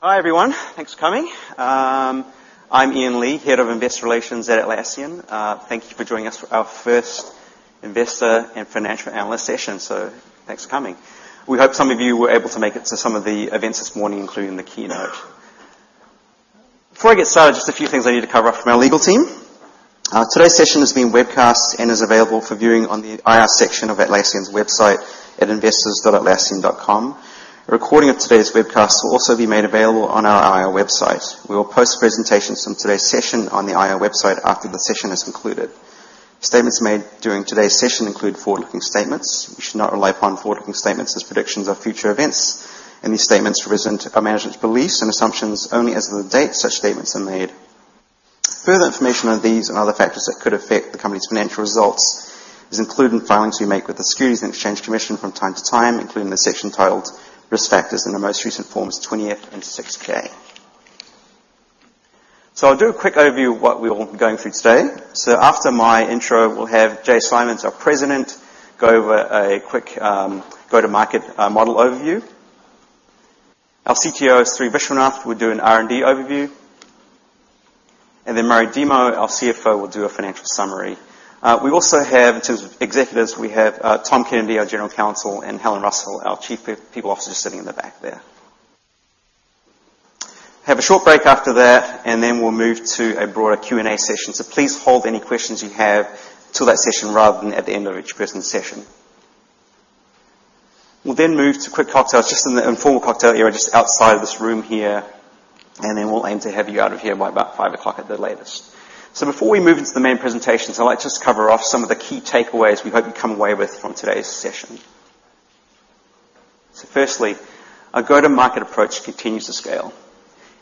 Hi, everyone. Thanks for coming. I'm Ian Lee, Head of Investor Relations at Atlassian. Thank you for joining us for our first investor and financial analyst session. Thanks for coming. We hope some of you were able to make it to some of the events this morning, including the keynote. Before I get started, just a few things I need to cover off from our legal team. Today's session is being webcast and is available for viewing on the IR section of Atlassian's website at investors.atlassian.com. A recording of today's webcast will also be made available on our IR website. We will post presentations from today's session on the IR website after the session has concluded. Statements made during today's session include forward-looking statements. You should not rely upon forward-looking statements as predictions of future events. These statements represent our management's beliefs and assumptions only as of the date such statements are made. Further information on these and other factors that could affect the company's financial results is included in filings we make with the Securities and Exchange Commission from time to time, including the section titled "Risk Factors" in the most recent Form 20-F and 6-K. I'll do a quick overview of what we'll be going through today. After my intro, we'll have Jay Simons, our President, go over a quick go-to-market model overview. Our CTO, Sri Viswanath, will do an R&D overview. Murray Demo, our CFO, will do a financial summary. We also have, in terms of executives, we have Tom Kennedy, our General Counsel, and Helen Russell, our Chief People Officer, sitting in the back there. Have a short break after that. We'll move to a broader Q&A session. Please hold any questions you have till that session rather than at the end of each person's session. We'll move to quick cocktails just in the informal cocktail area just outside of this room here. We'll aim to have you out of here by about five o'clock at the latest. Before we move into the main presentations, I'd like to just cover off some of the key takeaways we hope you come away with from today's session. Firstly, our go-to-market approach continues to scale.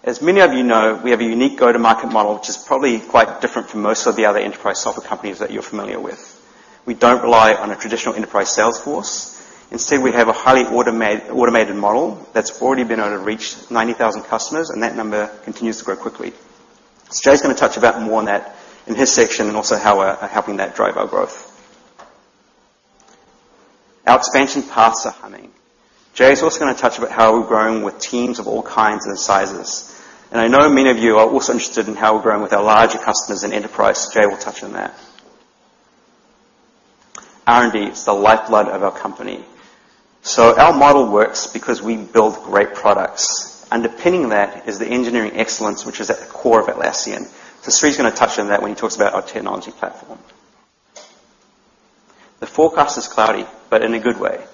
As many of you know, we have a unique go-to-market model, which is probably quite different from most of the other enterprise software companies that you're familiar with. We don't rely on a traditional enterprise Salesforce. Instead, we have a highly automated model that's already been able to reach 90,000 customers. That number continues to grow quickly. Jay's going to touch about more on that in his section and also how we're helping that drive our growth. Our expansion paths are humming. Jay's also going to touch about how we're growing with teams of all kinds and sizes. I know many of you are also interested in how we're growing with our larger customers in enterprise. Jay will touch on that. R&D is the lifeblood of our company. Our model works because we build great products. Underpinning that is the engineering excellence which is at the core of Atlassian. Sri's going to touch on that when he talks about our technology platform. The forecast is cloudy, but in a good way.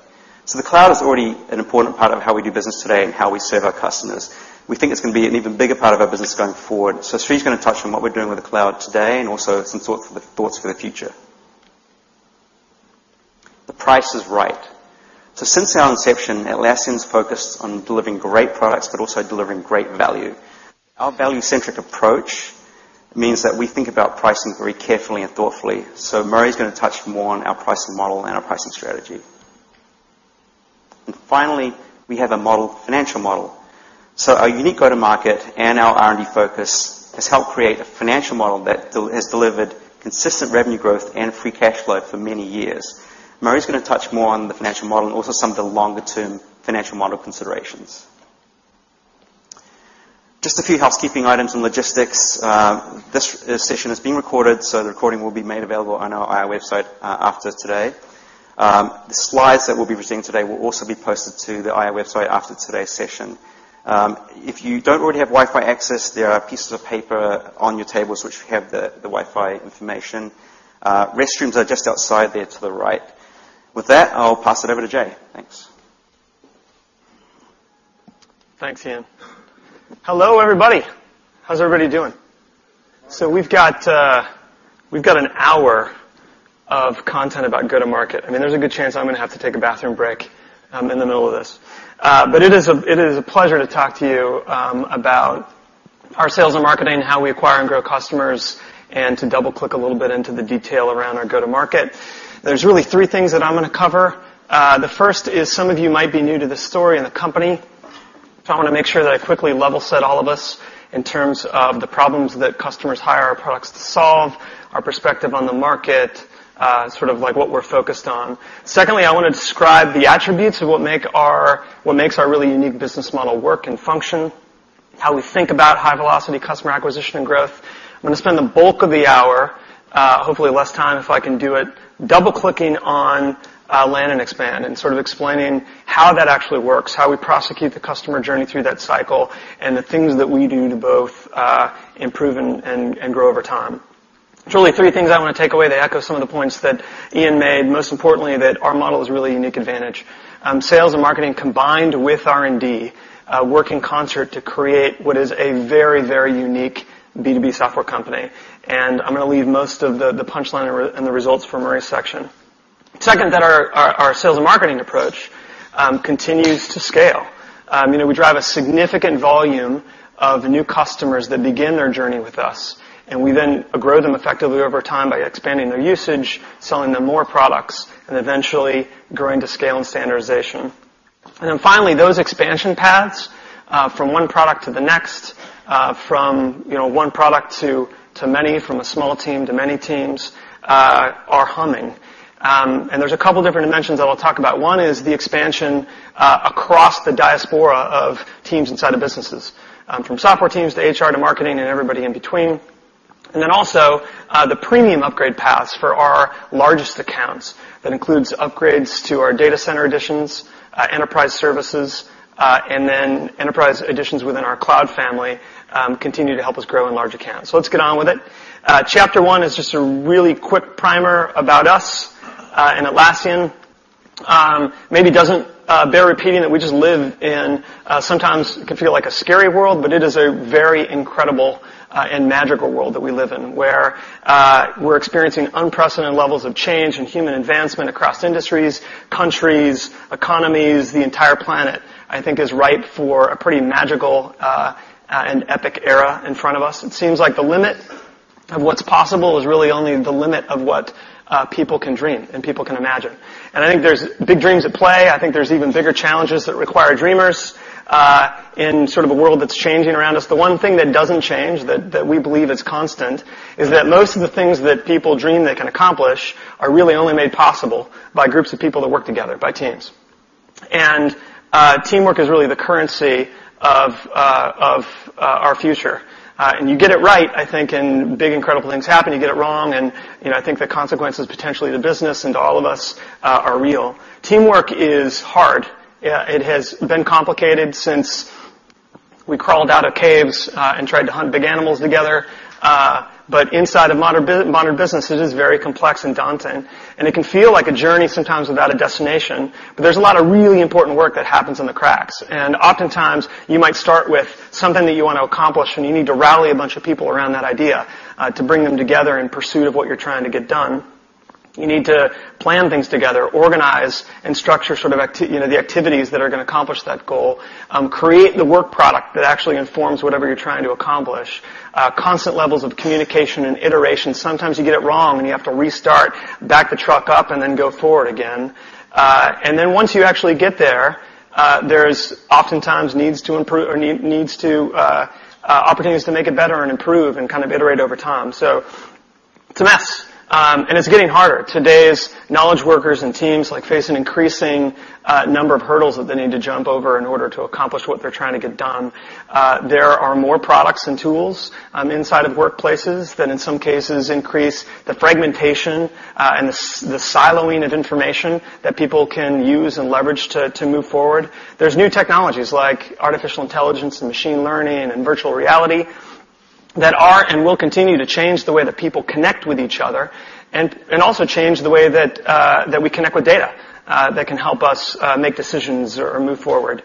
The cloud is already an important part of how we do business today and how we serve our customers. We think it's going to be an even bigger part of our business going forward. Sri's going to touch on what we're doing with the cloud today and also some thoughts for the future. The price is right. Since our inception, Atlassian's focused on delivering great products but also delivering great value. Our value-centric approach means that we think about pricing very carefully and thoughtfully. Murray's going to touch more on our pricing model and our pricing strategy. Finally, we have a financial model. Our unique go-to-market and our R&D focus has helped create a financial model that has delivered consistent revenue growth and free cash flow for many years. Murray's going to touch more on the financial model and also some of the longer-term financial model considerations. Just a few housekeeping items and logistics. This session is being recorded, the recording will be made available on our IR website after today. The slides that we'll be presenting today will also be posted to the IR website after today's session. If you don't already have Wi-Fi access, there are pieces of paper on your tables which have the Wi-Fi information. Restrooms are just outside there to the right. With that, I'll pass it over to Jay. Thanks. Thanks, Ian. Hello, everybody. How's everybody doing? We've got an hour of content about go-to-market. I mean, there's a good chance I'm going to have to take a bathroom break in the middle of this. It is a pleasure to talk to you about our sales and marketing, how we acquire and grow customers, and to double-click a little bit into the detail around our go-to-market. There's really three things that I'm going to cover. The first is some of you might be new to this story and the company, I want to make sure that I quickly level set all of us in terms of the problems that customers hire our products to solve, our perspective on the market, sort of like what we're focused on. Secondly, I want to describe the attributes of what makes our really unique business model work and function, how we think about high-velocity customer acquisition and growth. I'm going to spend the bulk of the hour, hopefully less time if I can do it, double-clicking on land and expand and sort of explaining how that actually works, how we prosecute the customer journey through that cycle, and the things that we do to both improve and grow over time. There's really three things I want to take away that echo some of the points that Ian made, most importantly, that our model is a really unique advantage. Sales and marketing combined with R&D work in concert to create what is a very, very unique B2B software company. I'm going to leave most of the punchline and the results for Murray's section. That our sales and marketing approach continues to scale. We drive a significant volume of new customers that begin their journey with us, and we then grow them effectively over time by expanding their usage, selling them more products, and eventually growing to scale and standardization. Finally, those expansion paths from one product to the next, from one product to many, from a small team to many teams, are humming. There's a couple different dimensions that I'll talk about. One is the expansion across the diaspora of teams inside of businesses, from software teams to HR, to marketing, and everybody in between. Also, the premium upgrade paths for our largest accounts. That includes upgrades to our data center editions, enterprise services, and then enterprise editions within our cloud family, continue to help us grow in large accounts. Let's get on with it. Chapter one is just a really quick primer about us and Atlassian. Maybe it doesn't bear repeating that we just live in sometimes it can feel like a scary world, but it is a very incredible and magical world that we live in, where we're experiencing unprecedented levels of change and human advancement across industries, countries, economies. The entire planet, I think, is ripe for a pretty magical, and epic era in front of us. It seems like the limit of what's possible is really only the limit of what people can dream and people can imagine. I think there's big dreams at play. I think there's even bigger challenges that require dreamers, in sort of a world that's changing around us. The one thing that doesn't change, that we believe is constant, is that most of the things that people dream they can accomplish are really only made possible by groups of people that work together, by teams. Teamwork is really the currency of our future. You get it right, I think, and big, incredible things happen. You get it wrong, and I think the consequences, potentially to business and to all of us, are real. Teamwork is hard. It has been complicated since we crawled out of caves and tried to hunt big animals together. Inside of modern business, it is very complex and daunting, and it can feel like a journey sometimes without a destination. There's a lot of really important work that happens in the cracks. Oftentimes you might start with something that you want to accomplish, and you need to rally a bunch of people around that idea to bring them together in pursuit of what you're trying to get done. You need to plan things together, organize and structure sort of the activities that are going to accomplish that goal. Create the work product that actually informs whatever you're trying to accomplish. Constant levels of communication and iteration. Sometimes you get it wrong and you have to restart, back the truck up, and then go forward again. Once you actually get there's oftentimes needs to improve or opportunities to make it better and improve and kind of iterate over time. It's a mess. It's getting harder. Today's knowledge workers and teams face an increasing number of hurdles that they need to jump over in order to accomplish what they're trying to get done. There are more products and tools inside of workplaces that, in some cases, increase the fragmentation, and the siloing of information that people can use and leverage to move forward. There's new technologies like artificial intelligence and machine learning and virtual reality that are and will continue to change the way that people connect with each other, and also change the way that we connect with data that can help us make decisions or move forward.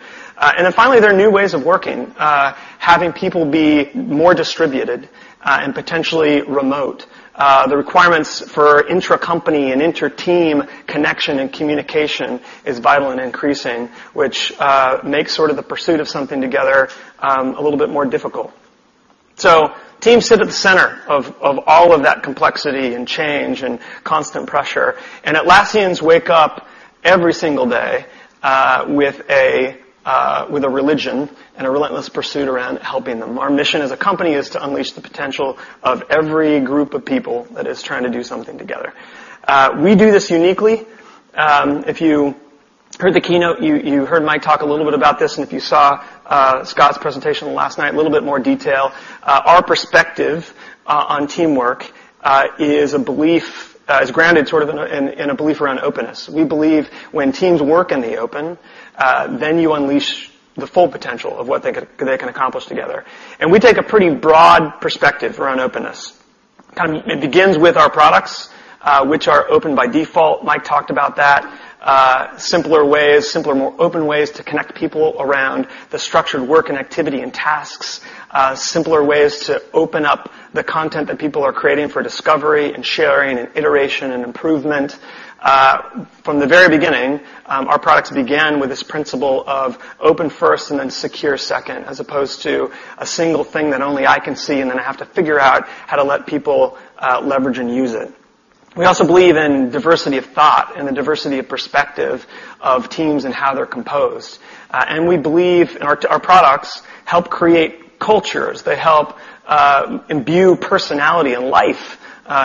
Finally, there are new ways of working. Having people be more distributed and potentially remote. The requirements for intra-company and inter-team connection and communication is vital and increasing, which makes sort of the pursuit of something together a little bit more difficult. Teams sit at the center of all of that complexity and change and constant pressure. Atlassians wake up every single day with a religion and a relentless pursuit around helping them. Our mission as a company is to unleash the potential of every group of people that is trying to do something together. We do this uniquely. If you heard the keynote, you heard Mike talk a little bit about this, and if you saw Scott's presentation last night, a little bit more detail. Our perspective on teamwork is grounded sort of in a belief around openness. We believe when teams work in the open, then you unleash the full potential of what they can accomplish together. We take a pretty broad perspective around openness. It begins with our products, which are open by default. Mike talked about that. Simpler, more open ways to connect people around the structured work and activity and tasks. Simpler ways to open up the content that people are creating for discovery and sharing and iteration and improvement. From the very beginning, our products began with this principle of open first and then secure second, as opposed to a single thing that only I can see, and then I have to figure out how to let people leverage and use it. We also believe in diversity of thought and the diversity of perspective of teams and how they're composed. We believe our products help create cultures. They help imbue personality and life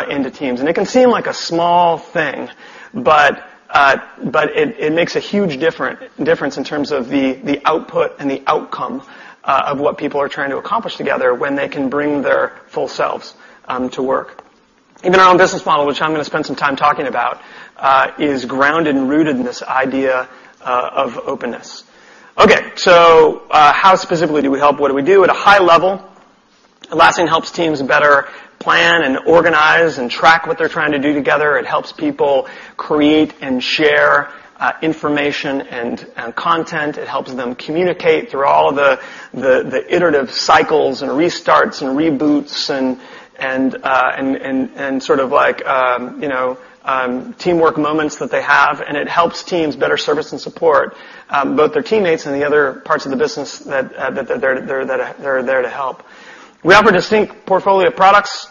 into teams. It can seem like a small thing, but it makes a huge difference in terms of the output and the outcome of what people are trying to accomplish together when they can bring their full selves to work. Even our own business model, which I'm going to spend some time talking about, is grounded and rooted in this idea of openness. Okay, how specifically do we help? What do we do? At a high level, Atlassian helps teams better plan and organize and track what they're trying to do together. It helps people create and share information and content. It helps them communicate through all of the iterative cycles and restarts and reboots and sort of teamwork moments that they have. It helps teams better service and support both their teammates and the other parts of the business that are there to help. We offer a distinct portfolio of products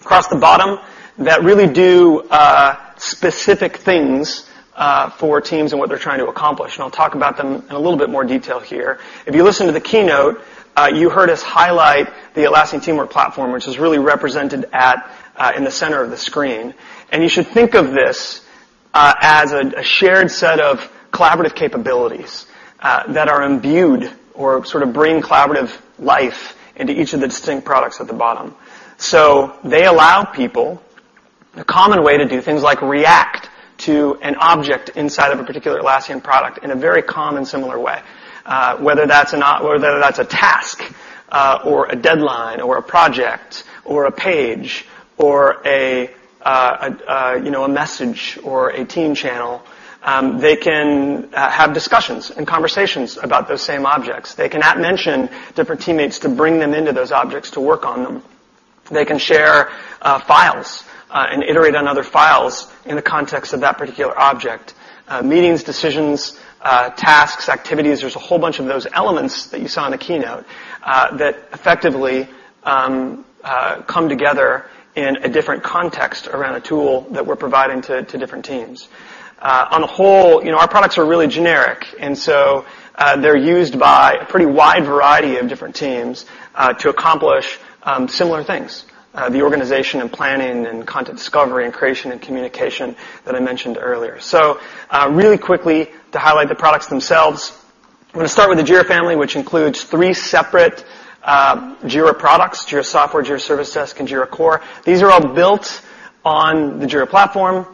across the bottom that really do specific things for teams and what they're trying to accomplish. I'll talk about them in a little bit more detail here. If you listen to the keynote, you heard us highlight the Atlassian Teamwork Platform, which is really represented in the center of the screen. You should think of this as a shared set of collaborative capabilities that are imbued or sort of bring collaborative life into each of the distinct products at the bottom. They allow people a common way to do things like react to an object inside of a particular Atlassian product in a very common, similar way. Whether that's a task, or a deadline, or a project, or a page, or a message, or a team channel, they can have discussions and conversations about those same objects. They can @mention different teammates to bring them into those objects to work on them. They can share files and iterate on other files in the context of that particular object. Meetings, decisions, tasks, activities, there's a whole bunch of those elements that you saw in the keynote that effectively come together in a different context around a tool that we're providing to different teams. On a whole, our products are really generic. They're used by a pretty wide variety of different teams to accomplish similar things. The organization and planning and content discovery and creation and communication that I mentioned earlier. Really quickly, to highlight the products themselves, I'm going to start with the Jira family, which includes three separate Jira products, Jira Software, Jira Service Desk, and Jira Core. These are all built on the Jira platform,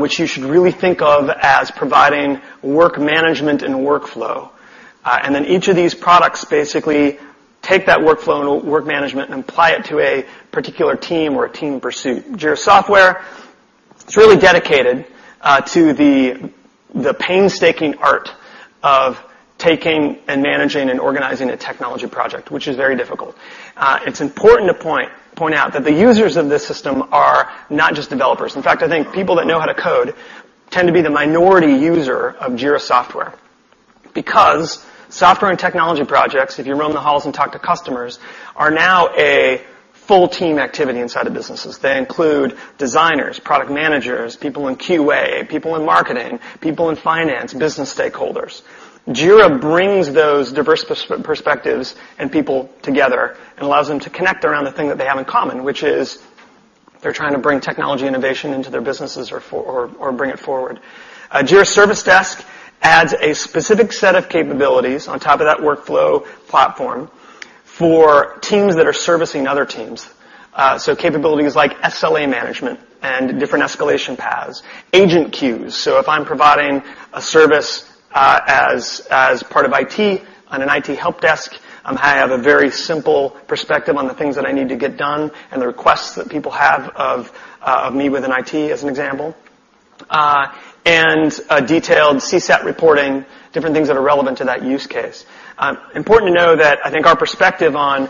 which you should really think of as providing work management and workflow. Each of these products basically take that workflow and work management and apply it to a particular team or a team pursuit. Jira Software, it's really dedicated to the painstaking art of taking and managing and organizing a technology project, which is very difficult. It's important to point out that the users of this system are not just developers. In fact, I think people that know how to code tend to be the minority user of Jira Software, because software and technology projects, if you roam the halls and talk to customers, are now a full team activity inside of businesses. They include designers, product managers, people in QA, people in marketing, people in finance, business stakeholders. Jira brings those diverse perspectives and people together and allows them to connect around the thing that they have in common, which is they're trying to bring technology innovation into their businesses or bring it forward. Jira Service Desk adds a specific set of capabilities on top of that workflow platform for teams that are servicing other teams. Capabilities like SLA management and different escalation paths, agent queues. If I'm providing a service as part of IT on an IT helpdesk, I have a very simple perspective on the things that I need to get done and the requests that people have of me within IT, as an example. Detailed CSAT reporting, different things that are relevant to that use case. Important to know that I think our perspective on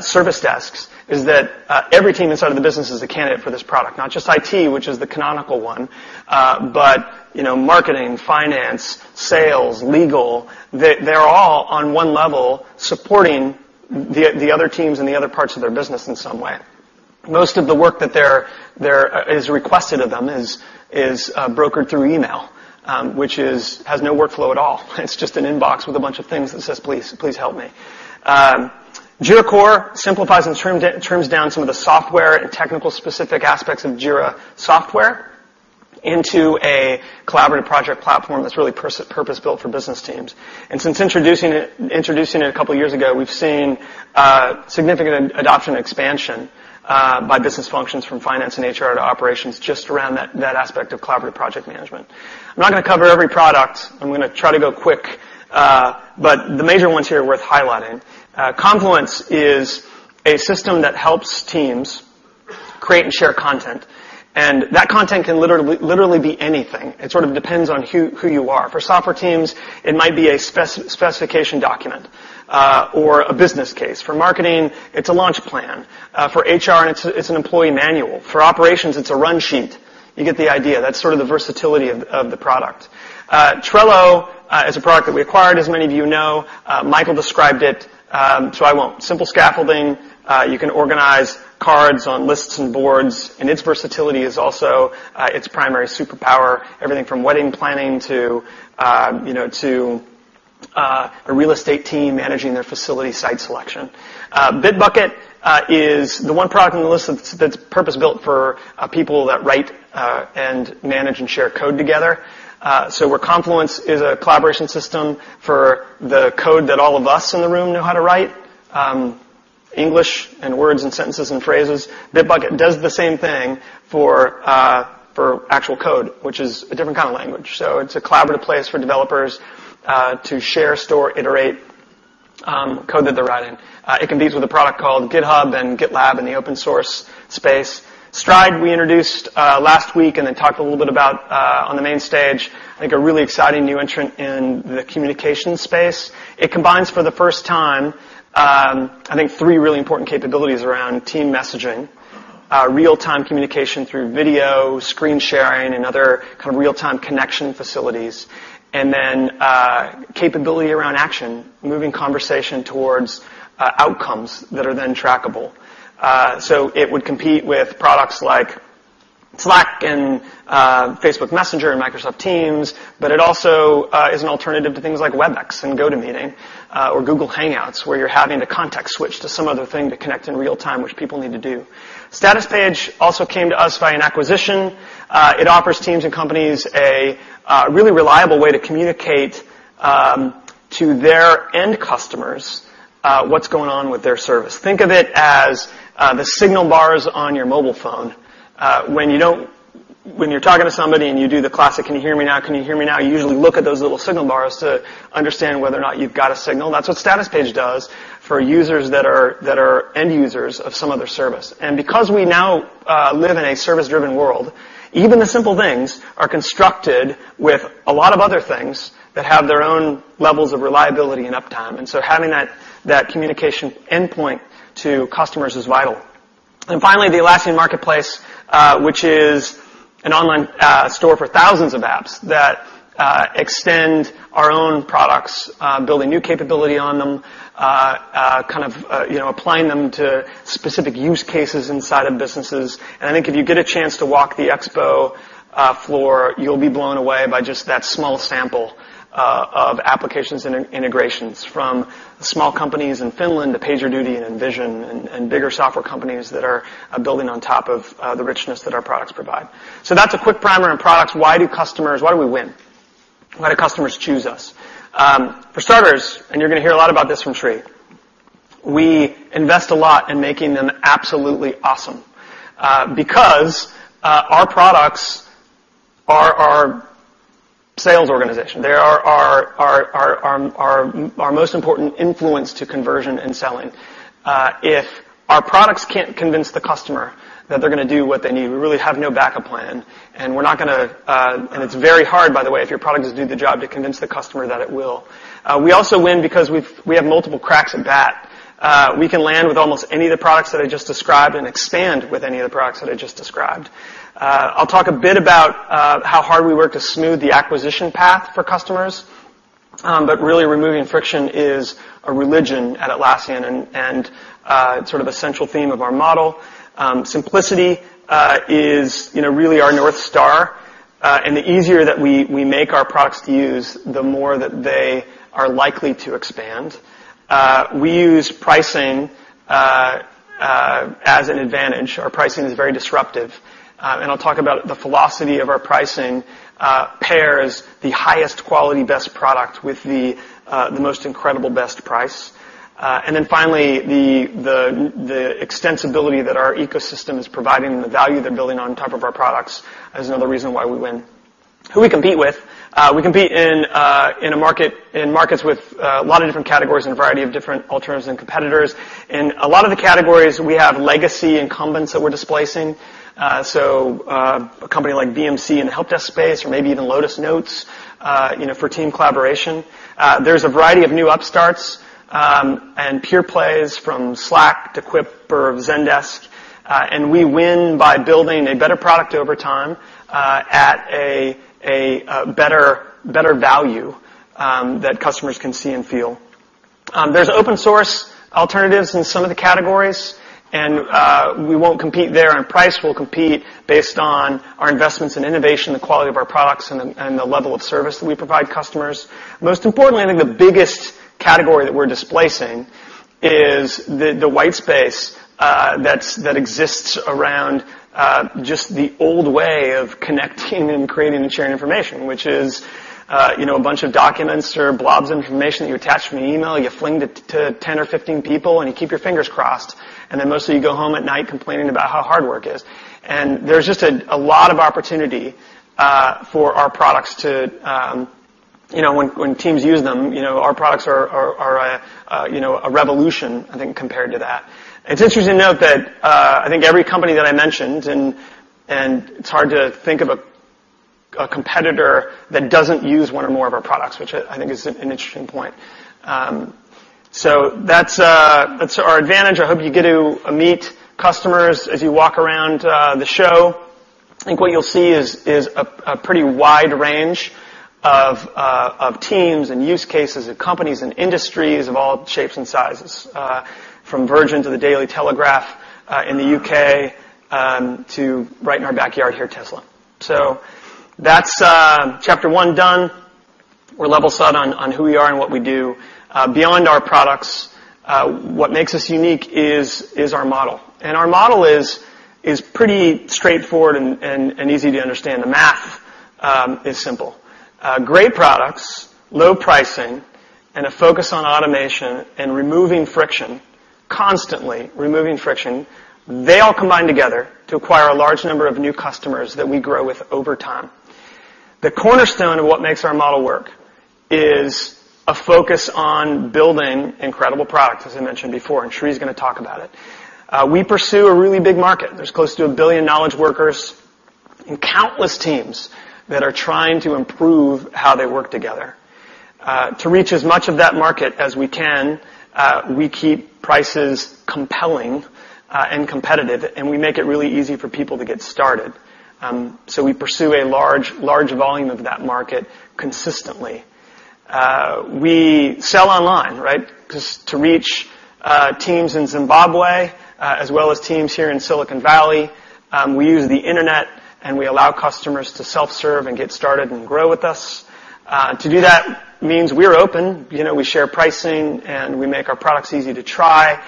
service desks is that every team inside of the business is a candidate for this product. Not just IT, which is the canonical one, but marketing, finance, sales, legal, they're all on one level supporting the other teams and the other parts of their business in some way. Most of the work that is requested of them is brokered through email, which has no workflow at all. It's just an inbox with a bunch of things that says, "Please help me." Jira Core simplifies and trims down some of the software and technical specific aspects of Jira Software into a collaborative project platform that's really purpose-built for business teams. Since introducing it a couple of years ago, we've seen significant adoption expansion by business functions from finance and HR to operations, just around that aspect of collaborative project management. I'm not going to cover every product. I'm going to try to go quick. The major ones here worth highlighting. Confluence is a system that helps teams create and share content, and that content can literally be anything. It sort of depends on who you are. For software teams, it might be a specification document or a business case. For marketing, it's a launch plan. For HR, it's an employee manual. For operations, it's a run sheet. You get the idea. That's sort of the versatility of the product. Trello is a product that we acquired, as many of you know. Michael described it, so I won't. Simple scaffolding. You can organize cards on lists and boards, and its versatility is also its primary superpower. Everything from wedding planning to a real estate team managing their facility site selection. Bitbucket is the one product on the list that's purpose-built for people that write and manage and share code together. Where Confluence is a collaboration system for the code that all of us in the room know how to write, English and words and sentences and phrases, Bitbucket does the same thing for actual code, which is a different kind of language. It's a collaborative place for developers to share, store, iterate code that they're writing. It competes with a product called GitHub and GitLab in the open source space. Stride, we introduced last week and then talked a little bit about on the main stage, I think a really exciting new entrant in the communication space. It combines, for the first time, I think, three really important capabilities around team messaging, real-time communication through video, screen sharing, and other real-time connection facilities. Then capability around action, moving conversation towards outcomes that are then trackable. It would compete with products like Slack and Facebook Messenger and Microsoft Teams, but it also is an alternative to things like Webex and GoToMeeting, or Google Hangouts, where you're having to context switch to some other thing to connect in real time, which people need to do. Statuspage also came to us via an acquisition. It offers teams and companies a really reliable way to communicate to their end customers what's going on with their service. Think of it as the signal bars on your mobile phone. When you're talking to somebody and you do the classic, "Can you hear me now? Can you hear me now?" You usually look at those little signal bars to understand whether or not you've got a signal. That's what Statuspage does for users that are end users of some other service. Because we now live in a service-driven world, even the simple things are constructed with a lot of other things that have their own levels of reliability and uptime. So having that communication endpoint to customers is vital. Finally, the Atlassian Marketplace, which is an online store for thousands of apps that extend our own products, building new capability on them, applying them to specific use cases inside of businesses. I think if you get a chance to walk the expo floor, you'll be blown away by just that small sample of applications and integrations from small companies in Finland to PagerDuty and InVision and bigger software companies that are building on top of the richness that our products provide. That's a quick primer on products. Why do we win? Why do customers choose us? For starters, you're going to hear a lot about this from Sri, we invest a lot in making them absolutely awesome. Because our products are our sales organization. They are our most important influence to conversion and selling. If our products can't convince the customer that they're going to do what they need, we really have no backup plan, and it's very hard, by the way, if your product doesn't do the job to convince the customer that it will. We also win because we have multiple cracks at bat. We can land with almost any of the products that I just described and expand with any of the products that I just described. I'll talk a bit about how hard we work to smooth the acquisition path for customers. Really, removing friction is a religion at Atlassian and sort of a central theme of our model. Simplicity is really our North Star. The easier that we make our products to use, the more that they are likely to expand. We use pricing as an advantage. Our pricing is very disruptive. I'll talk about the philosophy of our pricing pairs the highest quality, best product with the most incredible best price. Finally, the extensibility that our ecosystem is providing and the value they're building on top of our products is another reason why we win. Who we compete with. We compete in markets with a lot of different categories and a variety of different alternatives and competitors. In a lot of the categories, we have legacy incumbents that we're displacing. So a company like BMC in the help desk space or maybe even Lotus Notes for team collaboration. There's a variety of new upstarts and pure plays from Slack to Quip or Zendesk. We win by building a better product over time at a better value that customers can see and feel. There's open source alternatives in some of the categories, we won't compete there on price. We'll compete based on our investments in innovation, the quality of our products, and the level of service that we provide customers. Most importantly, I think the biggest category that we're displacing is the white space that exists around just the old way of connecting and creating and sharing information, which is a bunch of documents or blobs of information that you attach from an email, you fling to 10 or 15 people, and you keep your fingers crossed. Mostly you go home at night complaining about how hard work is. There's just a lot of opportunity for our products to, when teams use them, our products are a revolution, I think, compared to that. It's interesting to note that I think every company that I mentioned, it's hard to think of a competitor that doesn't use one or more of our products, which I think is an interesting point. That's our advantage. I hope you get to meet customers as you walk around the show. I think what you'll see is a pretty wide range of teams and use cases of companies and industries of all shapes and sizes, from Virgin to The Daily Telegraph in the U.K., to right in our backyard here, Tesla. That's chapter one done. We're level set on who we are and what we do. Beyond our products, what makes us unique is our model. Our model is pretty straightforward and easy to understand. The math is simple. Great products, low pricing, and a focus on automation and removing friction, constantly removing friction. They all combine together to acquire a large number of new customers that we grow with over time. The cornerstone of what makes our model work is a focus on building incredible products, as I mentioned before, Sri's going to talk about it. We pursue a really big market. There's close to 1 billion knowledge workers and countless teams that are trying to improve how they work together. To reach as much of that market as we can, we keep prices compelling and competitive, we make it really easy for people to get started. We pursue a large volume of that market consistently. We sell online, right? To reach teams in Zimbabwe, as well as teams here in Silicon Valley, we use the internet, we allow customers to self-serve and get started and grow with us. To do that means we're open. We share pricing, we make our products easy to try.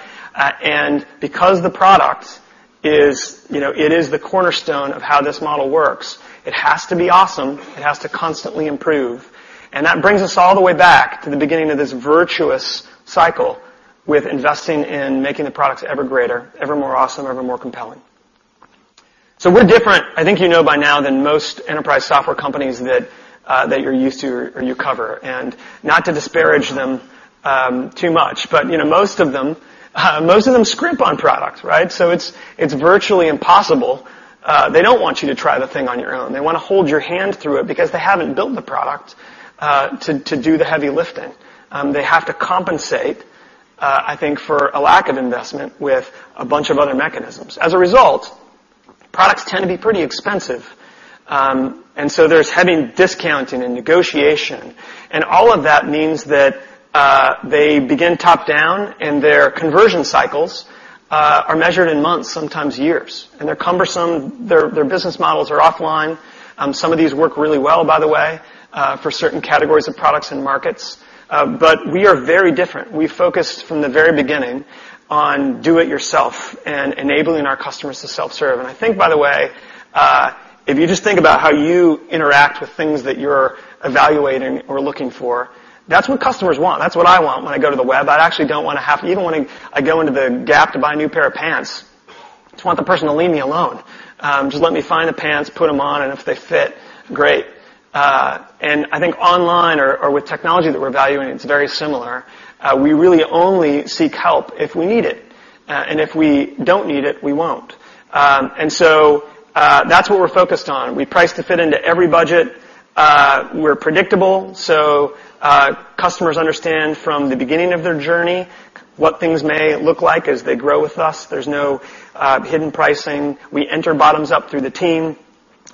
Because the product is the cornerstone of how this model works, it has to be awesome. It has to constantly improve. That brings us all the way back to the beginning of this virtuous cycle with investing in making the products ever greater, ever more awesome, ever more compelling. We're different, I think you know by now, than most enterprise software companies that you're used to or you cover. Not to disparage them too much, most of them scrimp on product, right? It's virtually impossible. They don't want you to try the thing on your own. They want to hold your hand through it because they haven't built the product to do the heavy lifting. They have to compensate, I think, for a lack of investment with a bunch of other mechanisms. As a result, products tend to be pretty expensive. There's heavy discounting and negotiation. All of that means that they begin top-down, their conversion cycles are measured in months, sometimes years. They're cumbersome. Their business models are offline. Some of these work really well, by the way, for certain categories of products and markets. We are very different. We focused from the very beginning on do it yourself and enabling our customers to self-serve. I think, by the way, if you just think about how you interact with things that you're evaluating or looking for, that's what customers want. That's what I want when I go to the web. I actually don't want to have. Even when I go into the Gap to buy a new pair of pants, I just want the person to leave me alone. Just let me find the pants, put them on, and if they fit, great. I think online or with technology that we're evaluating, it's very similar. We really only seek help if we need it. If we don't need it, we won't. That's what we're focused on. We price to fit into every budget. We're predictable, so customers understand from the beginning of their journey what things may look like as they grow with us. There's no hidden pricing. We enter bottoms up through the team.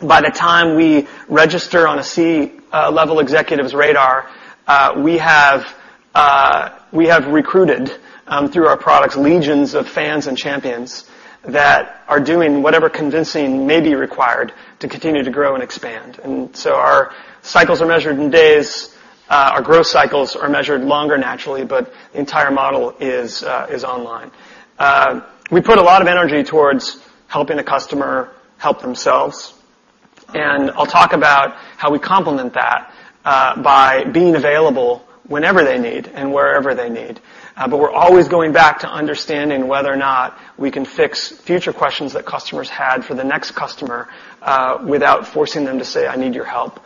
By the time we register on a C-level executive's radar, we have recruited, through our products, legions of fans and champions that are doing whatever convincing may be required to continue to grow and expand. Our cycles are measured in days. Our growth cycles are measured longer, naturally, but the entire model is online. We put a lot of energy towards helping the customer help themselves, and I'll talk about how we complement that by being available whenever they need and wherever they need. We're always going back to understanding whether or not we can fix future questions that customers had for the next customer without forcing them to say, "I need your help."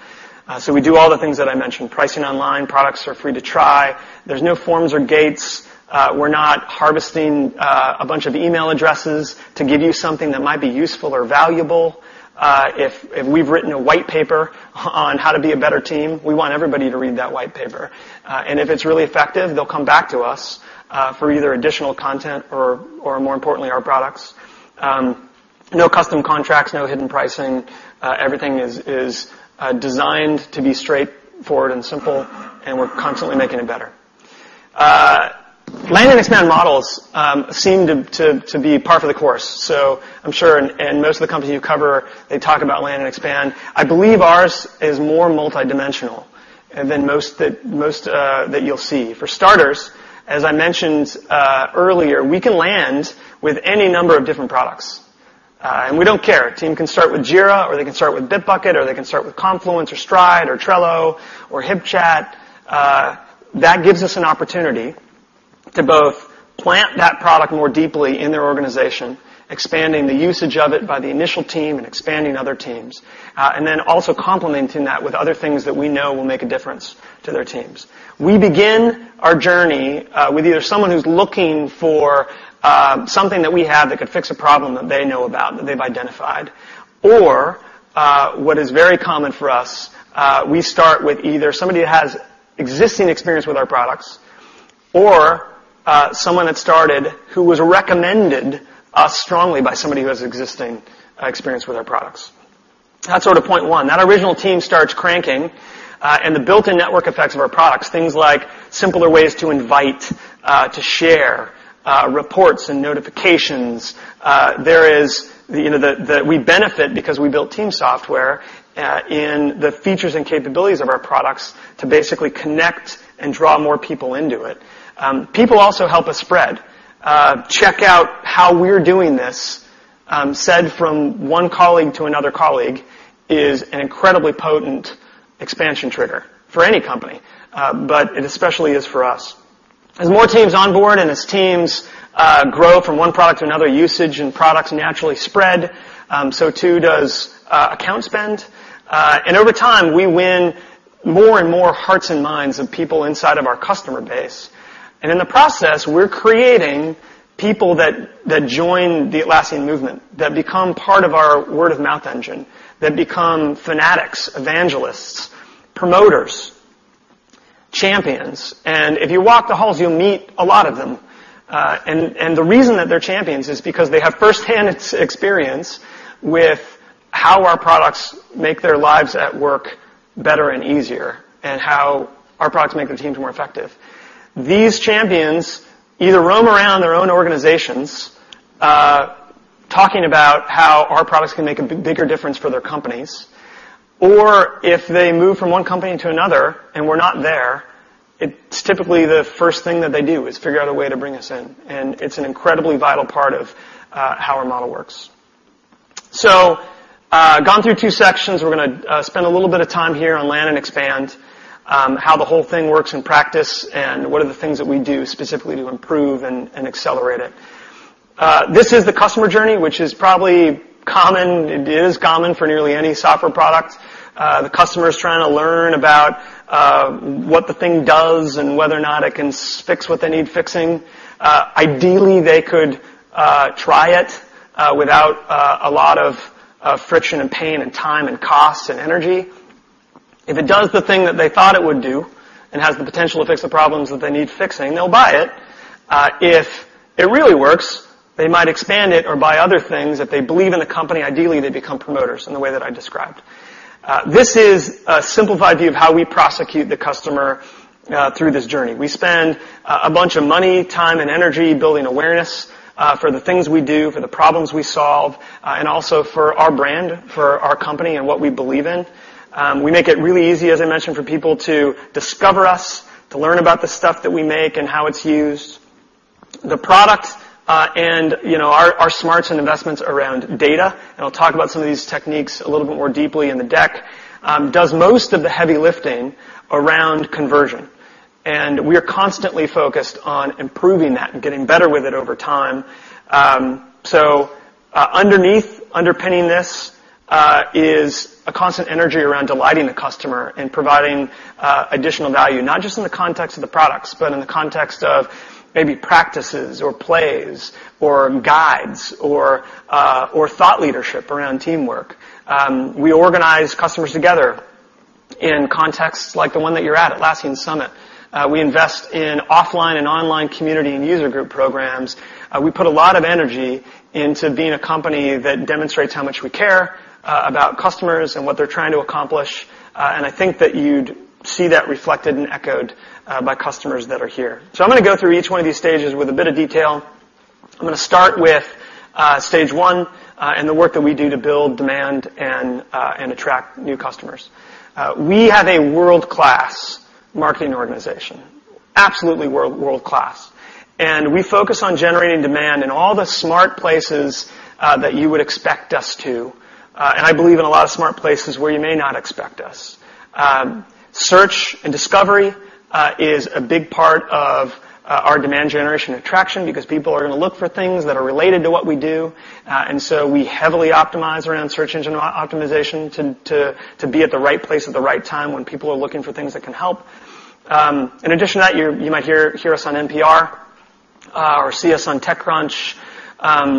We do all the things that I mentioned. Pricing online. Products are free to try. There's no forms or gates. We're not harvesting a bunch of email addresses to give you something that might be useful or valuable. If we've written a white paper on how to be a better team, we want everybody to read that white paper. If it's really effective, they'll come back to us for either additional content or more importantly, our products. No custom contracts. No hidden pricing. Everything is designed to be straightforward and simple, and we're constantly making it better. Land and expand models seem to be par for the course. I'm sure in most of the companies you cover, they talk about land and expand. I believe ours is more multidimensional than most that you'll see. For starters, as I mentioned earlier, we can land with any number of different products. We don't care. Team can start with Jira, or they can start with Bitbucket, or they can start with Confluence or Stride or Trello or HipChat. That gives us an opportunity to both plant that product more deeply in their organization, expanding the usage of it by the initial team and expanding other teams. Also complementing that with other things that we know will make a difference to their teams. We begin our journey with either someone who's looking for something that we have that could fix a problem that they know about, that they've identified, or what is very common for us, we start with either somebody who has existing experience with our products or someone that started who has recommended us strongly by somebody who has existing experience with our products. That's sort of point one. That original team starts cranking. The built-in network effects of our products, things like simpler ways to invite, to share, reports and notifications. We benefit because we built team software in the features and capabilities of our products to basically connect and draw more people into it. People also help us spread. Check out how we're doing this, said from one colleague to another colleague, is an incredibly potent expansion trigger for any company. It especially is for us. As more teams onboard and as teams grow from one product to another, usage and products naturally spread, so too does account spend. Over time, we win more and more hearts and minds of people inside of our customer base. In the process, we're creating people that join the Atlassian movement, that become part of our word-of-mouth engine, that become fanatics, evangelists, promoters, champions. If you walk the halls, you'll meet a lot of them. The reason that they're champions is because they have first-hand experience with how our products make their lives at work better and easier, and how our products make their teams more effective. These champions either roam around their own organizations, talking about how our products can make a bigger difference for their companies, or if they move from one company to another and we're not there, it's typically the first thing that they do, is figure out a way to bring us in. It's an incredibly vital part of how our model works. Gone through two sections, we're going to spend a little bit of time here on land and expand, how the whole thing works in practice, and what are the things that we do specifically to improve and accelerate it. This is the customer journey, which is probably common. It is common for nearly any software product. The customer is trying to learn about what the thing does and whether or not it can fix what they need fixing. Ideally, they could try it, without a lot of friction and pain and time and cost and energy. If it does the thing that they thought it would do and has the potential to fix the problems that they need fixing, they'll buy it. If it really works, they might expand it or buy other things. If they believe in the company, ideally, they become promoters in the way that I described. This is a simplified view of how we prosecute the customer through this journey. We spend a bunch of money, time, and energy building awareness for the things we do, for the problems we solve, and also for our brand, for our company, and what we believe in. We make it really easy, as I mentioned, for people to discover us, to learn about the stuff that we make and how it's used. The product and our smarts and investments around data, and I'll talk about some of these techniques a little bit more deeply in the deck, does most of the heavy lifting around conversion. We are constantly focused on improving that and getting better with it over time. Underpinning this, is a constant energy around delighting the customer and providing additional value, not just in the context of the products, but in the context of maybe practices or plays or guides or thought leadership around teamwork. We organize customers together in contexts like the one that you're at, Atlassian Summit. We invest in offline and online community and user group programs. We put a lot of energy into being a company that demonstrates how much we care about customers and what they're trying to accomplish. I think that you'd see that reflected and echoed by customers that are here. I'm going to go through each one of these stages with a bit of detail. I'm going to start with stage 1 and the work that we do to build demand and attract new customers. We have a world-class marketing organization, absolutely world-class. We focus on generating demand in all the smart places that you would expect us to, and I believe in a lot of smart places where you may not expect us. Search and discovery is a big part of our demand generation attraction because people are going to look for things that are related to what we do. We heavily optimize around search engine optimization to be at the right place at the right time when people are looking for things that can help. In addition to that, you might hear us on NPR or see us on TechCrunch.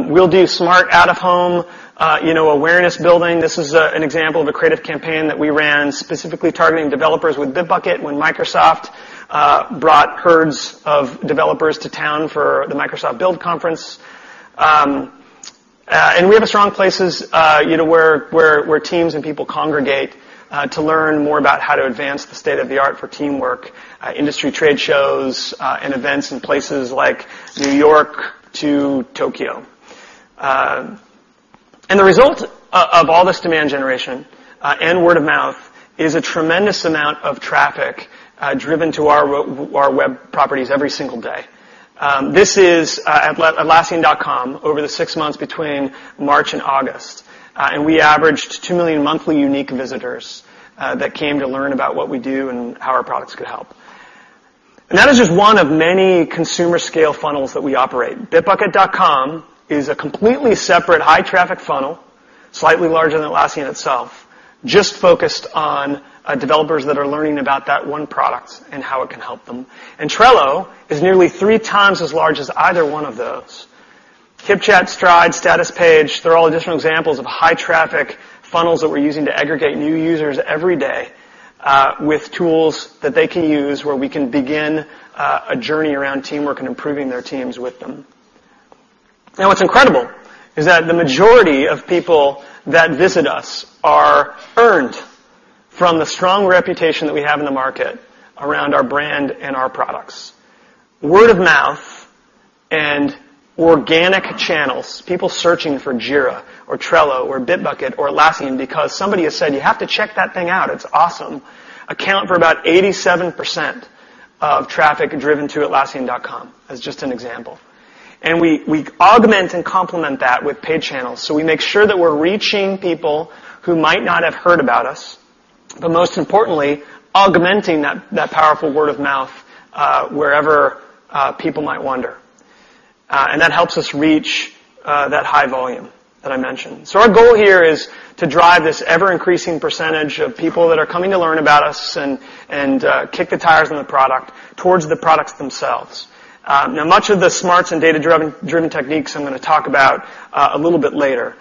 We'll do smart out-of-home awareness building. This is an example of a creative campaign that we ran specifically targeting developers with Bitbucket when Microsoft brought herds of developers to town for the Microsoft Build Conference. We have strong places where teams and people congregate to learn more about how to advance the state of the art for teamwork, industry trade shows, and events in places like New York to Tokyo. The result of all this demand generation and word of mouth is a tremendous amount of traffic driven to our web properties every single day. This is atlassian.com over the 6 months between March and August. We averaged 2 million monthly unique visitors that came to learn about what we do and how our products could help. That is just one of many consumer scale funnels that we operate. Bitbucket.com is a completely separate high traffic funnel, slightly larger than Atlassian itself, just focused on developers that are learning about that one product and how it can help them. Trello is nearly 3 times as large as either one of those. HipChat, Stride, Statuspage, they're all additional examples of high traffic funnels that we're using to aggregate new users every day, with tools that they can use where we can begin a journey around teamwork and improving their teams with them. Now, what's incredible is that the majority of people that visit us are earned from the strong reputation that we have in the market around our brand and our products. Word of mouth and organic channels, people searching for Jira or Trello or Bitbucket or Atlassian because somebody has said, "You have to check that thing out, it's awesome," account for about 87% of traffic driven to atlassian.com as just an example. We augment and complement that with paid channels. We make sure that we're reaching people who might not have heard about us, but most importantly, augmenting that powerful word of mouth, wherever people might wander. That helps us reach that high volume that I mentioned. Our goal here is to drive this ever-increasing percentage of people that are coming to learn about us and kick the tires on the product towards the products themselves. Much of the smarts and data-driven techniques I'm going to talk about a little bit later.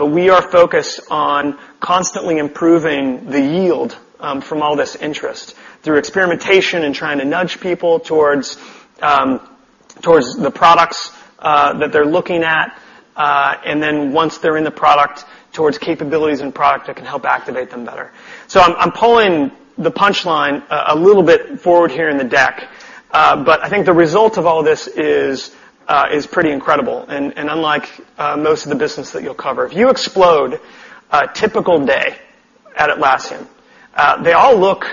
We are focused on constantly improving the yield from all this interest through experimentation and trying to nudge people towards the products that they're looking at, and then once they're in the product, towards capabilities and product that can help activate them better. I'm pulling the punchline a little bit forward here in the deck, but I think the result of all this is pretty incredible. Unlike most of the business that you'll cover. If you explode a typical day at Atlassian, they all look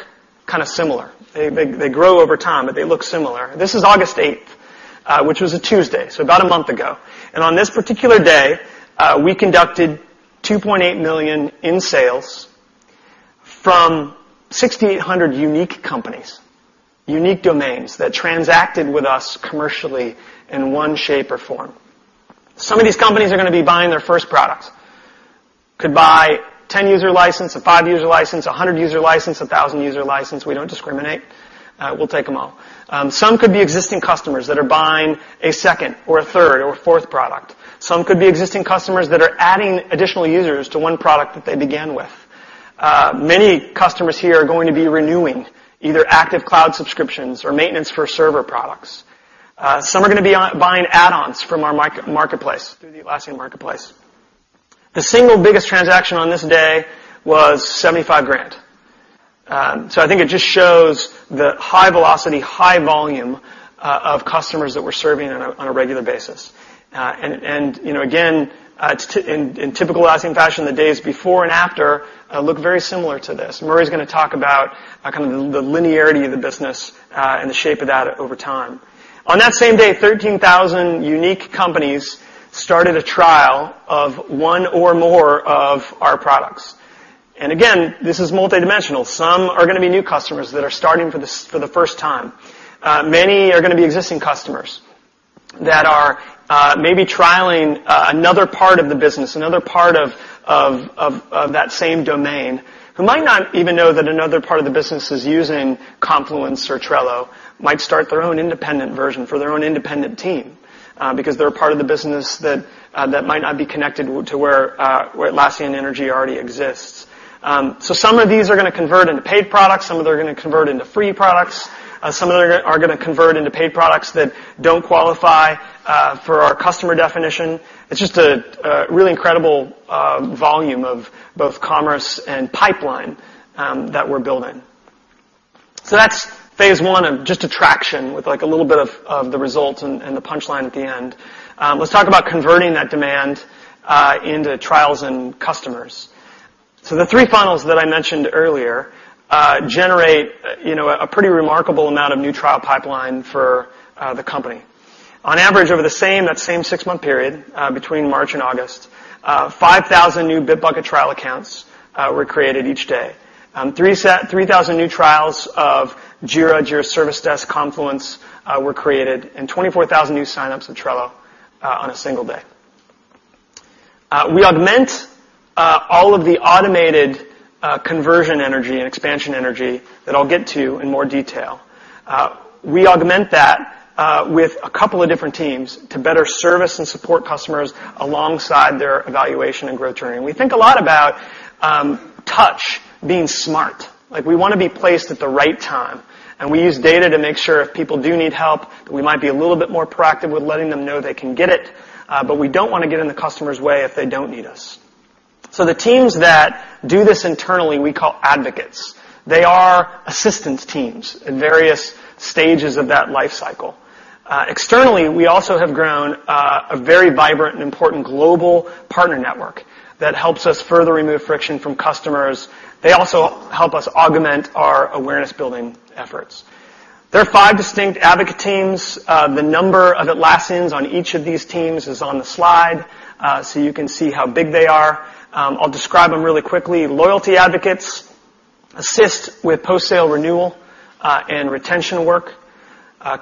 similar. They grow over time, but they look similar. This is August 8th, which was a Tuesday, so about a month ago. On this particular day, we conducted $2.8 million in sales from 6,800 unique companies, unique domains that transacted with us commercially in one shape or form. Some of these companies are going to be buying their first product. Could buy 10-user license, a 5-user license, a 100-user license, a 1,000-user license. We don't discriminate. We'll take them all. Some could be existing customers that are buying a second, or a third, or a fourth product. Some could be existing customers that are adding additional users to one product that they began with. Many customers here are going to be renewing either active cloud subscriptions or maintenance for server products. Some are going to be buying add-ons from our marketplace, through the Atlassian Marketplace. The single biggest transaction on this day was $75,000. I think it just shows the high velocity, high volume of customers that we're serving on a regular basis. Again, in typical Atlassian fashion, the days before and after look very similar to this. Murray's going to talk about the linearity of the business and the shape of that over time. On that same day, 13,000 unique companies started a trial of one or more of our products. Again, this is multidimensional. Some are going to be new customers that are starting for the first time. Many are going to be existing customers that are maybe trialing another part of the business, another part of that same domain, who might not even know that another part of the business is using Confluence or Trello, might start their own independent version for their own independent team, because they're a part of the business that might not be connected to where Atlassian energy already exists. Some of these are going to convert into paid products, some of them are going to convert into free products. Some of them are going to convert into paid products that don't qualify for our customer definition. It's just a really incredible volume of both commerce and pipeline that we're building. That's phase 1 of just attraction with a little bit of the results and the punchline at the end. Let's talk about converting that demand into trials and customers. The three funnels that I mentioned earlier generate a pretty remarkable amount of new trial pipeline for the company. On average, over that same six-month period between March and August, 5,000 new Bitbucket trial accounts were created each day. 3,000 new trials of Jira Service Desk, Confluence were created, and 24,000 new sign-ups of Trello on a single day. We augment all of the automated conversion energy and expansion energy that I'll get to in more detail. We augment that with a couple of different teams to better service and support customers alongside their evaluation and growth journey. We think a lot about touch being smart. We want to be placed at the right time. We use data to make sure if people do need help, that we might be a little bit more proactive with letting them know they can get it. We don't want to get in the customer's way if they don't need us. The teams that do this internally, we call advocates. They are assistance teams in various stages of that life cycle. Externally, we also have grown a very vibrant and important global partner network that helps us further remove friction from customers. They also help us augment our awareness-building efforts. There are five distinct advocate teams. The number of Atlassians on each of these teams is on the slide, so you can see how big they are. I'll describe them really quickly. Loyalty advocates assist with post-sale renewal, and retention work.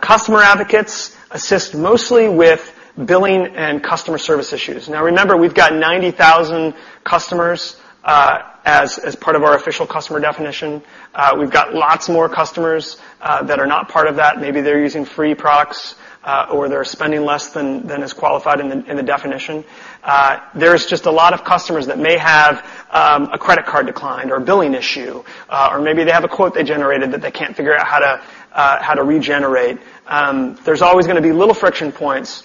Customer advocates assist mostly with billing and customer service issues. Remember, we've got 90,000 customers, as part of our official customer definition. We've got lots more customers that are not part of that. Maybe they're using free products, or they're spending less than is qualified in the definition. There's just a lot of customers that may have a credit card declined or a billing issue. Maybe they have a quote they generated that they can't figure out how to regenerate. There's always going to be little friction points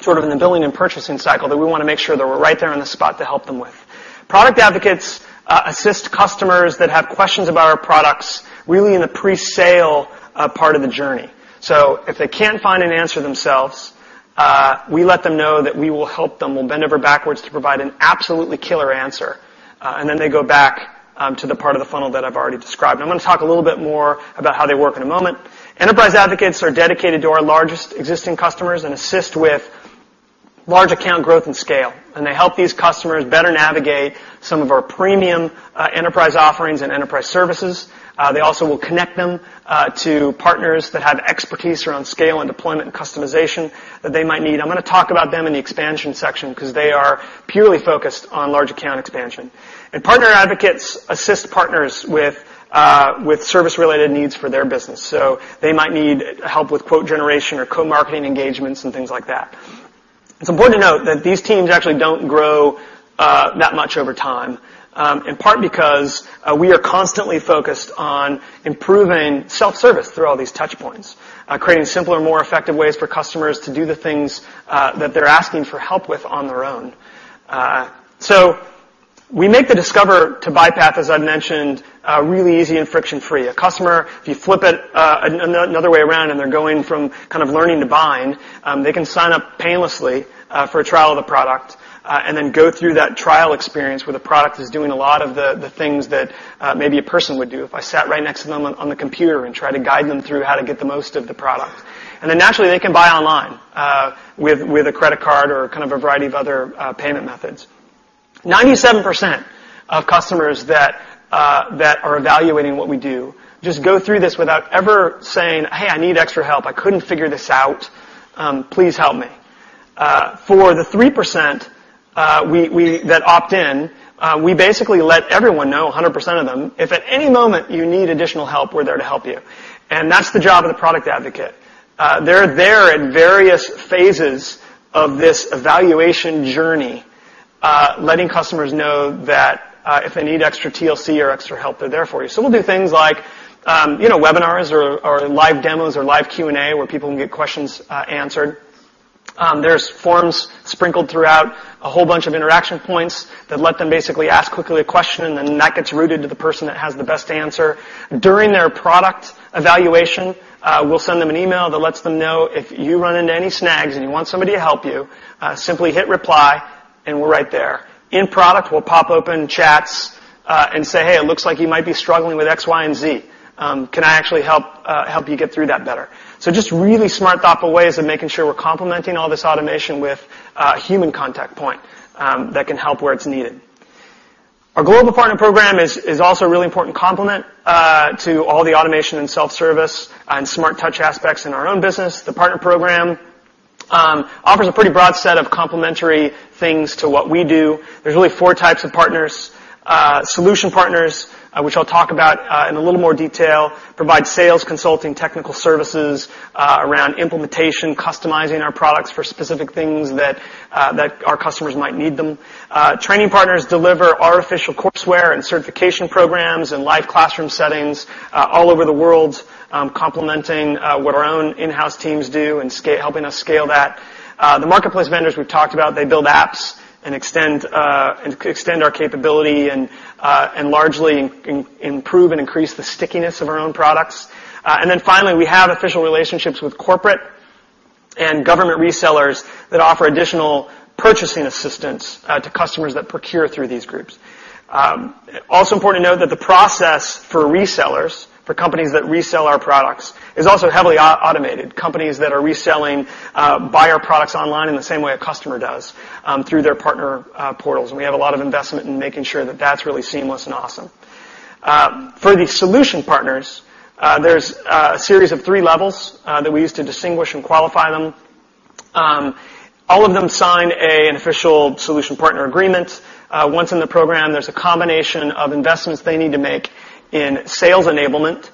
sort of in the billing and purchasing cycle that we want to make sure that we're right there on the spot to help them with. Product advocates assist customers that have questions about our products, really in the pre-sale part of the journey. If they can't find an answer themselves, we let them know that we will help them. We'll bend over backwards to provide an absolutely killer answer. Then they go back to the part of the funnel that I've already described. I'm going to talk a little bit more about how they work in a moment. Enterprise advocates are dedicated to our largest existing customers and assist with large account growth and scale, and they help these customers better navigate some of our premium enterprise offerings and enterprise services. They also will connect them to partners that have expertise around scale and deployment and customization that they might need. I'm going to talk about them in the expansion section because they are purely focused on large account expansion. Partner advocates assist partners with service-related needs for their business. They might need help with quote generation or co-marketing engagements and things like that. It's important to note that these teams actually don't grow that much over time, in part because we are constantly focused on improving self-service through all these touchpoints. Creating simpler, more effective ways for customers to do the things that they're asking for help with on their own. We make the discover to buy path, as I mentioned, really easy and friction-free. A customer, if you flip it another way around and they're going from kind of learning to buying, they can sign up painlessly for a trial of the product, and then go through that trial experience where the product is doing a lot of the things that maybe a person would do if I sat right next to them on the computer and tried to guide them through how to get the most out of the product. Naturally, they can buy online, with a credit card or kind of a variety of other payment methods. 97% of customers that are evaluating what we do just go through this without ever saying, "Hey, I need extra help. I couldn't figure this out. Please help me." For the 3% that opt in, we basically let everyone know, 100% of them, "If at any moment you need additional help, we're there to help you." That's the job of the product advocate. They're there at various phases of this evaluation journey, letting customers know that, if they need extra TLC or extra help, they're there for you. We'll do things like webinars or live demos or live Q&A where people can get questions answered. There's forms sprinkled throughout, a whole bunch of interaction points that let them basically ask quickly a question, and then that gets routed to the person that has the best answer. During their product evaluation, we'll send them an email that lets them know, "If you run into any snags and you want somebody to help you, simply hit reply and we're right there." In product, we'll pop open chats, and say, "Hey, it looks like you might be struggling with X, Y, and Z. Can I actually help you get through that better?" Just really smart, thoughtful ways of making sure we're complementing all this automation with a human contact point that can help where it's needed. Our global partner program is also a really important complement to all the automation and self-service and smart touch aspects in our own business. The partner program offers a pretty broad set of complementary things to what we do. There's really 4 types of partners. Solution partners, which I'll talk about in a little more detail, provide sales consulting, technical services around implementation, customizing our products for specific things that our customers might need them. Training partners deliver artificial courseware and certification programs in live classroom settings all over the world, complementing what our own in-house teams do and helping us scale that. The marketplace vendors we've talked about, they build apps and extend our capability and largely improve and increase the stickiness of our own products. Finally, we have official relationships with corporate and government resellers that offer additional purchasing assistance to customers that procure through these groups. Also important to note that the process for resellers, for companies that resell our products, is also heavily automated. Companies that are reselling buy our products online in the same way a customer does through their partner portals. We have a lot of investment in making sure that that's really seamless and awesome. For the solution partners, there's a series of 3 levels that we use to distinguish and qualify them. All of them sign an official solution partner agreement. Once in the program, there's a combination of investments they need to make in sales enablement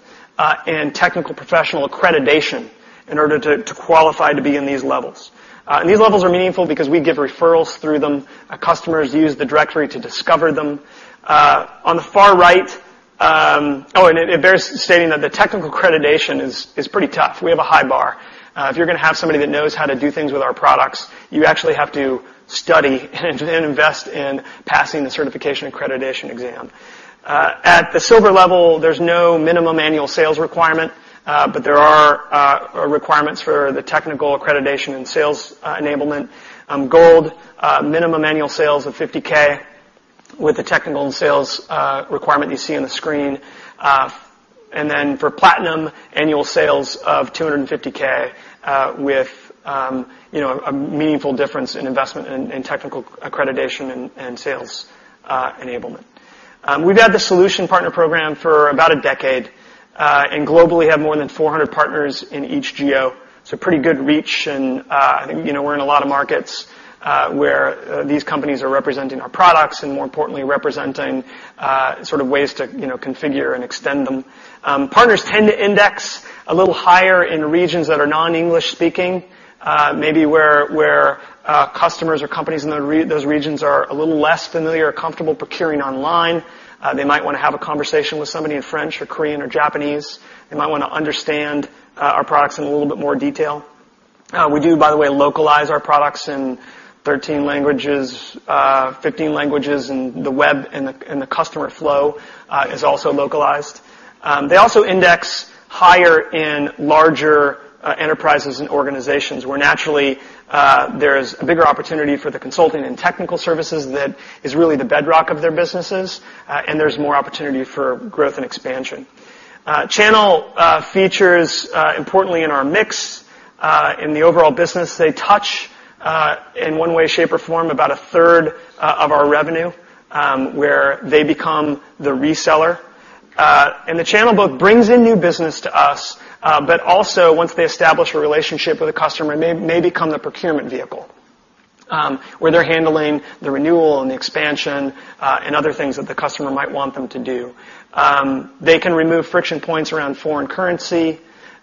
and technical professional accreditation in order to qualify to be in these levels. These levels are meaningful because we give referrals through them. Customers use the directory to discover them. On the far right. Oh, it bears stating that the technical accreditation is pretty tough. We have a high bar. If you're going to have somebody that knows how to do things with our products, you actually have to study and invest in passing the certification and accreditation exam. At the silver level, there's no minimum annual sales requirement, but there are requirements for the technical accreditation and sales enablement. Gold, minimum annual sales of $50K with the technical and sales requirement you see on the screen. For platinum, annual sales of $250K, with a meaningful difference in investment in technical accreditation and sales enablement. We've had the solution partner program for about a decade, and globally have more than 400 partners in each geo. Pretty good reach and I think we're in a lot of markets, where these companies are representing our products and more importantly, representing sort of ways to configure and extend them. Partners tend to index a little higher in regions that are non-English speaking, maybe where customers or companies in those regions are a little less familiar or comfortable procuring online. They might want to have a conversation with somebody in French or Korean or Japanese. They might want to understand our products in a little bit more detail. We do, by the way, localize our products in 13 languages, 15 languages, and the web and the customer flow is also localized. They also index higher in larger enterprises and organizations where naturally there is a bigger opportunity for the consulting and technical services that is really the bedrock of their businesses. There's more opportunity for growth and expansion. Channel features, importantly in our mix in the overall business, they touch, in one way, shape, or form, about a third of our revenue, where they become the reseller. The channel both brings in new business to us, but also once they establish a relationship with a customer, may become the procurement vehicle, where they're handling the renewal and the expansion, and other things that the customer might want them to do. They can remove friction points around foreign currency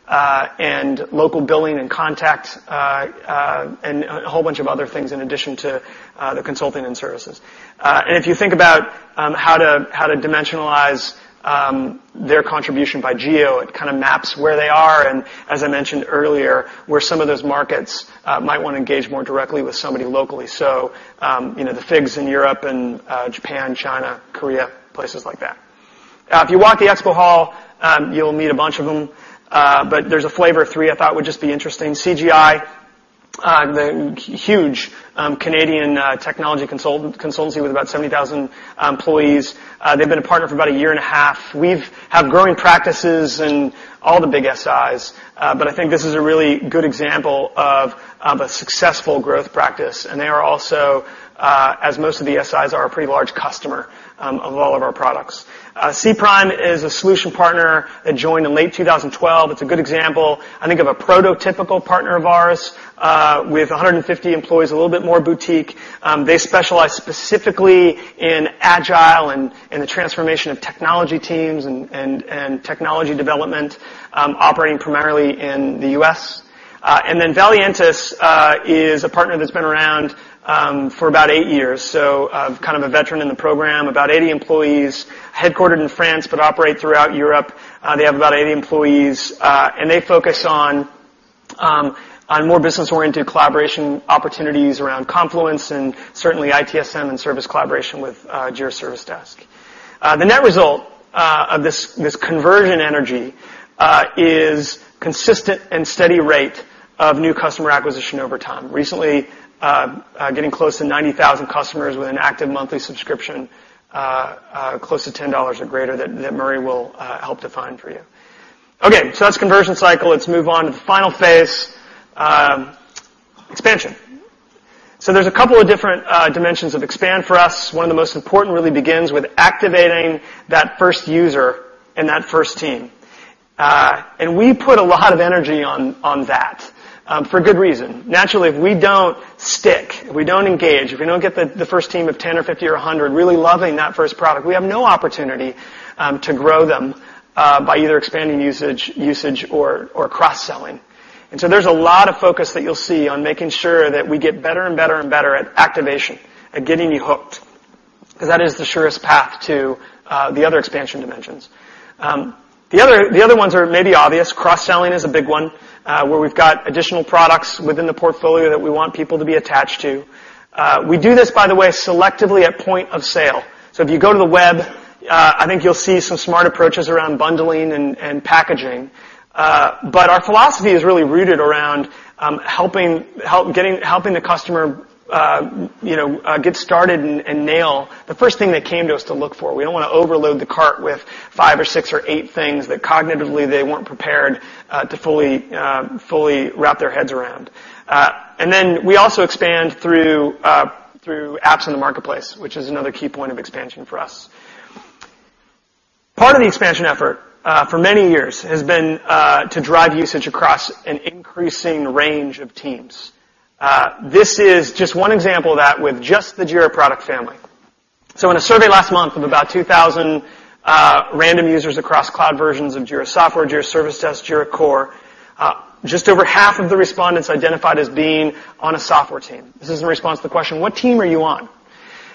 and local billing and contacts, and a whole bunch of other things in addition to the consulting and services. If you think about how to dimensionalize their contribution by geo, it kind of maps where they are, and as I mentioned earlier, where some of those markets might want to engage more directly with somebody locally. The figs in Europe and Japan, China, Korea, places like that. If you walk the expo hall, you'll meet a bunch of them. There's a flavor of 3 I thought would just be interesting. CGI, the huge Canadian technology consultancy with about 70,000 employees. They've been a partner for about a year and a half. We've had growing practices in all the big SIs, but I think this is a really good example of a successful growth practice. They are also, as most of the SIs are, a pretty large customer of all of our products. Cprime is a solution partner that joined in late 2012. It's a good example, I think, of a prototypical partner of ours. With 150 employees, a little bit more boutique. They specialize specifically in Agile and in the transformation of technology teams and technology development, operating primarily in the U.S. Valiantys is a partner that's been around for about eight years. So kind of a veteran in the program. About 80 employees, headquartered in France, but operate throughout Europe. They have about 80 employees. They focus on more business-oriented collaboration opportunities around Confluence and certainly ITSM and service collaboration with Jira Service Desk. The net result of this conversion energy is consistent and steady rate of new customer acquisition over time. Recently, getting close to 90,000 customers with an active monthly subscription of close to $10 or greater that Murray will help define for you. That's conversion cycle. Let's move on to the final phase, expansion. There's a couple of different dimensions of expand for us. One of the most important really begins with activating that first user and that first team. We put a lot of energy on that, for good reason. Naturally, if we don't stick, if we don't engage, if we don't get the first team of 10 or 50 or 100 really loving that first product, we have no opportunity to grow them by either expanding usage or cross-selling. There's a lot of focus that you'll see on making sure that we get better and better and better at activation, at getting you hooked. That is the surest path to the other expansion dimensions. The other ones are maybe obvious. Cross-selling is a big one, where we've got additional products within the portfolio that we want people to be attached to. We do this, by the way, selectively at point of sale. If you go to the web, I think you'll see some smart approaches around bundling and packaging. Our philosophy is really rooted around helping the customer get started and nail the first thing they came to us to look for. We don't want to overload the cart with five or six or eight things that cognitively they weren't prepared to fully wrap their heads around. We also expand through apps in the marketplace, which is another key point of expansion for us. Part of the expansion effort, for many years, has been to drive usage across an increasing range of teams. This is just one example of that with just the Jira product family. In a survey last month of about 2,000 random users across cloud versions of Jira Software, Jira Service Desk, Jira Core, just over half of the respondents identified as being on a software team. This is in response to the question: What team are you on?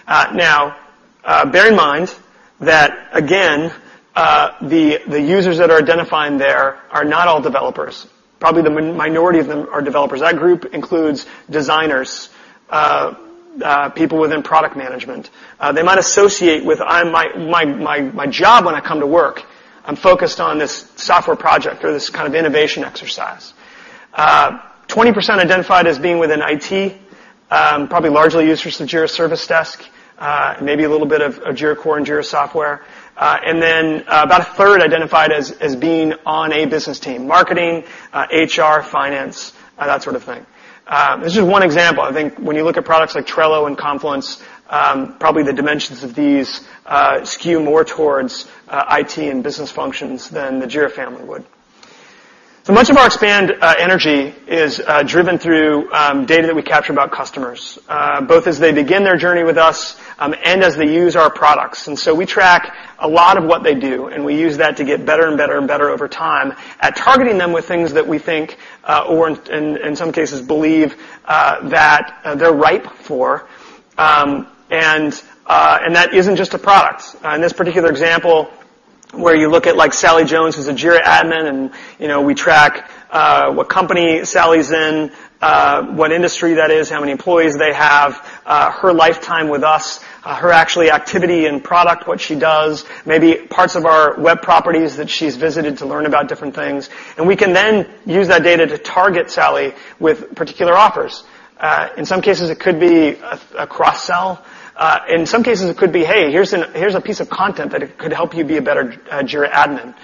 Bear in mind that, again, the users that are identifying there are not all developers. Probably the minority of them are developers. That group includes designers, people within product management. They might associate with, "My job when I come to work, I'm focused on this software project or this kind of innovation exercise." 20% identified as being within IT, probably largely users of Jira Service Desk, maybe a little bit of Jira Core and Jira Software. About a third identified as being on a business team, marketing, HR, finance, that sort of thing. This is just one example. I think when you look at products like Trello and Confluence, probably the dimensions of these skew more towards IT and business functions than the Jira family would. Much of our expand energy is driven through data that we capture about customers, both as they begin their journey with us and as they use our products. We track a lot of what they do, and we use that to get better and better and better over time at targeting them with things that we think, or in some cases believe, that they're ripe for, and that isn't just a product. In this particular example, where you look at, like Sally Jones, who's a Jira admin, we track what company Sally's in, what industry that is, how many employees they have, her lifetime with us, her actually activity in product, what she does, maybe parts of our web properties that she's visited to learn about different things. We can then use that data to target Sally with particular offers. In some cases, it could be a cross-sell. In some cases, it could be, "Hey, here's a piece of content that could help you be a better Jira admin."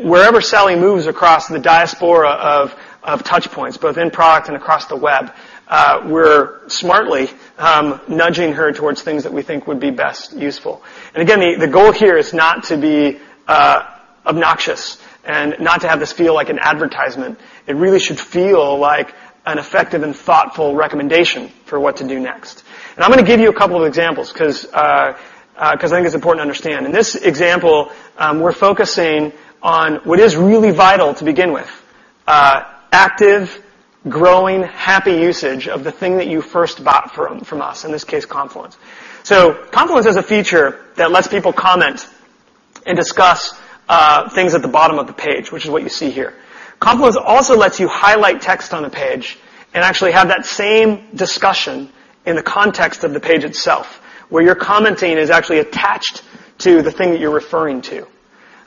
Wherever Sally moves across the diaspora of touchpoints, both in product and across the web, we're smartly nudging her towards things that we think would be best useful. Again, the goal here is not to be obnoxious and not to have this feel like an advertisement. It really should feel like an effective and thoughtful recommendation for what to do next. I'm going to give you a couple of examples because I think it's important to understand. In this example, we're focusing on what is really vital to begin with, active, growing, happy usage of the thing that you first bought from us, in this case, Confluence. Confluence has a feature that lets people comment and discuss things at the bottom of the page, which is what you see here. Confluence also lets you highlight text on the page and actually have that same discussion in the context of the page itself, where your commenting is actually attached to the thing that you're referring to.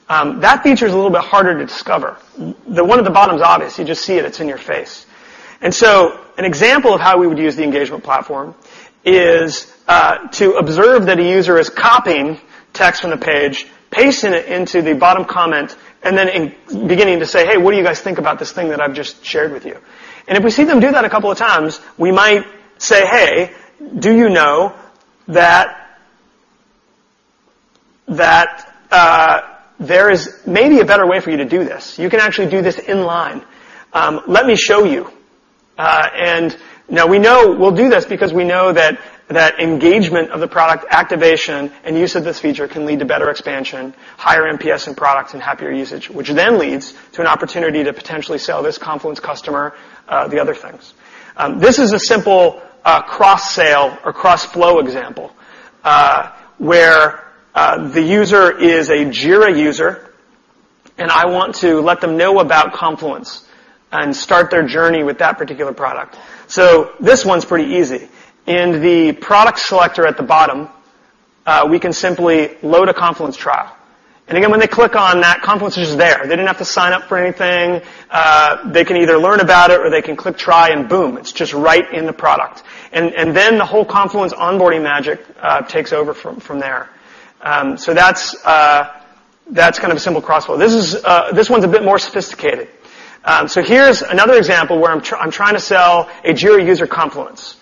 That feature is a little bit harder to discover. The one at the bottom is obvious. You just see it. It's in your face. An example of how we would use the engagement platform is to observe that a user is copying text from the page, pasting it into the bottom comment, then beginning to say, "Hey, what do you guys think about this thing that I've just shared with you?" If we see them do that a couple of times, we might say, "Hey, do you know that there is maybe a better way for you to do this? You can actually do this in line. Let me show you." Now we know we'll do this because we know that engagement of the product activation and use of this feature can lead to better expansion, higher NPS in products, and happier usage, which then leads to an opportunity to potentially sell this Confluence customer the other things. This is a simple cross-sale or cross-flow example, where the user is a Jira user, I want to let them know about Confluence and start their journey with that particular product. This one's pretty easy. In the product selector at the bottom, we can simply load a Confluence trial. Again, when they click on that, Confluence is there. They didn't have to sign up for anything. They can either learn about it or they can click try, and boom, it's just right in the product. Then the whole Confluence onboarding magic takes over from there. That's kind of a simple cross flow. This one's a bit more sophisticated. Here's another example where I'm trying to sell a Jira user Confluence.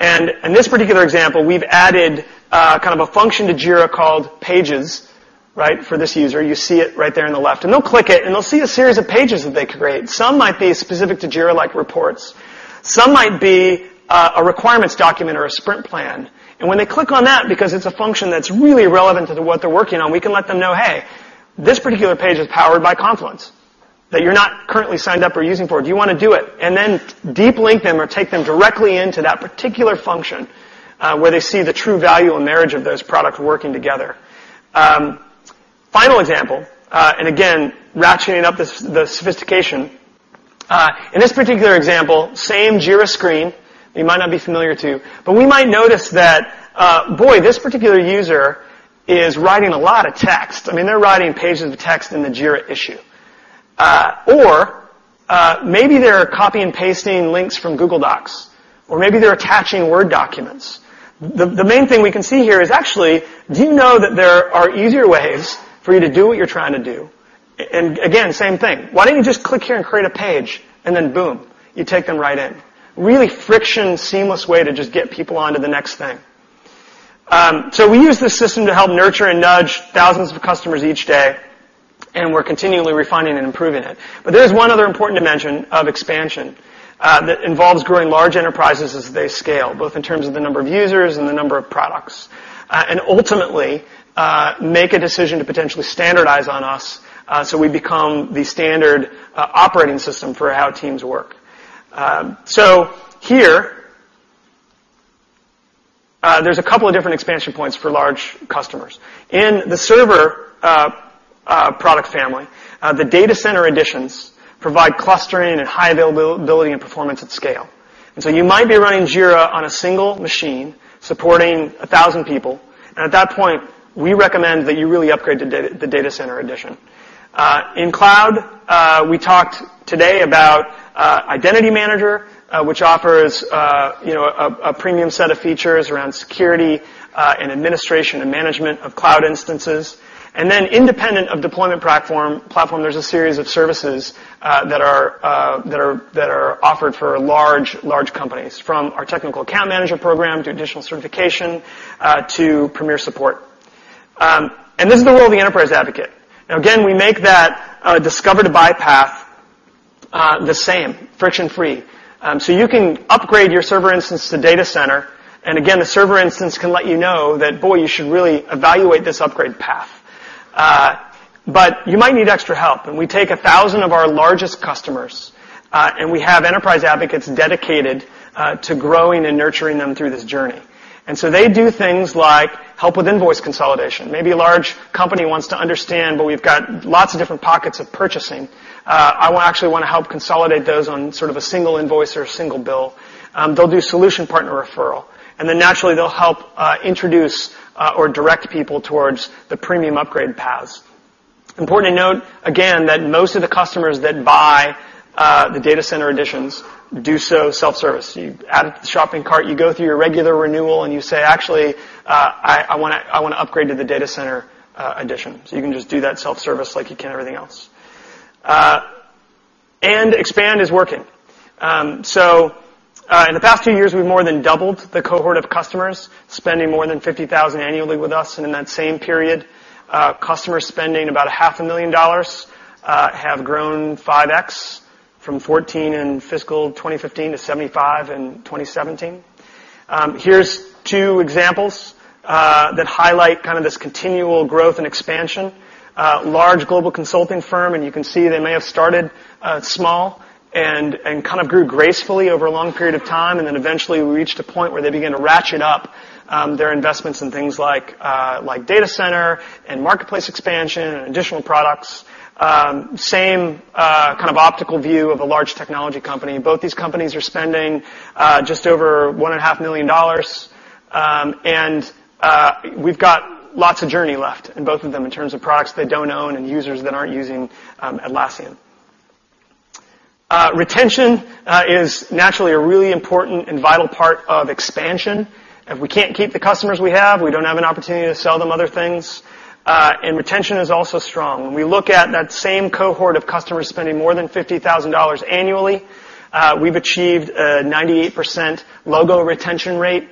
In this particular example, we've added a function to Jira called Pages, for this user. You see it right there on the left. They'll click it, they'll see a series of pages that they create. Some might be specific to Jira, like reports. Some might be a requirements document or a sprint plan. When they click on that, because it's a function that's really relevant to what they're working on, we can let them know, "Hey, this particular page is powered by Confluence, that you're not currently signed up or using for. Do you want to do it?" Then deep link them or take them directly into that particular function, where they see the true value and marriage of those products working together. Final example. Again, ratcheting up the sophistication. In this particular example, same Jira screen that you might not be familiar to, we might notice that, boy, this particular user is writing a lot of text. I mean, they're writing pages of text in the Jira issue. Or maybe they're copy and pasting links from Google Docs, or maybe they're attaching Word documents. The main thing we can see here is actually, do you know that there are easier ways for you to do what you're trying to do? Again, same thing. Why don't you just click here and create a page? Then boom, you take them right in. Really friction, seamless way to just get people onto the next thing. We use this system to help nurture and nudge thousands of customers each day, and we're continually refining and improving it. There's one other important dimension of expansion that involves growing large enterprises as they scale, both in terms of the number of users and the number of products. Ultimately, make a decision to potentially standardize on us, so we become the standard operating system for how teams work. Here, there's a couple of different expansion points for large customers. In the server product family, the Data Center editions provide clustering and high availability and performance at scale. You might be running Jira on a single machine supporting 1,000 people, and at that point, we recommend that you really upgrade to the Data Center edition. In cloud, we talked today about Identity Manager, which offers a premium set of features around security and administration and management of cloud instances. Then independent of deployment platform, there's a series of services that are offered for large companies, from our technical account manager program to additional certification to premier support. This is the world of the enterprise advocate. Again, we make that discover-to-buy path the same, friction-free. You can upgrade your server instance to Data Center. Again, the server instance can let you know that, boy, you should really evaluate this upgrade path. But you might need extra help. We take 1,000 of our largest customers, and we have enterprise advocates dedicated to growing and nurturing them through this journey. They do things like help with invoice consolidation. Maybe a large company wants to understand, but we've got lots of different pockets of purchasing. We actually want to help consolidate those on sort of a single invoice or a single bill. They'll do solution partner referral, and naturally, they'll help introduce or direct people towards the premium upgrade paths. Important to note, again, that most of the customers that buy the Data Center editions do so self-service. You add it to the shopping cart, you go through your regular renewal, and you say, "Actually, I want to upgrade to the Data Center edition." You can just do that self-service like you can everything else. Expand is working. In the past two years, we've more than doubled the cohort of customers spending more than $50,000 annually with us. In that same period, customers spending about a half a million dollars have grown 5x. From 14 in FY 2015 to 75 in 2017. Here's two examples that highlight kind of this continual growth and expansion. Large global consulting firm, and you can see they may have started small and kind of grew gracefully over a long period of time, and then eventually reached a point where they began to ratchet up their investments in things like Data Center, and Marketplace expansion, and additional products. Same kind of optical view of a large technology company. Both these companies are spending just over $1.5 million. We've got lots of journey left in both of them in terms of products they don't own and users that aren't using Atlassian. Retention is naturally a really important and vital part of expansion. If we can't keep the customers we have, we don't have an opportunity to sell them other things. Retention is also strong. When we look at that same cohort of customers spending more than $50,000 annually, we've achieved a 98% logo retention rate,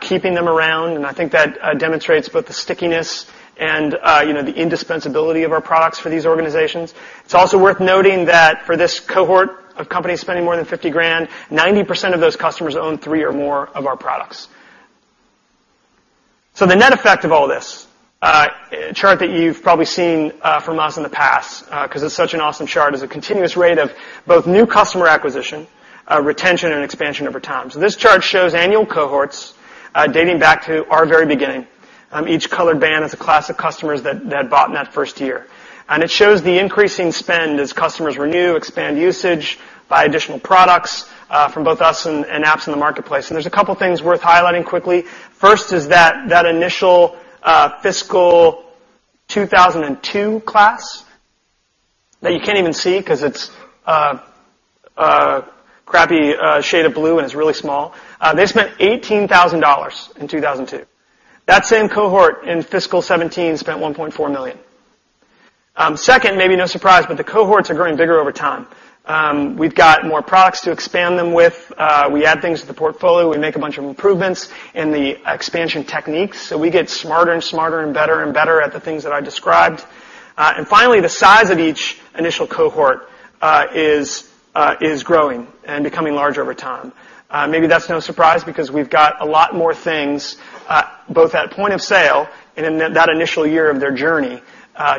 keeping them around. I think that demonstrates both the stickiness and the indispensability of our products for these organizations. It's also worth noting that for this cohort of companies spending more than $50,000, 90% of those customers own three or more of our products. The net effect of all this. A chart that you've probably seen from us in the past, because it's such an awesome chart, is a continuous rate of both new customer acquisition, retention, and expansion over time. This chart shows annual cohorts dating back to our very beginning. Each colored band is a class of customers that bought in that first year. It shows the increasing spend as customers renew, expand usage, buy additional products from both us and apps in the marketplace. There's a couple things worth highlighting quickly. First is that initial fiscal 2002 class that you can't even see because it's a crappy shade of blue and it's really small. They spent $18,000 in 2002. That same cohort in fiscal 2017 spent $1.4 million. Second, maybe no surprise, but the cohorts are growing bigger over time. We've got more products to expand them with. We add things to the portfolio. We make a bunch of improvements in the expansion techniques. We get smarter and smarter and better and better at the things that I described. Finally, the size of each initial cohort is growing and becoming larger over time. Maybe that's no surprise because we've got a lot more things, both at point of sale and in that initial year of their journey,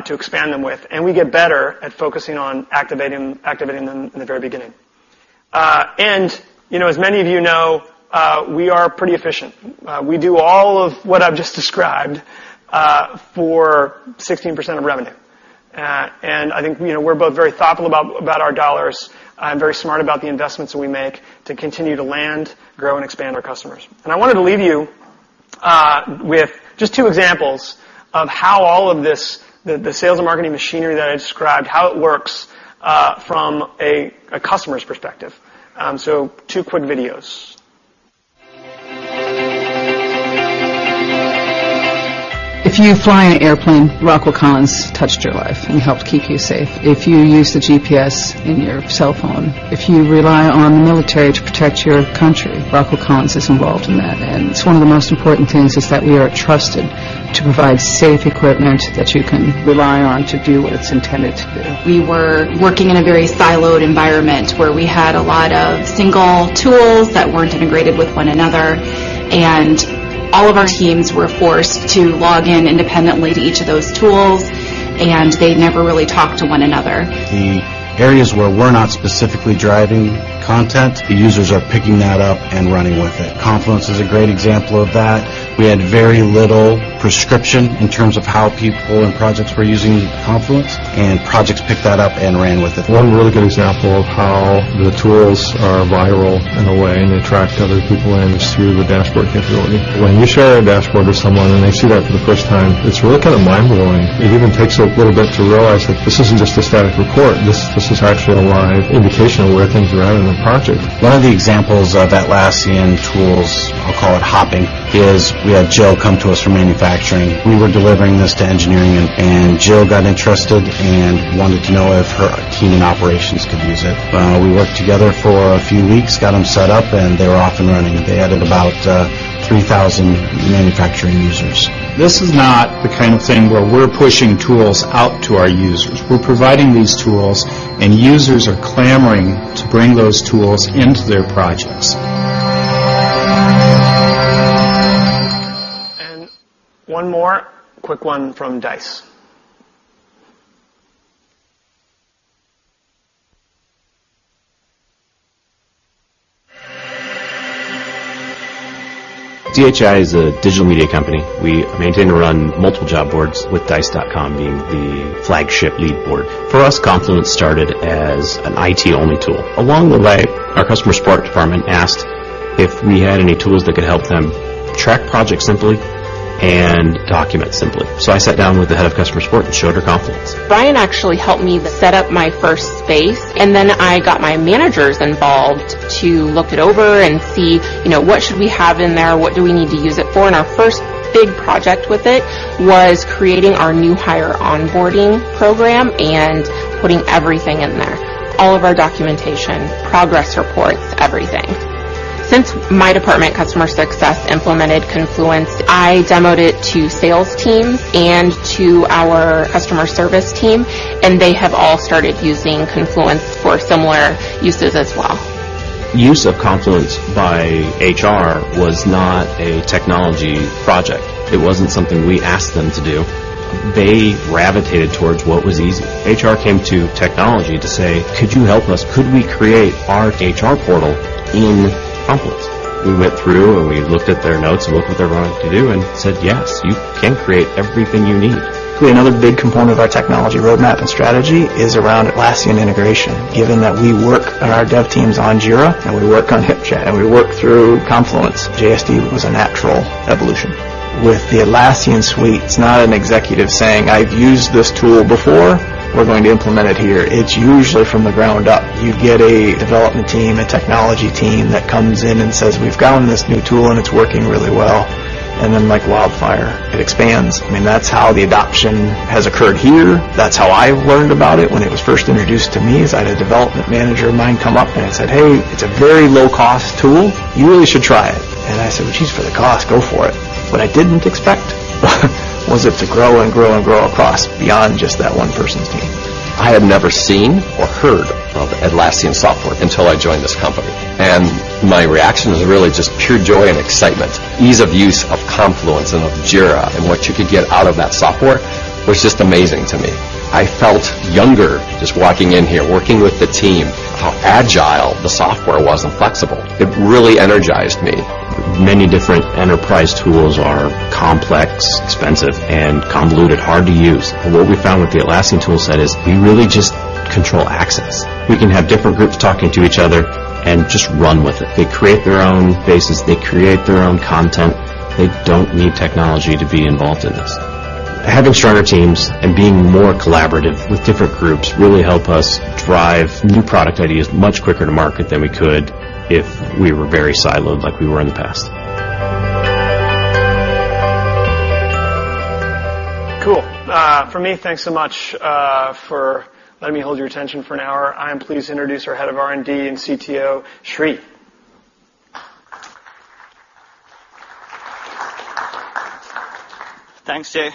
to expand them with. We get better at focusing on activating them in the very beginning. As many of you know, we are pretty efficient. We do all of what I've just described for 16% of revenue. I think we're both very thoughtful about our dollars and very smart about the investments we make to continue to land, grow, and expand our customers. I wanted to leave you with just two examples of how all of this, the sales and marketing machinery that I described, how it works from a customer's perspective. Two quick videos. If you fly in an airplane, Rockwell Collins touched your life and helped keep you safe. If you use the GPS in your cellphone, if you rely on the military to protect your country, Rockwell Collins is involved in that. It's one of the most important things is that we are trusted to provide safe equipment that you can rely on to do what it's intended to do. We were working in a very siloed environment where we had a lot of single tools that weren't integrated with one another, and all of our teams were forced to log in independently to each of those tools, and they never really talked to one another. The areas where we're not specifically driving content, the users are picking that up and running with it. Confluence is a great example of that. We had very little prescription in terms of how people in projects were using Confluence, and projects picked that up and ran with it. One really good example of how the tools are viral in a way, and they attract other people in, is through the dashboard capability. When you share a dashboard with someone and they see that for the first time, it's really kind of mind-blowing. It even takes a little bit to realize that this isn't just a static report. This is actually a live indication of where things are at in the project. One of the examples of Atlassian tools, I'll call it hopping, is we had Jill come to us from manufacturing. We were delivering this to engineering and Jill got interested and wanted to know if her team in operations could use it. We worked together for a few weeks, got them set up, and they were off and running. They added about 3,000 manufacturing users. This is not the kind of thing where we're pushing tools out to our users. We're providing these tools, users are clamoring to bring those tools into their projects. One more quick one from Dice. DHI is a digital media company. We maintain and run multiple job boards, with dice.com being the flagship lead board. For us, Confluence started as an IT-only tool. Along the way, our customer support department asked if we had any tools that could help them track projects simply and document simply. I sat down with the head of customer support and showed her Confluence. Brian actually helped me to set up my first space, and then I got my managers involved to look it over and see what should we have in there, what do we need to use it for. Our first big project with it was creating our new hire onboarding program and putting everything in there, all of our documentation, progress reports, everything. Since my department, customer success, implemented Confluence, I demoed it to sales teams and to our customer service team, and they have all started using Confluence for similar uses as well. Use of Confluence by HR was not a technology project. It wasn't something we asked them to do. They gravitated towards what was easy. HR came to technology to say, "Could you help us? Could we create our HR portal in Confluence?" We went through and we looked at their notes and looked what they're wanting to do and said, "Yes, you can create everything you need." Another big component of our technology roadmap and strategy is around Atlassian integration, given that we work our dev teams on Jira, and we work on HipChat, and we work through Confluence. JSD was a natural evolution. With the Atlassian suite, it's not an executive saying, "I've used this tool before. We're going to implement it here." It's usually from the ground up. You get a development team, a technology team that comes in and says, "We've gotten this new tool, and it's working really well." Then like wildfire, it expands. That's how the adoption has occurred here. That's how I learned about it when it was first introduced to me, is I had a development manager of mine come up and said, "Hey, it's a very low-cost tool. You really should try it." I said, "Well, geez, for the cost, go for it." What I didn't expect was it to grow and grow and grow across, beyond just that one person's team. I had never seen or heard of Atlassian software until I joined this company. My reaction was really just pure joy and excitement. Ease of use of Confluence and of Jira and what you could get out of that software was just amazing to me. I felt younger just walking in here, working with the team, how agile the software was and flexible. It really energized me. Many different enterprise tools are complex, expensive, and convoluted, hard to use. What we found with the Atlassian tool set is you really just control access. We can have different groups talking to each other and just run with it. They create their own bases. They create their own content. They don't need technology to be involved in this. Having stronger teams and being more collaborative with different groups really help us drive new product ideas much quicker to market than we could if we were very siloed like we were in the past. Cool. From me, thanks so much for letting me hold your attention for an hour. I am pleased to introduce our head of R&D and CTO, Sri. Thanks, Jay.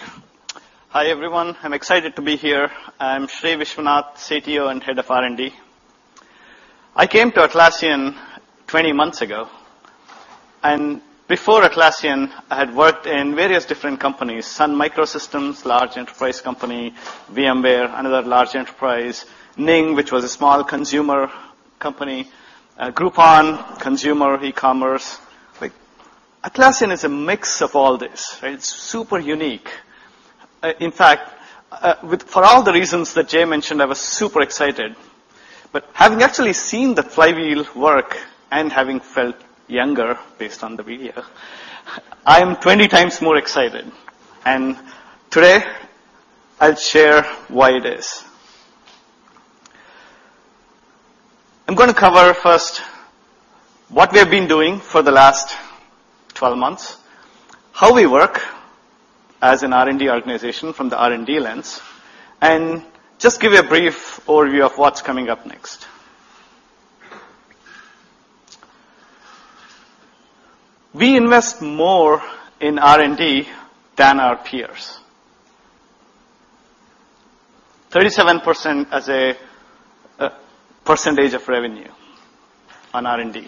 Hi, everyone. I'm excited to be here. I'm Sri Viswanath, CTO and head of R&D. I came to Atlassian 20 months ago. Before Atlassian, I had worked in various different companies, Sun Microsystems, large enterprise company, VMware, another large enterprise, Ning, which was a small consumer company, Groupon, consumer, e-commerce. Atlassian is a mix of all this. It's super unique. In fact, for all the reasons that Jay mentioned, I was super excited. Having actually seen the flywheel work and having felt younger based on the video, I am 20 times more excited. Today, I'll share why it is. I'm going to cover first what we have been doing for the last 12 months, how we work as an R&D organization from the R&D lens, and just give you a brief overview of what's coming up next. We invest more in R&D than our peers. 37% as a percentage of revenue on R&D.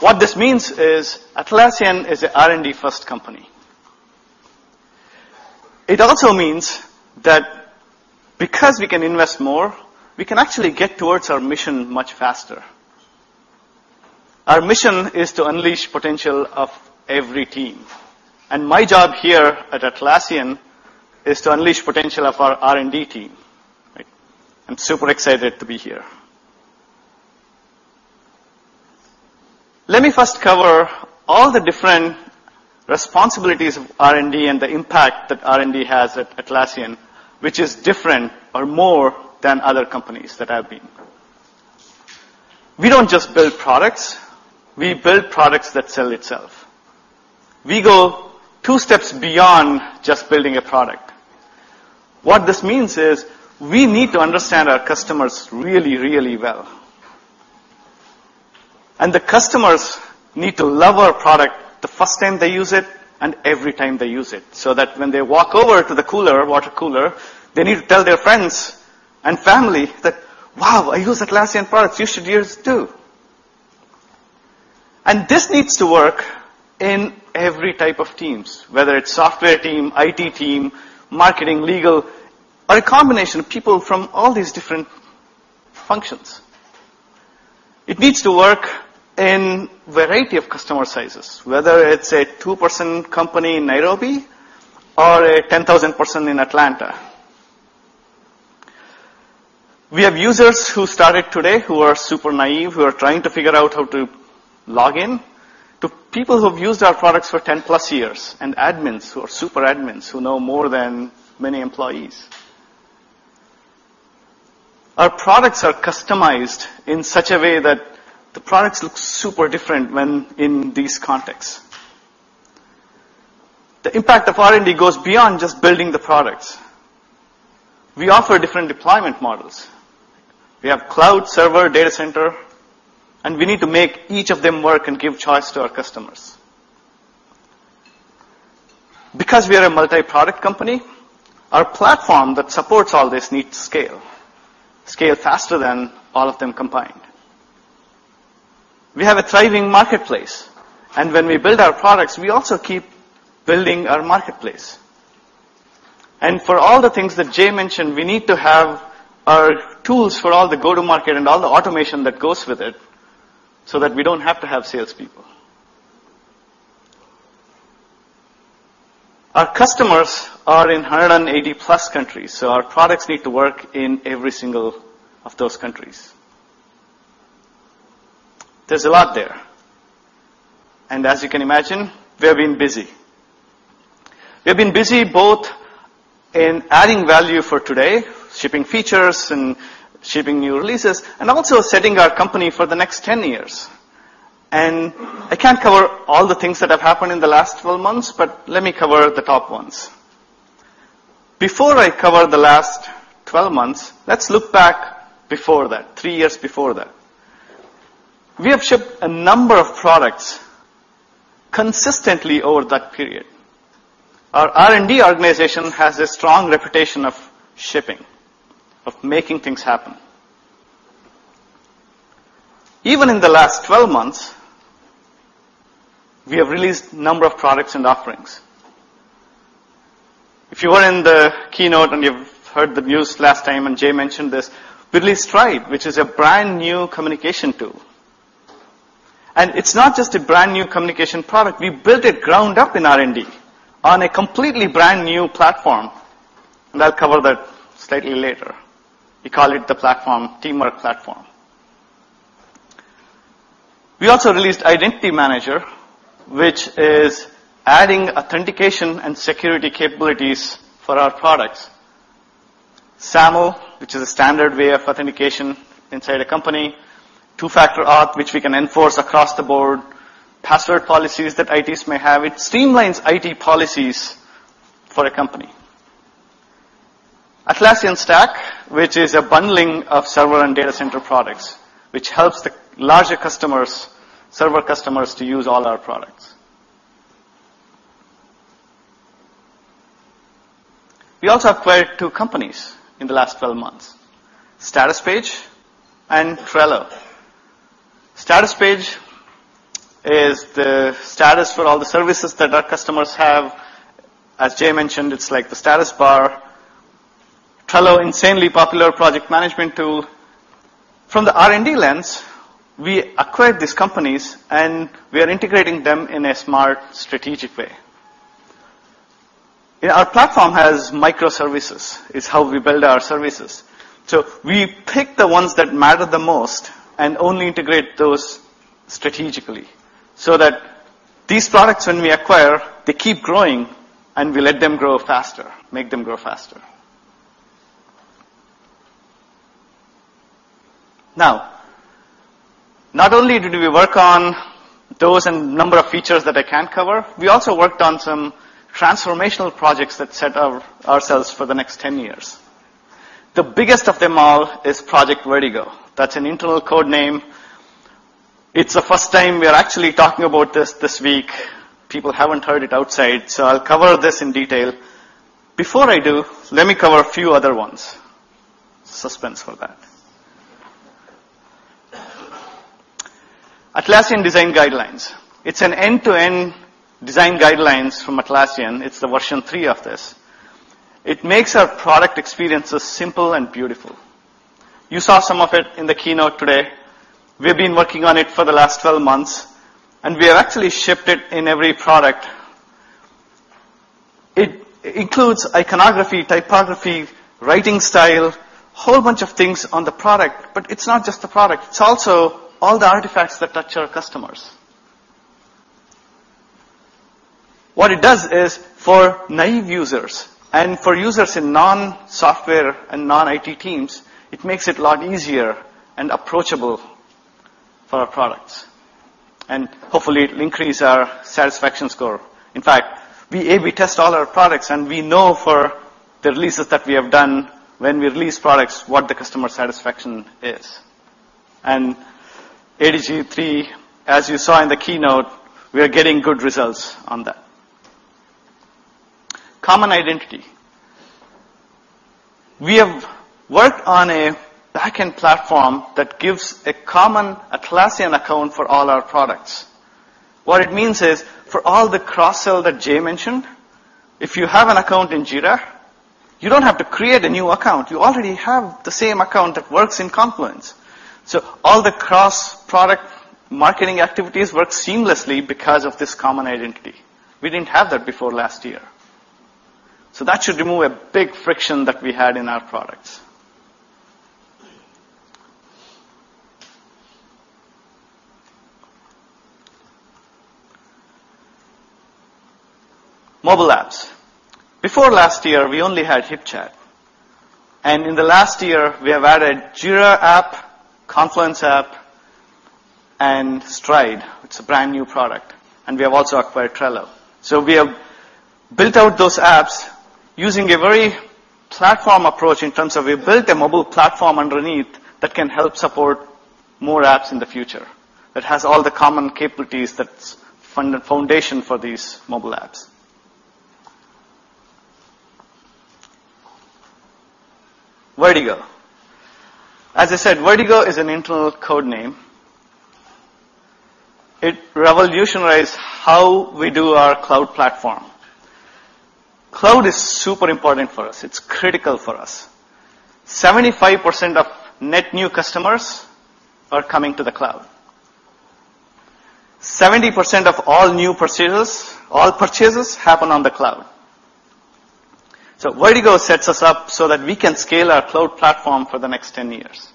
What this means is Atlassian is an R&D first company. It also means that because we can invest more, we can actually get towards our mission much faster. Our mission is to unleash potential of every team, and my job here at Atlassian is to unleash potential of our R&D team. I'm super excited to be here. Let me first cover all the different responsibilities of R&D and the impact that R&D has at Atlassian, which is different or more than other companies that I've been. We don't just build products. We build products that sell itself. We go two steps beyond just building a product. What this means is we need to understand our customers really, really well. The customers need to love our product the first time they use it and every time they use it, so that when they walk over to the cooler, water cooler, they need to tell their friends and family that, "Wow, I use Atlassian products. You should use it, too." This needs to work in every type of teams, whether it's software team, IT team, marketing, legal, or a combination of people from all these different functions. It needs to work in variety of customer sizes, whether it's a two-person company in Nairobi or a 10,000 person in Atlanta. We have users who started today who are super naive, who are trying to figure out how to log in, to people who have used our products for 10 plus years and admins who are super admins who know more than many employees. Our products are customized in such a way that the products look super different when in these contexts. The impact of R&D goes beyond just building the products. We offer different deployment models. We have cloud server data center, and we need to make each of them work and give choice to our customers. Because we are a multi-product company, our platform that supports all this needs to scale faster than all of them combined. We have a thriving marketplace, and when we build our products, we also keep building our marketplace. For all the things that Jay mentioned, we need to have our tools for all the go-to-market and all the automation that goes with it so that we don't have to have salespeople. Our customers are in 180-plus countries, so our products need to work in every single of those countries. There's a lot there. As you can imagine, we've been busy. We've been busy both in adding value for today, shipping features and shipping new releases, and also setting our company for the next 10 years. I can't cover all the things that have happened in the last 12 months, but let me cover the top ones. Before I cover the last 12 months, let's look back before that, three years before that. We have shipped a number of products consistently over that period. Our R&D organization has a strong reputation of shipping, of making things happen. Even in the last 12 months, we have released a number of products and offerings. If you were in the keynote and you've heard the news last time, Jay mentioned this, we released Stride, which is a brand-new communication tool. It's not just a brand-new communication product. We built it ground up in R&D on a completely brand-new platform. I'll cover that slightly later. We call it the platform Teamwork Platform. We also released Identity Manager, which is adding authentication and security capabilities for our products. SAML, which is a standard way of authentication inside a company, two-factor auth, which we can enforce across the board, password policies that ITs may have. It streamlines IT policies for a company. Atlassian Stack, which is a bundling of server and data center products, which helps the larger customers, server customers, to use all our products. We also acquired two companies in the last 12 months, Statuspage and Trello. Statuspage is the status for all the services that our customers have. As Jay mentioned, it's like the status bar. Trello, insanely popular project management tool. From the R&D lens, we acquired these companies. We are integrating them in a smart, strategic way. Our platform has microservices. It's how we build our services. We pick the ones that matter the most and only integrate those strategically so that these products when we acquire, they keep growing. We let them grow faster, make them grow faster. Not only did we work on those and a number of features that I can't cover, we also worked on some transformational projects that set ourselves for the next 10 years. The biggest of them all is Project Vertigo. That's an internal code name. It's the first time we are actually talking about this week. People haven't heard it outside. I'll cover this in detail. Before I do, let me cover a few other ones. Suspense for that. Atlassian Design Guidelines. It's an end-to-end design guidelines from Atlassian. It's the version 3 of this. It makes our product experiences simple and beautiful. You saw some of it in the keynote today. We've been working on it for the last 12 months, we have actually shipped it in every product. It includes iconography, typography, writing style, whole bunch of things on the product, it's not just the product, it's also all the artifacts that touch our customers. What it does is for naive users and for users in non-software and non-IT teams, it makes it a lot easier and approachable for our products, hopefully, it'll increase our satisfaction score. In fact, we A/B test all our products, we know for the releases that we have done when we release products, what the customer satisfaction is. ADG 3, as you saw in the keynote, we are getting good results on that. Common identity. We have worked on a back-end platform that gives a common Atlassian account for all our products. What it means is, for all the cross-sell that Jay mentioned, if you have an account in Jira, you don't have to create a new account. You already have the same account that works in Confluence. All the cross-product marketing activities work seamlessly because of this common identity. We didn't have that before last year. That should remove a big friction that we had in our products. Mobile apps. Before last year, we only had HipChat, in the last year, we have added Jira app, Confluence app, Stride. It's a brand-new product. We have also acquired Trello. We have built out those apps using a very platform approach in terms of we built a mobile platform underneath that can help support more apps in the future, that has all the common capabilities that's foundation for these mobile apps. Vertigo. As I said, Vertigo is an internal code name. It revolutionized how we do our cloud platform. Cloud is super important for us. It's critical for us. 75% of net new customers are coming to the cloud. 70% of all new purchasers happen on the cloud. Vertigo sets us up so that we can scale our cloud platform for the next 10 years.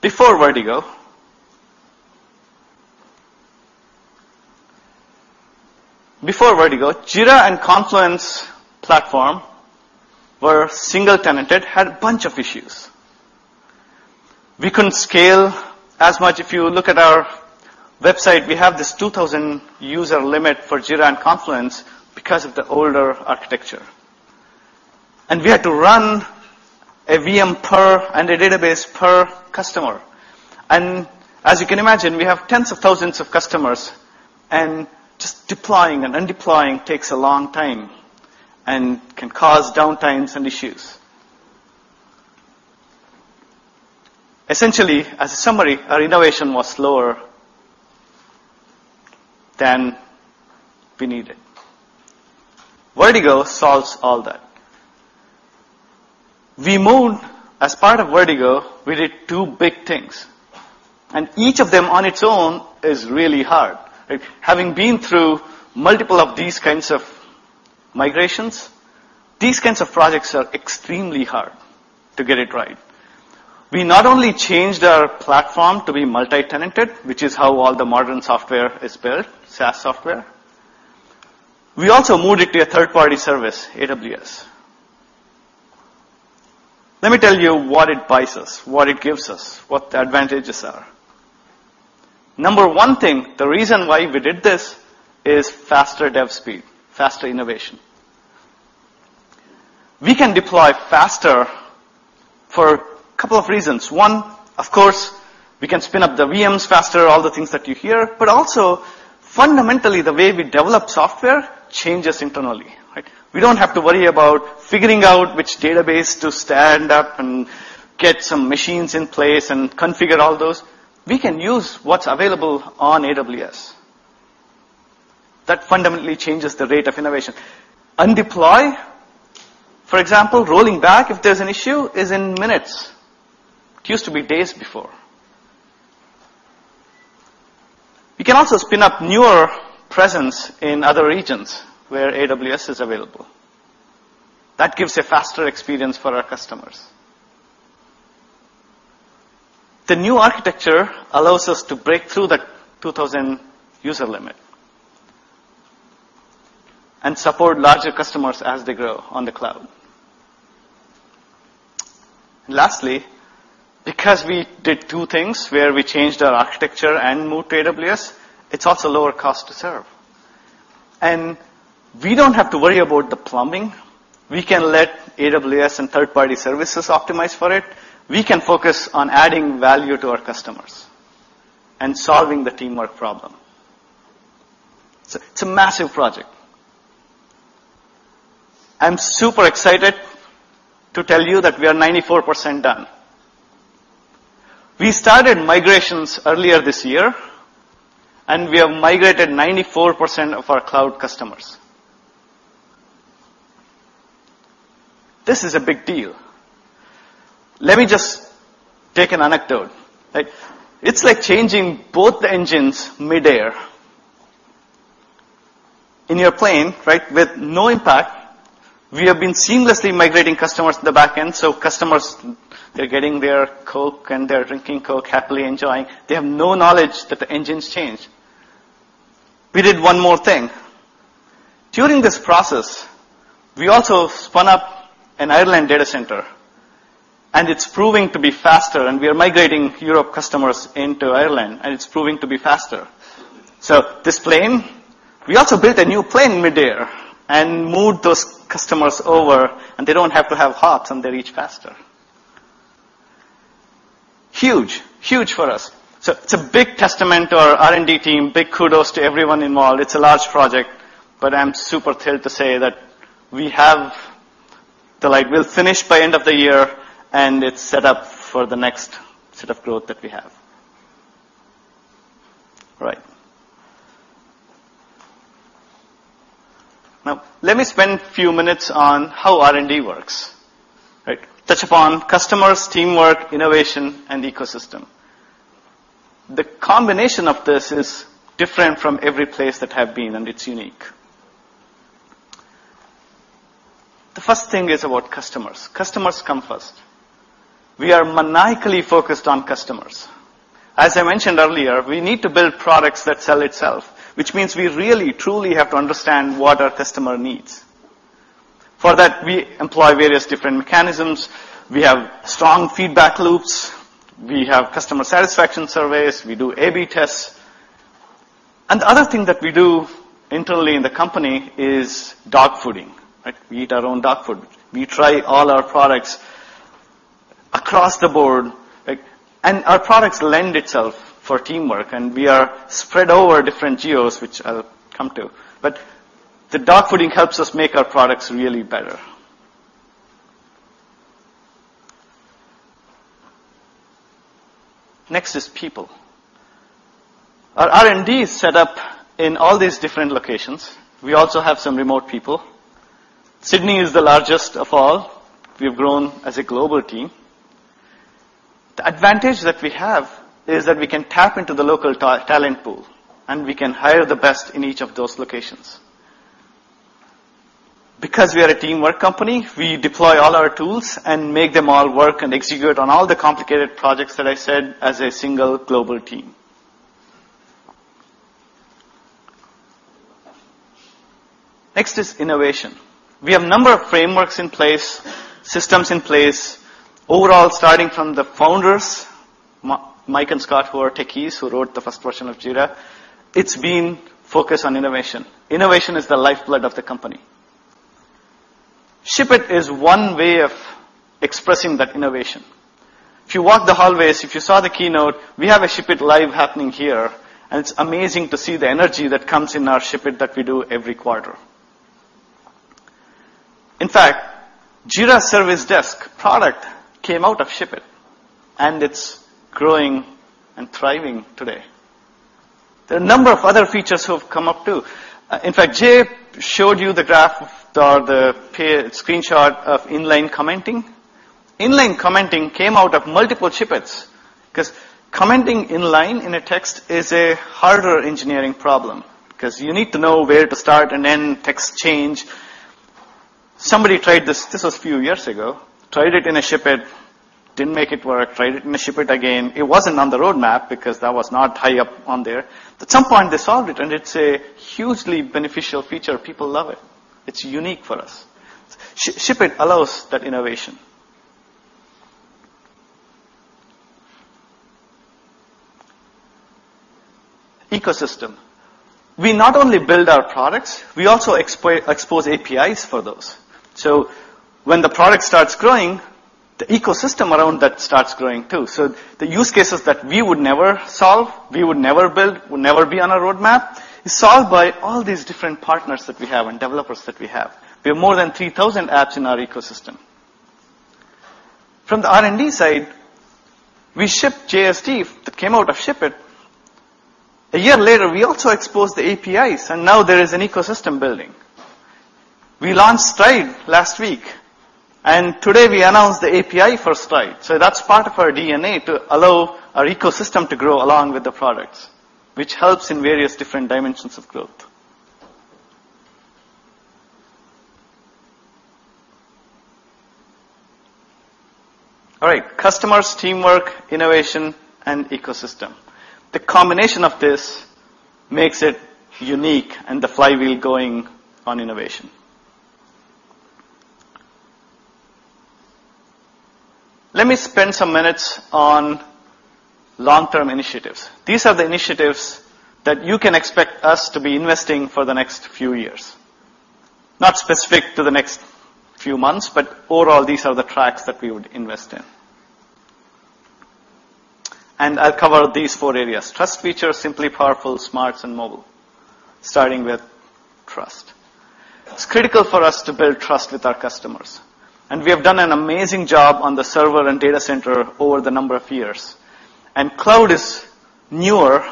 Before Vertigo, Jira and Confluence platform were single-tenanted, had a bunch of issues. We couldn't scale as much. If you look at our website, we have this 2,000 user limit for Jira and Confluence because of the older architecture. We had to run a VM per and a database per customer. As you can imagine, we have tens of thousands of customers, just deploying and undeploying takes a long time, can cause downtimes and issues. Essentially, as a summary, our innovation was slower than we needed. Vertigo solves all that. We moved, as part of Vertigo, we did 2 big things, each of them on its own is really hard. Having been through multiple of these kinds of migrations, these kinds of projects are extremely hard to get it right. We not only changed our platform to be multi-tenanted, which is how all the modern software is built, SaaS software, we also moved it to a third-party service, AWS. Let me tell you what it buys us, what it gives us, what the advantages are. Number one thing, the reason why we did this is faster dev speed, faster innovation. We can deploy faster for a couple of reasons. One, of course, we can spin up the VMs faster, all the things that you hear. Also, fundamentally, the way we develop software changes internally, right? We don't have to worry about figuring out which database to stand up and get some machines in place and configure all those. We can use what's available on AWS. That fundamentally changes the rate of innovation. Undeploy, for example, rolling back if there's an issue, is in minutes. It used to be days before. We can also spin up newer presence in other regions where AWS is available. That gives a faster experience for our customers. The new architecture allows us to break through the 2,000 user limit and support larger customers as they grow on the cloud. Lastly, because we did two things where we changed our architecture and moved to AWS, it's also lower cost to serve. We don't have to worry about the plumbing. We can let AWS and third-party services optimize for it. We can focus on adding value to our customers and solving the teamwork problem. It's a massive project. I'm super excited to tell you that we are 94% done. We started migrations earlier this year, and we have migrated 94% of our cloud customers. This is a big deal. Let me just take an anecdote, right? It's like changing both the engines mid-air in your plane, right, with no impact. We have been seamlessly migrating customers to the back end, so customers, they're getting their Coke and they're drinking Coke happily enjoying. They have no knowledge that the engine's changed. We did one more thing. During this process, we also spun up an Ireland data center, and it's proving to be faster, and we are migrating Europe customers into Ireland, and it's proving to be faster. This plane, we also built a new plane midair and moved those customers over, and they don't have to have hops, and they reach faster. Huge. Huge for us. It's a big testament to our R&D team. Big kudos to everyone involved. It's a large project, but I'm super thrilled to say that we have the, like, we'll finish by end of the year, and it's set up for the next set of growth that we have. All right. Let me spend a few minutes on how R&D works. Right. Touch upon customers, teamwork, innovation, and ecosystem. The combination of this is different from every place that I have been, and it's unique. The first thing is about customers. Customers come first. We are maniacally focused on customers. As I mentioned earlier, we need to build products that sell itself, which means we really truly have to understand what our customer needs. For that, we employ various different mechanisms. We have strong feedback loops. We have customer satisfaction surveys. We do A/B tests. The other thing that we do internally in the company is dogfooding. We eat our own dog food. We try all our products across the board. Our products lend itself for teamwork, and we are spread over different geos, which I'll come to. The dogfooding helps us make our products really better. Next is people. Our R&D is set up in all these different locations. We also have some remote people. Sydney is the largest of all. We've grown as a global team. The advantage that we have is that we can tap into the local talent pool, and we can hire the best in each of those locations. Because we are a teamwork company, we deploy all our tools and make them all work and execute on all the complicated projects that I said as a single global team. Next is innovation. We have a number of frameworks in place, systems in place. Overall, starting from the founders, Mike and Scott, who are techies, who wrote the first version of Jira, it's been focused on innovation. Innovation is the lifeblood of the company. ShipIt is one way of expressing that innovation. If you walk the hallways, if you saw the keynote, we have a ShipIt live happening here. It's amazing to see the energy that comes in our ShipIt that we do every quarter. In fact, Jira Service Desk product came out of ShipIt, and it's growing and thriving today. There are a number of other features who have come up, too. In fact, Jay showed you the graph or the screenshot of inline commenting. Inline commenting came out of multiple ShipIts because commenting inline in a text is a harder engineering problem, because you need to know where to start and end text change. Somebody tried this was a few years ago, tried it in a ShipIt, didn't make it work, tried it in a ShipIt again. It wasn't on the roadmap because that was not high up on there. Ecosystem. We not only build our products, we also expose APIs for those. When the product starts growing, the ecosystem around that starts growing, too. The use cases that we would never solve, we would never build, would never be on our roadmap, is solved by all these different partners that we have and developers that we have. We have more than 3,000 apps in our ecosystem. From the R&D side, we shipped JSD that came out of ShipIt. A year later, we also exposed the APIs. Now there is an ecosystem building. We launched Stride last week. Today we announced the API for Stride. That's part of our DNA, to allow our ecosystem to grow along with the products, which helps in various different dimensions of growth. All right. Customers, teamwork, innovation, and ecosystem. The combination of this makes it unique, and the flywheel going on innovation. Let me spend some minutes on long-term initiatives. These are the initiatives that you can expect us to be investing for the next few years. Not specific to the next few months, but overall, these are the tracks that we would invest in. I'll cover these four areas: trust, feature, simply powerful, smarts, and mobile. Starting with trust. It's critical for us to build trust with our customers, and we have done an amazing job on the server and data center over the number of years. Cloud is newer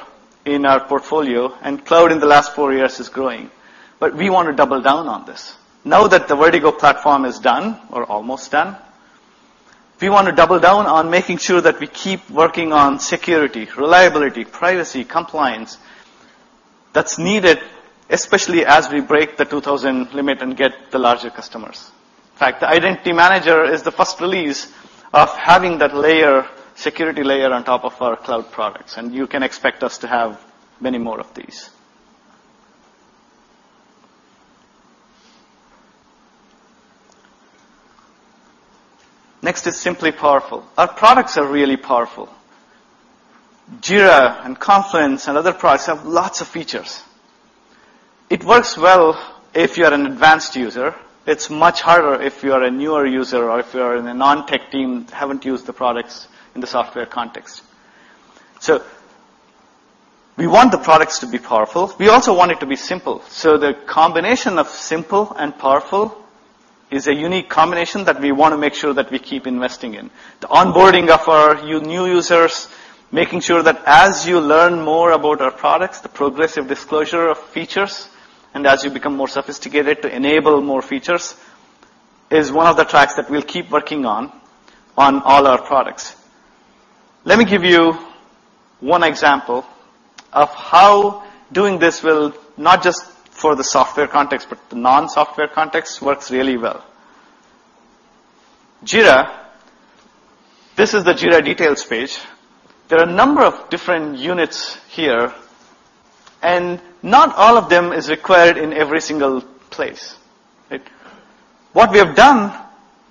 in our portfolio, and cloud in the last four years is growing. We want to double down on this. Now that the Vertigo platform is done, or almost done, we want to double down on making sure that we keep working on security, reliability, privacy, compliance that's needed, especially as we break the 2,000 limit and get the larger customers. In fact, the Identity Manager is the first release of having that layer, security layer on top of our cloud products, and you can expect us to have many more of these. Next is simply powerful. Our products are really powerful. Jira and Confluence and other products have lots of features. It works well if you're an advanced user. It's much harder if you're a newer user or if you're in a non-tech team, haven't used the products in the software context. We want the products to be powerful. We also want it to be simple. The combination of simple and powerful is a unique combination that we want to make sure that we keep investing in. The onboarding of our new users, making sure that as you learn more about our products, the progressive disclosure of features, and as you become more sophisticated to enable more features, is one of the tracks that we'll keep working on on all our products. Let me give you one example of how doing this will not just for the software context, but the non-software context works really well Jira. This is the Jira details page. There are a number of different units here, and not all of them is required in every single place. What we have done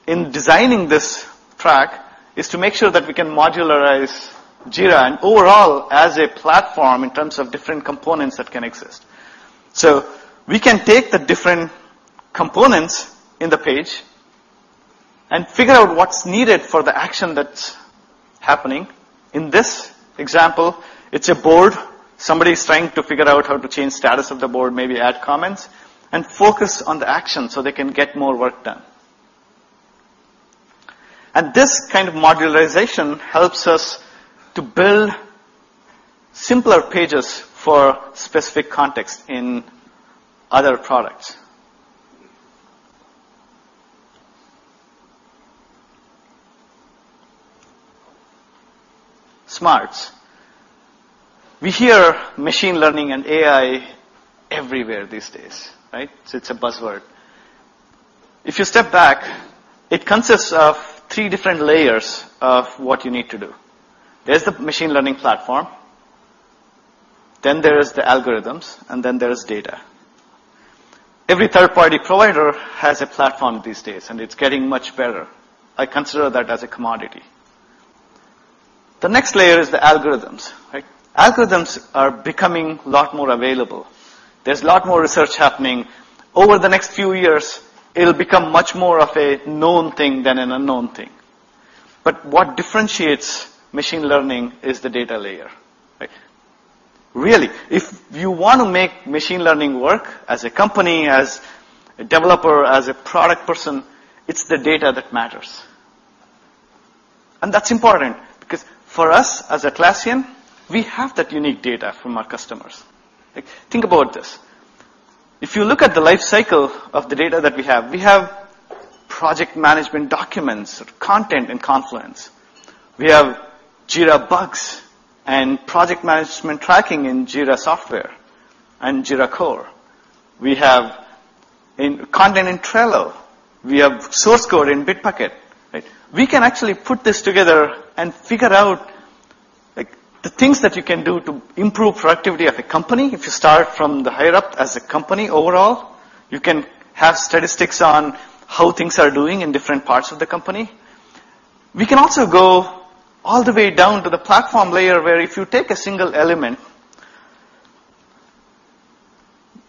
in designing this track is to make sure that we can modularize Jira and overall as a platform in terms of different components that can exist. We can take the different components in the page and figure out what's needed for the action that's happening. In this example, it's a board. Somebody's trying to figure out how to change status of the board, maybe add comments, and focus on the action so they can get more work done. This kind of modularization helps us to build simpler pages for specific contexts in other products. Smarts. We hear machine learning and AI everywhere these days, right? It's a buzzword. If you step back, it consists of three different layers of what you need to do. There's the machine learning platform, then there's the algorithms, and then there's data. Every third party provider has a platform these days, and it's getting much better. I consider that as a commodity. The next layer is the algorithms. Algorithms are becoming a lot more available. There's a lot more research happening. Over the next few years, it'll become much more of a known thing than an unknown thing. What differentiates machine learning is the data layer. Really, if you want to make machine learning work as a company, as a developer, as a product person, it's the data that matters. That's important because for us, as Atlassian, we have that unique data from our customers. Think about this. If you look at the life cycle of the data that we have, we have project management documents of content in Confluence. We have Jira bugs and project management tracking in Jira Software and Jira Core. We have content in Trello. We have source code in Bitbucket, right? We can actually put this together and figure out the things that you can do to improve productivity of the company. If you start from the higher up as a company overall, you can have statistics on how things are doing in different parts of the company. We can also go all the way down to the platform layer where if you take a single element,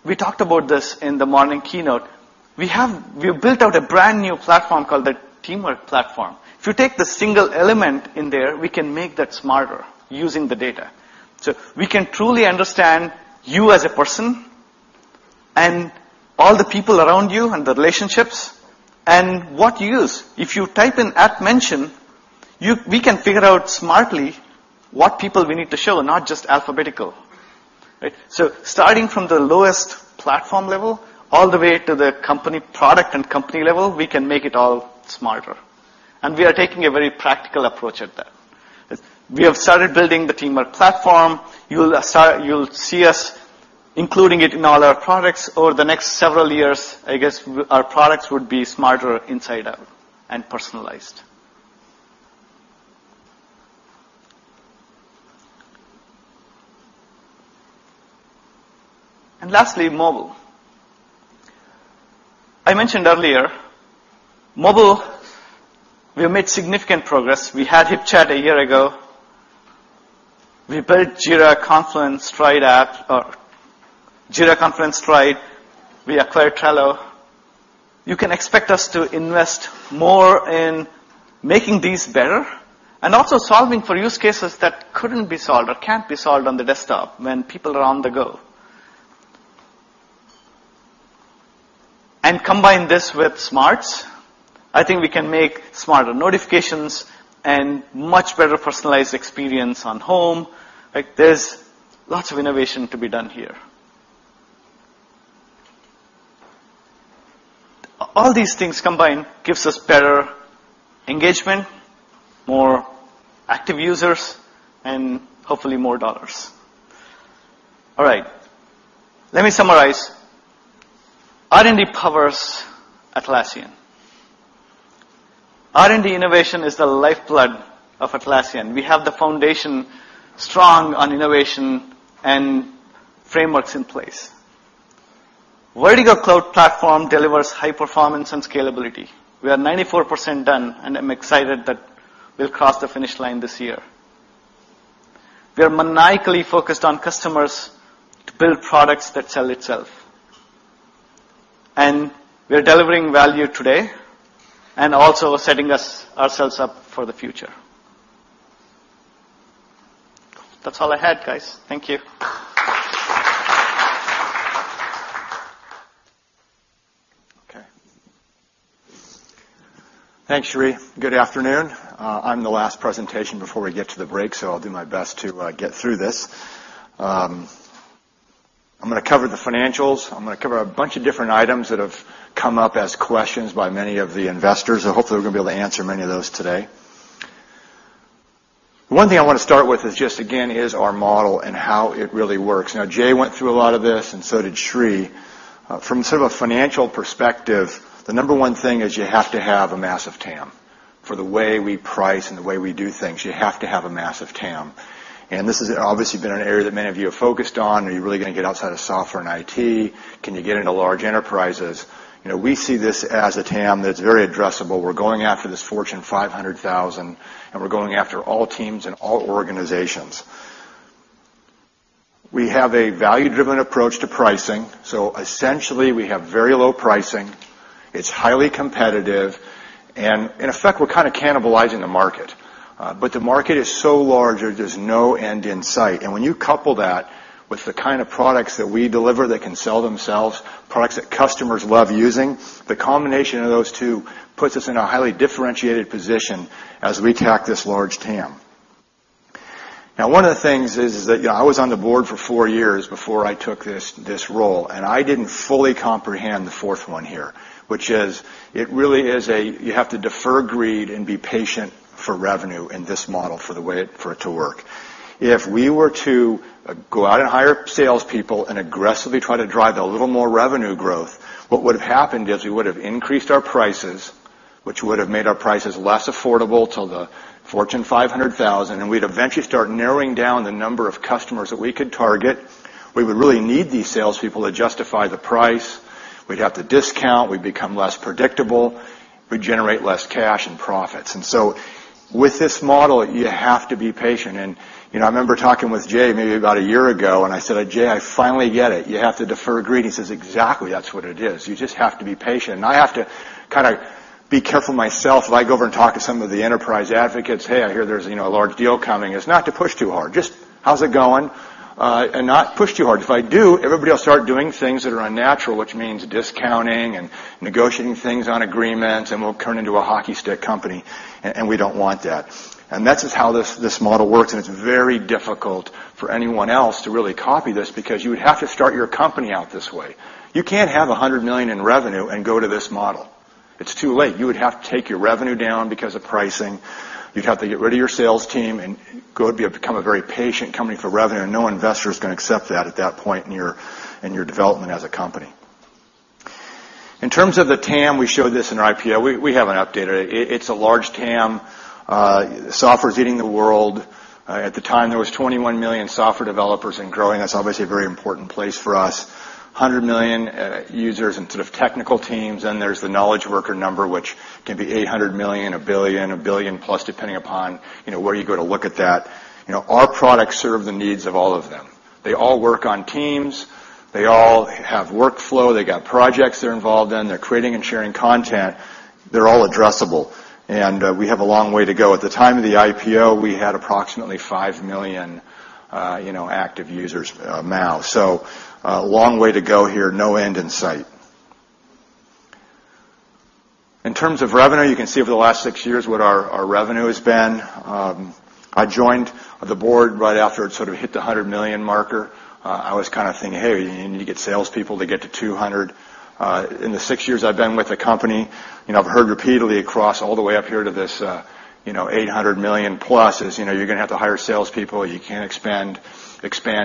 we talked about this in the morning keynote, we have built out a brand new platform called the Teamwork Platform. If you take the single element in there, we can make that smarter using the data. We can truly understand you as a person and all the people around you and the relationships and what you use. If you type in @mention, we can figure out smartly what people we need to show and not just alphabetical. Starting from the lowest platform level all the way to the company product and company level, we can make it all smarter. We are taking a very practical approach at that. We have started building the teamwork platform. You'll see us including it in all our products over the next several years. I guess our products would be smarter inside out and personalized. Lastly, mobile. I mentioned earlier, mobile, we have made significant progress. We had HipChat a year ago. We built Jira, Confluence, Stride, we acquired Trello. You can expect us to invest more in making these better and also solving for use cases that couldn't be solved or can't be solved on the desktop when people are on the go. Combine this with smarts. I think we can make smarter notifications and much better personalized experience on home. There's lots of innovation to be done here. All these things combined gives us better engagement, more active users, and hopefully more dollars. All right. Let me summarize. R&D powers Atlassian. R&D innovation is the lifeblood of Atlassian. We have the foundation strong on innovation and frameworks in place. Vertigo cloud platform delivers high performance and scalability. We are 94% done, I'm excited that we'll cross the finish line this year. We are maniacally focused on customers to build products that sell itself. We are delivering value today and also setting ourselves up for the future. That's all I had, guys. Thank you. Okay. Thanks, Sri. Good afternoon. I'm the last presentation before we get to the break, I'll do my best to get through this. I'm going to cover the financials. I'm going to cover a bunch of different items that have come up as questions by many of the investors. Hopefully we're going to be able to answer many of those today. One thing I want to start with is just, again, is our model and how it really works. Now, Jay went through a lot of this, and so did Sri. From sort of a financial perspective, the number 1 thing is you have to have a massive TAM. For the way we price and the way we do things, you have to have a massive TAM. This has obviously been an area that many of you have focused on. Are you really going to get outside of software and IT? Can you get into large enterprises? We see this as a TAM that's very addressable. We're going after this Fortune 500,000, and we're going after all teams and all organizations. We have a value-driven approach to pricing. Essentially, we have very low pricing. It's highly competitive, and in effect, we're kind of cannibalizing the market. The market is so large, there's no end in sight. When you couple that with the kind of products that we deliver that can sell themselves, products that customers love using, the combination of those two puts us in a highly differentiated position as we tack this large TAM. One of the things is that I was on the board for four years before I took this role, I didn't fully comprehend the fourth one here, which is You have to defer greed and be patient for revenue in this model for the way for it to work. If we were to go out and hire salespeople and aggressively try to drive a little more revenue growth, what would have happened is we would have increased our prices, which would have made our prices less affordable to the Fortune 500,000, and we'd eventually start narrowing down the number of customers that we could target. We would really need these salespeople to justify the price. We'd have to discount. We'd become less predictable. We'd generate less cash and profits. With this model, you have to be patient. I remember talking with Jay maybe about 1 year ago, I said, "Jay, I finally get it. You have to defer greed." He says, "Exactly, that's what it is. You just have to be patient." I have to kind of be careful myself when I go over and talk to some of the enterprise advocates, "Hey, I hear there's a large deal coming." It's not to push too hard, just, "How's it going?" Not push too hard. If I do, everybody will start doing things that are unnatural, which means discounting and negotiating things on agreements, and we'll turn into a hockey stick company, and we don't want that. That's just how this model works, and it's very difficult for anyone else to really copy this because you would have to start your company out this way. You can't have $100 million in revenue and go to this model. It's too late. You would have to take your revenue down because of pricing. You'd have to get rid of your sales team and go become a very patient company for revenue. No investor is going to accept that at that point in your development as a company. In terms of the TAM, we showed this in our IPO. We haven't updated it. It's a large TAM. Software's eating the world. At the time, there was 21 million software developers, and growing. That's obviously a very important place for us. 100 million users in sort of technical teams. Then there's the knowledge worker number, which can be 800 million, 1 billion, 1 billion plus, depending upon where you go to look at that. Our products serve the needs of all of them. They all work on teams. They all have workflow. They got projects they're involved in. They're creating and sharing content. They're all addressable. We have a long way to go. At the time of the IPO, we had approximately 5 million active users now. A long way to go here. No end in sight. In terms of revenue, you can see over the last 6 years what our revenue has been. I joined the board right after it sort of hit the $100 million marker. I was kind of thinking, "Hey, you need to get salespeople to get to $200 million." In the 6 years I've been with the company, I've heard repeatedly across all the way up here to this $800 million plus is, you're going to have to hire salespeople. You can't expand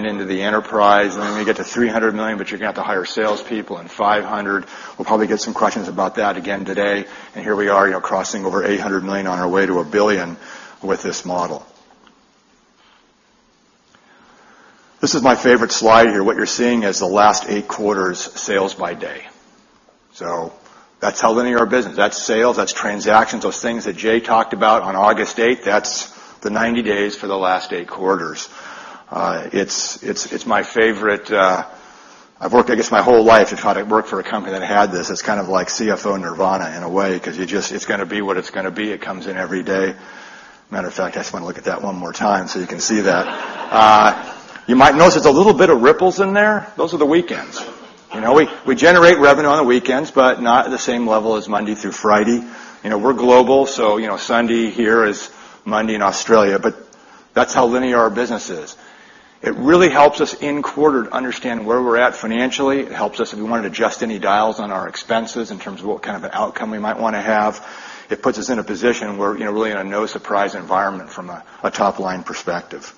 into the enterprise. When you get to $300 million, you're going to have to hire salespeople. $500 million. We'll probably get some questions about that again today. Here we are crossing over $800 million on our way to $1 billion with this model. This is my favorite slide here. What you're seeing is the last 8 quarters sales by day. That's how linear our business is. That's sales, that's transactions. Those things that Jay talked about on August 8th, that's the 90 days for the last 8 quarters. It's my favorite. I've worked, I guess, my whole life and thought I'd work for a company that had this. It's kind of like CFO Nirvana in a way, because it's going to be what it's going to be. It comes in every day. Matter of fact, I just want to look at that one more time so you can see that. You might notice there's a little bit of ripples in there. Those are the weekends. We generate revenue on the weekends, but not at the same level as Monday through Friday. We're global. Sunday here is Monday in Australia. That's how linear our business is. It really helps us in quarter to understand where we're at financially. It helps us if we want to adjust any dials on our expenses in terms of what kind of an outcome we might want to have. It puts us in a position where we're really in a no surprise environment from a top-line perspective.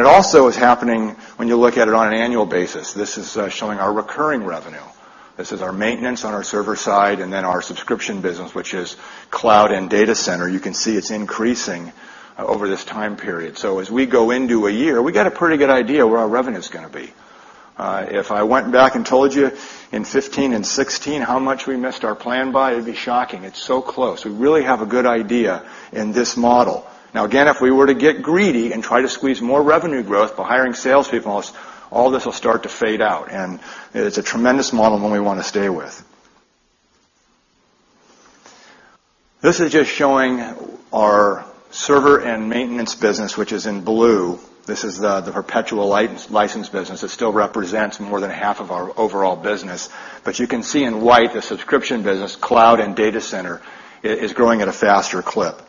It also is happening when you look at it on an annual basis. This is showing our recurring revenue. This is our maintenance on our server side and then our subscription business, which is cloud and data center. You can see it's increasing over this time period. As we go into a year, we got a pretty good idea where our revenue is going to be. If I went back and told you in 2015 and 2016 how much we missed our plan by, it'd be shocking. It's so close. We really have a good idea in this model. Now, again, if we were to get greedy and try to squeeze more revenue growth by hiring salespeople, all this will start to fade out. It's a tremendous model and one we want to stay with. This is just showing our server and maintenance business, which is in blue. This is the perpetual license business. It still represents more than half of our overall business. You can see in white, the subscription business, cloud and data center, is growing at a faster clip.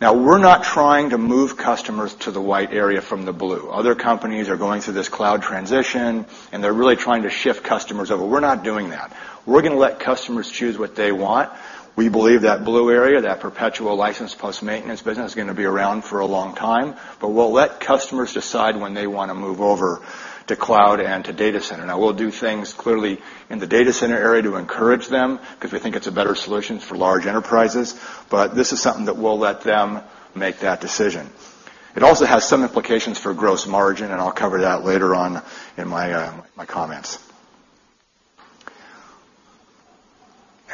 We're not trying to move customers to the white area from the blue. Other companies are going through this cloud transition, and they're really trying to shift customers over. We're not doing that. We're going to let customers choose what they want. We believe that blue area, that perpetual license plus maintenance business, is going to be around for a long time. We'll let customers decide when they want to move over to cloud and to data center. We'll do things clearly in the data center area to encourage them, because we think it's a better solution for large enterprises. This is something that we'll let them make that decision. It also has some implications for gross margin, and I'll cover that later on in my comments.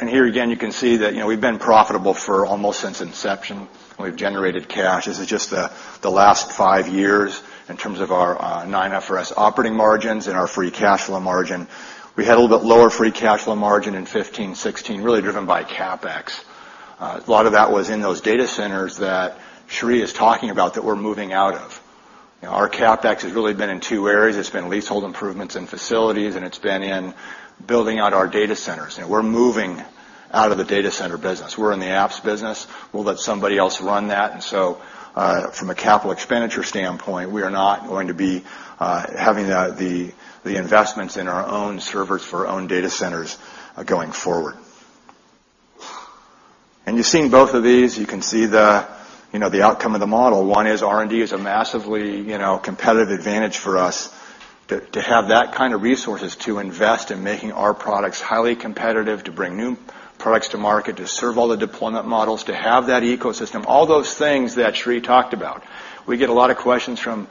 Here again, you can see that we've been profitable for almost since inception. We've generated cash. This is just the last five years in terms of our non-IFRS operating margins and our free cash flow margin. We had a little bit lower free cash flow margin in 2015, 2016, really driven by CapEx. A lot of that was in those data centers that Sri is talking about that we're moving out of. Our CapEx has really been in two areas. It's been leasehold improvements in facilities, and it's been in building out our data centers. We're moving out of the data center business. We're in the apps business. We'll let somebody else run that. From a capital expenditure standpoint, we are not going to be having the investments in our own servers for our own data centers going forward. You've seen both of these. You can see the outcome of the model. One is R&D is a massively competitive advantage for us, to have that kind of resources to invest in making our products highly competitive, to bring new products to market, to serve all the deployment models, to have that ecosystem, all those things that Sri talked about. We get a lot of questions from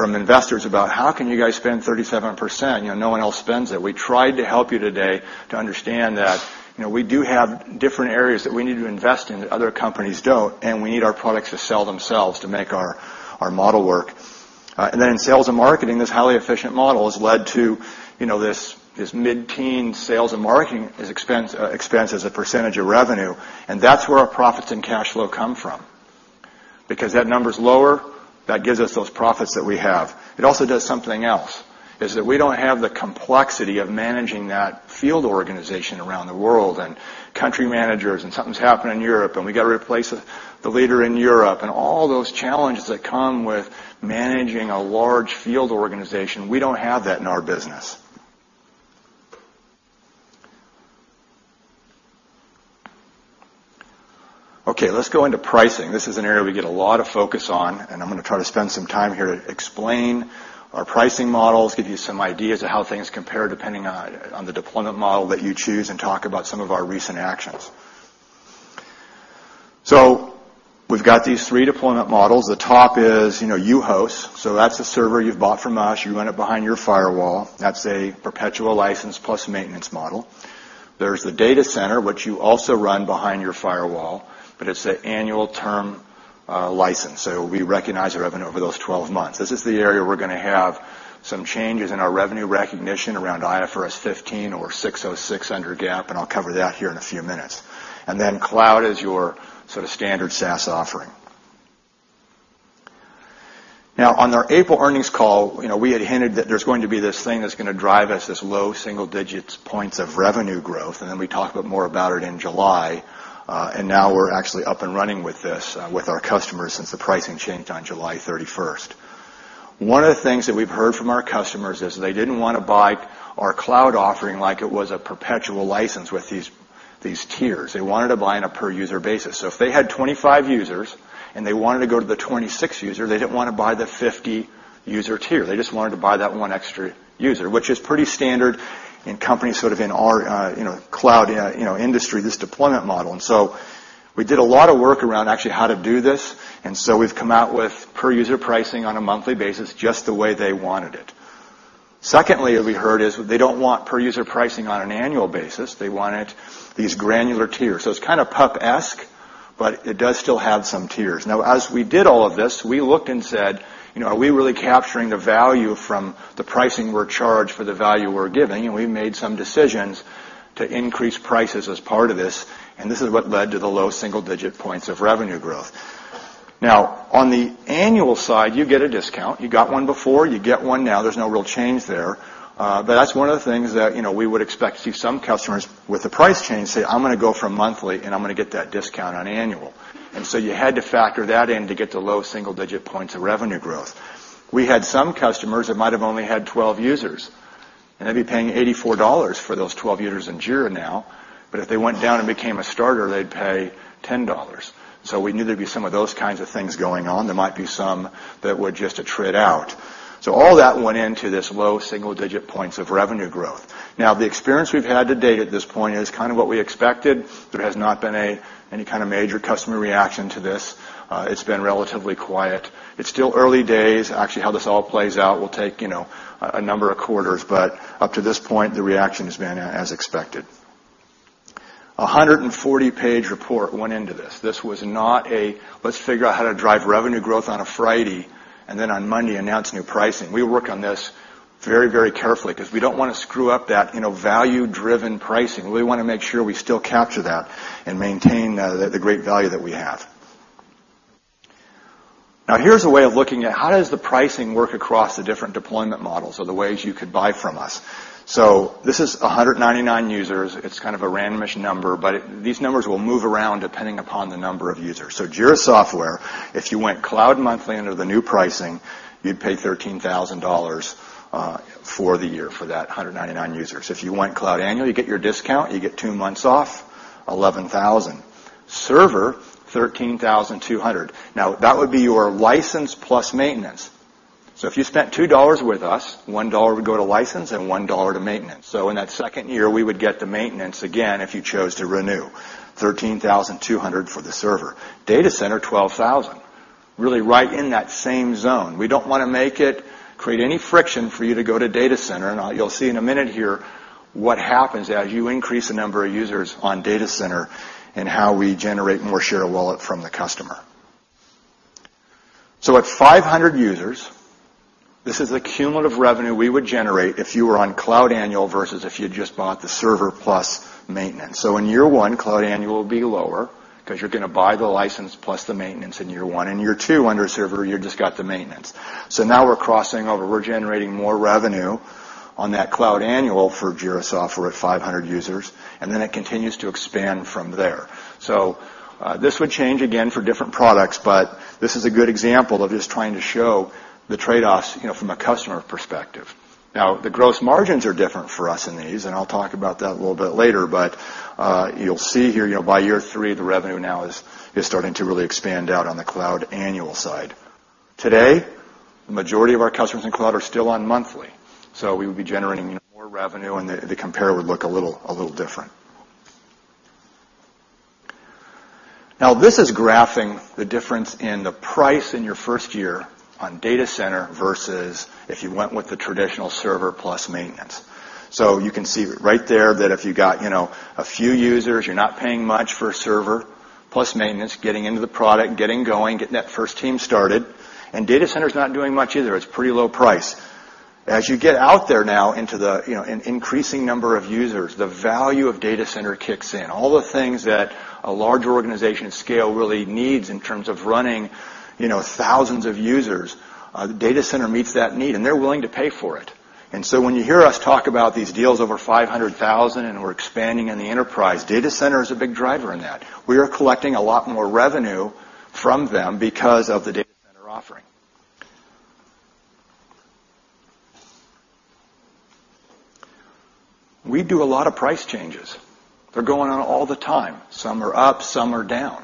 investors about, "How can you guys spend 37%? No one else spends it." We tried to help you today to understand that we do have different areas that we need to invest in that other companies don't, and we need our products to sell themselves to make our model work. In sales and marketing, this highly efficient model has led to this mid-teen sales and marketing as expense as a percentage of revenue. That's where our profits and cash flow come from. Because that number's lower, that gives us those profits that we have. It also does something else, is that we don't have the complexity of managing that field organization around the world and country managers, and something's happened in Europe, and we got to replace the leader in Europe and all those challenges that come with managing a large field organization. We don't have that in our business. Okay, let's go into pricing. This is an area we get a lot of focus on. I'm going to try to spend some time here to explain our pricing models, give you some ideas of how things compare depending on the deployment model that you choose, and talk about some of our recent actions. We've got these three deployment models. The top is you host. That's a server you've bought from us. You run it behind your firewall. That's a perpetual license plus maintenance model. There's the data center, which you also run behind your firewall, but it's an annual term license. We recognize the revenue over those 12 months. This is the area we're going to have some changes in our revenue recognition around IFRS 15 or ASC 606 under GAAP, and I'll cover that here in a few minutes. Then cloud is your sort of standard SaaS offering. On our April earnings call, we had hinted that there's going to be this thing that's going to drive us this low single-digit points of revenue growth, and then we talked a bit more about it in July. Now we're actually up and running with this with our customers since the pricing changed on July 31st. One of the things that we've heard from our customers is they didn't want to buy our cloud offering like it was a perpetual license with these tiers. They wanted to buy on a per-user basis. If they had 25 users and they wanted to go to the 26th user, they didn't want to buy the 50 user tier. They just wanted to buy that one extra user, which is pretty standard in companies sort of in our cloud industry, this deployment model. We did a lot of work around actually how to do this. We've come out with per-user pricing on a monthly basis, just the way they wanted it. Secondly, we heard is they don't want per-user pricing on an annual basis. They wanted these granular tiers. It's kind of PUP-esque, but it does still have some tiers. As we did all of this, we looked and said, "Are we really capturing the value from the pricing we're charged for the value we're giving?" We made some decisions to increase prices as part of this, and this is what led to the low single-digit points of revenue growth. On the annual side, you get a discount. You got one before, you get one now. There's no real change there. That's one of the things that we would expect to see some customers with the price change say, "I'm going to go from monthly and I'm going to get that discount on annual." You had to factor that in to get to low single-digit points of revenue growth. We had some customers that might have only had 12 users, and they'd be paying $84 for those 12 users in Jira now. If they went down and became a starter, they'd pay $10. We knew there'd be some of those kinds of things going on. There might be some that would just attrit out. All that went into this low single-digit points of revenue growth. The experience we've had to date at this point is kind of what we expected. There has not been any kind of major customer reaction to this. It's been relatively quiet. It's still early days. Actually, how this all plays out will take a number of quarters. Up to this point, the reaction has been as expected. A 140-page report went into this. This was not a let's figure out how to drive revenue growth on a Friday and then on Monday announce new pricing. We worked on this very carefully because we don't want to screw up that value-driven pricing. We want to make sure we still capture that and maintain the great value that we have. Here's a way of looking at how does the pricing work across the different deployment models or the ways you could buy from us. This is 199 users. It's kind of a random-ish number, but these numbers will move around depending upon the number of users. Jira Software, if you went cloud monthly under the new pricing, you'd pay $13,000. For the year, for that 199 users. If you went cloud annual, you get your discount, you get two months off, $11,000. Server, $13,200. That would be your license plus maintenance. If you spent $2 with us, $1 would go to license and $1 to maintenance. In that second year, we would get the maintenance again if you chose to renew. $13,200 for the server. Data Center, $12,000. Really right in that same zone. We don't want to make it create any friction for you to go to Data Center. You'll see in a minute here what happens as you increase the number of users on Data Center and how we generate more share of wallet from the customer. At 500 users, this is the cumulative revenue we would generate if you were on cloud annual versus if you just bought the server plus maintenance. In year one, cloud annual will be lower because you're going to buy the license plus the maintenance in year one. In year two under server, you just got the maintenance. Now we're crossing over. We're generating more revenue on that cloud annual for Jira Software at 500 users, then it continues to expand from there. This would change again for different products, but this is a good example of just trying to show the trade-offs from a customer perspective. The gross margins are different for us in these, I'll talk about that a little bit later. You'll see here, by year 3, the revenue now is starting to really expand out on the cloud annual side. Today, the majority of our customers in cloud are still on monthly. We would be generating more revenue, the compare would look a little different. This is graphing the difference in the price in your first year on Data Center versus if you went with the traditional server plus maintenance. You can see right there that if you got a few users, you're not paying much for server plus maintenance, getting into the product, getting going, getting that first team started. Data Center is not doing much either. It's pretty low price. As you get out there now into an increasing number of users, the value of Data Center kicks in. All the things that a larger organization scale really needs in terms of running thousands of users, Data Center meets that need, they're willing to pay for it. When you hear us talk about these deals over $500,000 we're expanding in the enterprise, Data Center is a big driver in that. We are collecting a lot more revenue from them because of the Data Center offering. We do a lot of price changes. They're going on all the time. Some are up, some are down.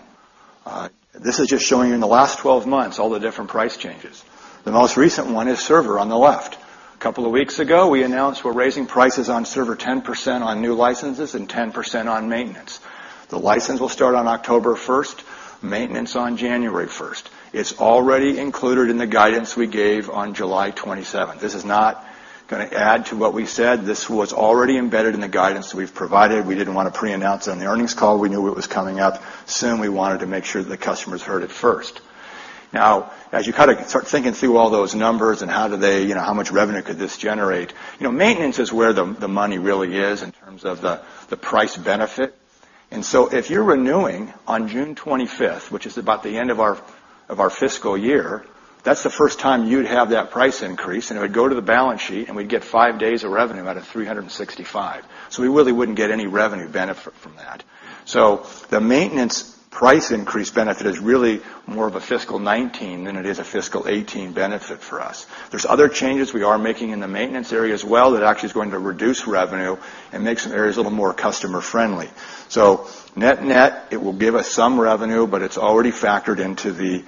This is just showing you in the last 12 months, all the different price changes. The most recent one is server on the left. A couple of weeks ago, we announced we are raising prices on server 10% on new licenses and 10% on maintenance. The license will start on October 1st, maintenance on January 1st. It is already included in the guidance we gave on July 27th. This is not going to add to what we said. This was already embedded in the guidance that we have provided. We did not want to pre-announce it on the earnings call. We knew it was coming up soon. We wanted to make sure the customers heard it first. As you start thinking through all those numbers and how much revenue could this generate, maintenance is where the money really is in terms of the price benefit. If you are renewing on June 25th, which is about the end of our fiscal year, that is the first time you would have that price increase, and it would go to the balance sheet, and we would get five days of revenue out of 365. We really would not get any revenue benefit from that. The maintenance price increase benefit is really more of a fiscal 2019 than it is a fiscal 2018 benefit for us. There are other changes we are making in the maintenance area as well that actually is going to reduce revenue and make some areas a little more customer friendly. Net-net, it will give us some revenue, but it is already factored into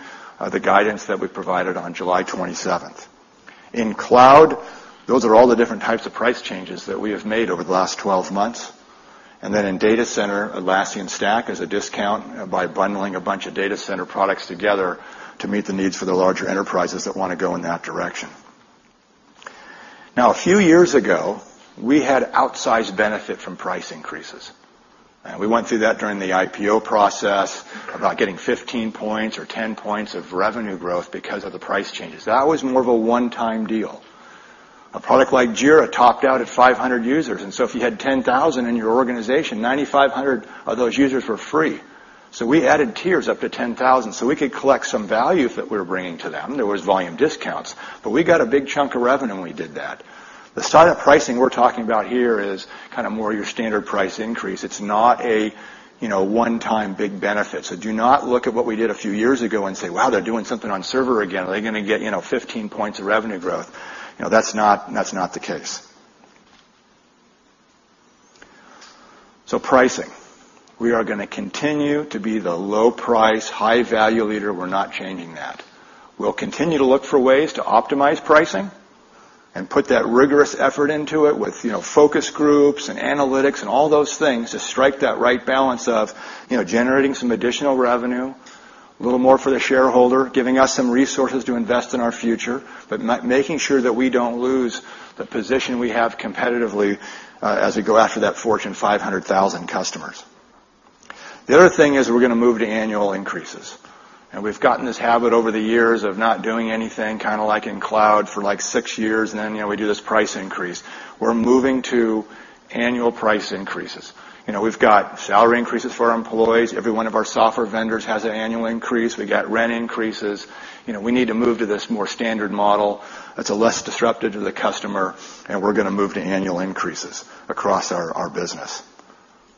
the guidance that we provided on July 27th. In cloud, those are all the different types of price changes that we have made over the last 12 months. In data center, Atlassian Stack is a discount by bundling a bunch of data center products together to meet the needs for the larger enterprises that want to go in that direction. A few years ago, we had outsized benefit from price increases. We went through that during the IPO process about getting 15 points or 10 points of revenue growth because of the price changes. That was more of a one-time deal. A product like Jira topped out at 500 users, if you had 10,000 in your organization, 9,500 of those users were free. We added tiers up to 10,000 so we could collect some value that we were bringing to them. There was volume discounts. We got a big chunk of revenue when we did that. The startup pricing we are talking about here is more your standard price increase. It is not a one-time big benefit. Do not look at what we did a few years ago and say, "Wow, they are doing something on server again. Are they going to get 15 points of revenue growth?" That is not the case. Pricing. We are going to continue to be the low price, high value leader. We are not changing that. We will continue to look for ways to optimize pricing and put that rigorous effort into it with focus groups and analytics and all those things to strike that right balance of generating some additional revenue, a little more for the shareholder, giving us some resources to invest in our future, but making sure that we do not lose the position we have competitively as we go after that Fortune 500,000 customers. The other thing is we are going to move to annual increases. We've gotten this habit over the years of not doing anything, kind of like in cloud for six years, and then we do this price increase. We're moving to annual price increases. We've got salary increases for our employees. Every one of our software vendors has an annual increase. We got rent increases. We need to move to this more standard model that's less disruptive to the customer. We're going to move to annual increases across our business.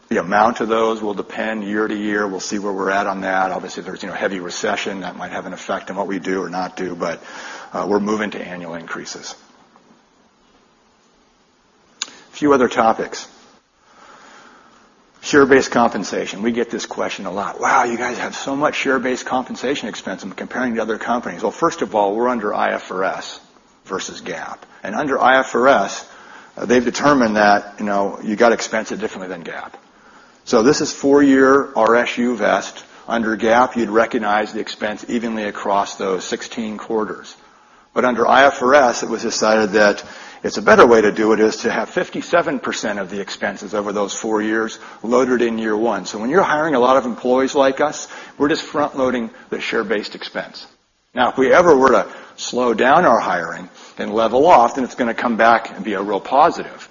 The amount of those will depend year to year. We'll see where we're at on that. Obviously, if there's heavy recession, that might have an effect on what we do or not do. We're moving to annual increases. A few other topics. Share-based compensation, we get this question a lot. "Wow, you guys have so much share-based compensation expense. I'm comparing to other companies." Well, first of all, we're under IFRS versus GAAP. Under IFRS, they've determined that you've got to expense it differently than GAAP. This is four-year RSU vest. Under GAAP, you'd recognize the expense evenly across those 16 quarters. Under IFRS, it was decided that it's a better way to do it, is to have 57% of the expenses over those four years loaded in year one. When you're hiring a lot of employees like us, we're just front-loading the share-based expense. Now, if we ever were to slow down our hiring and level off, then it's going to come back and be a real positive.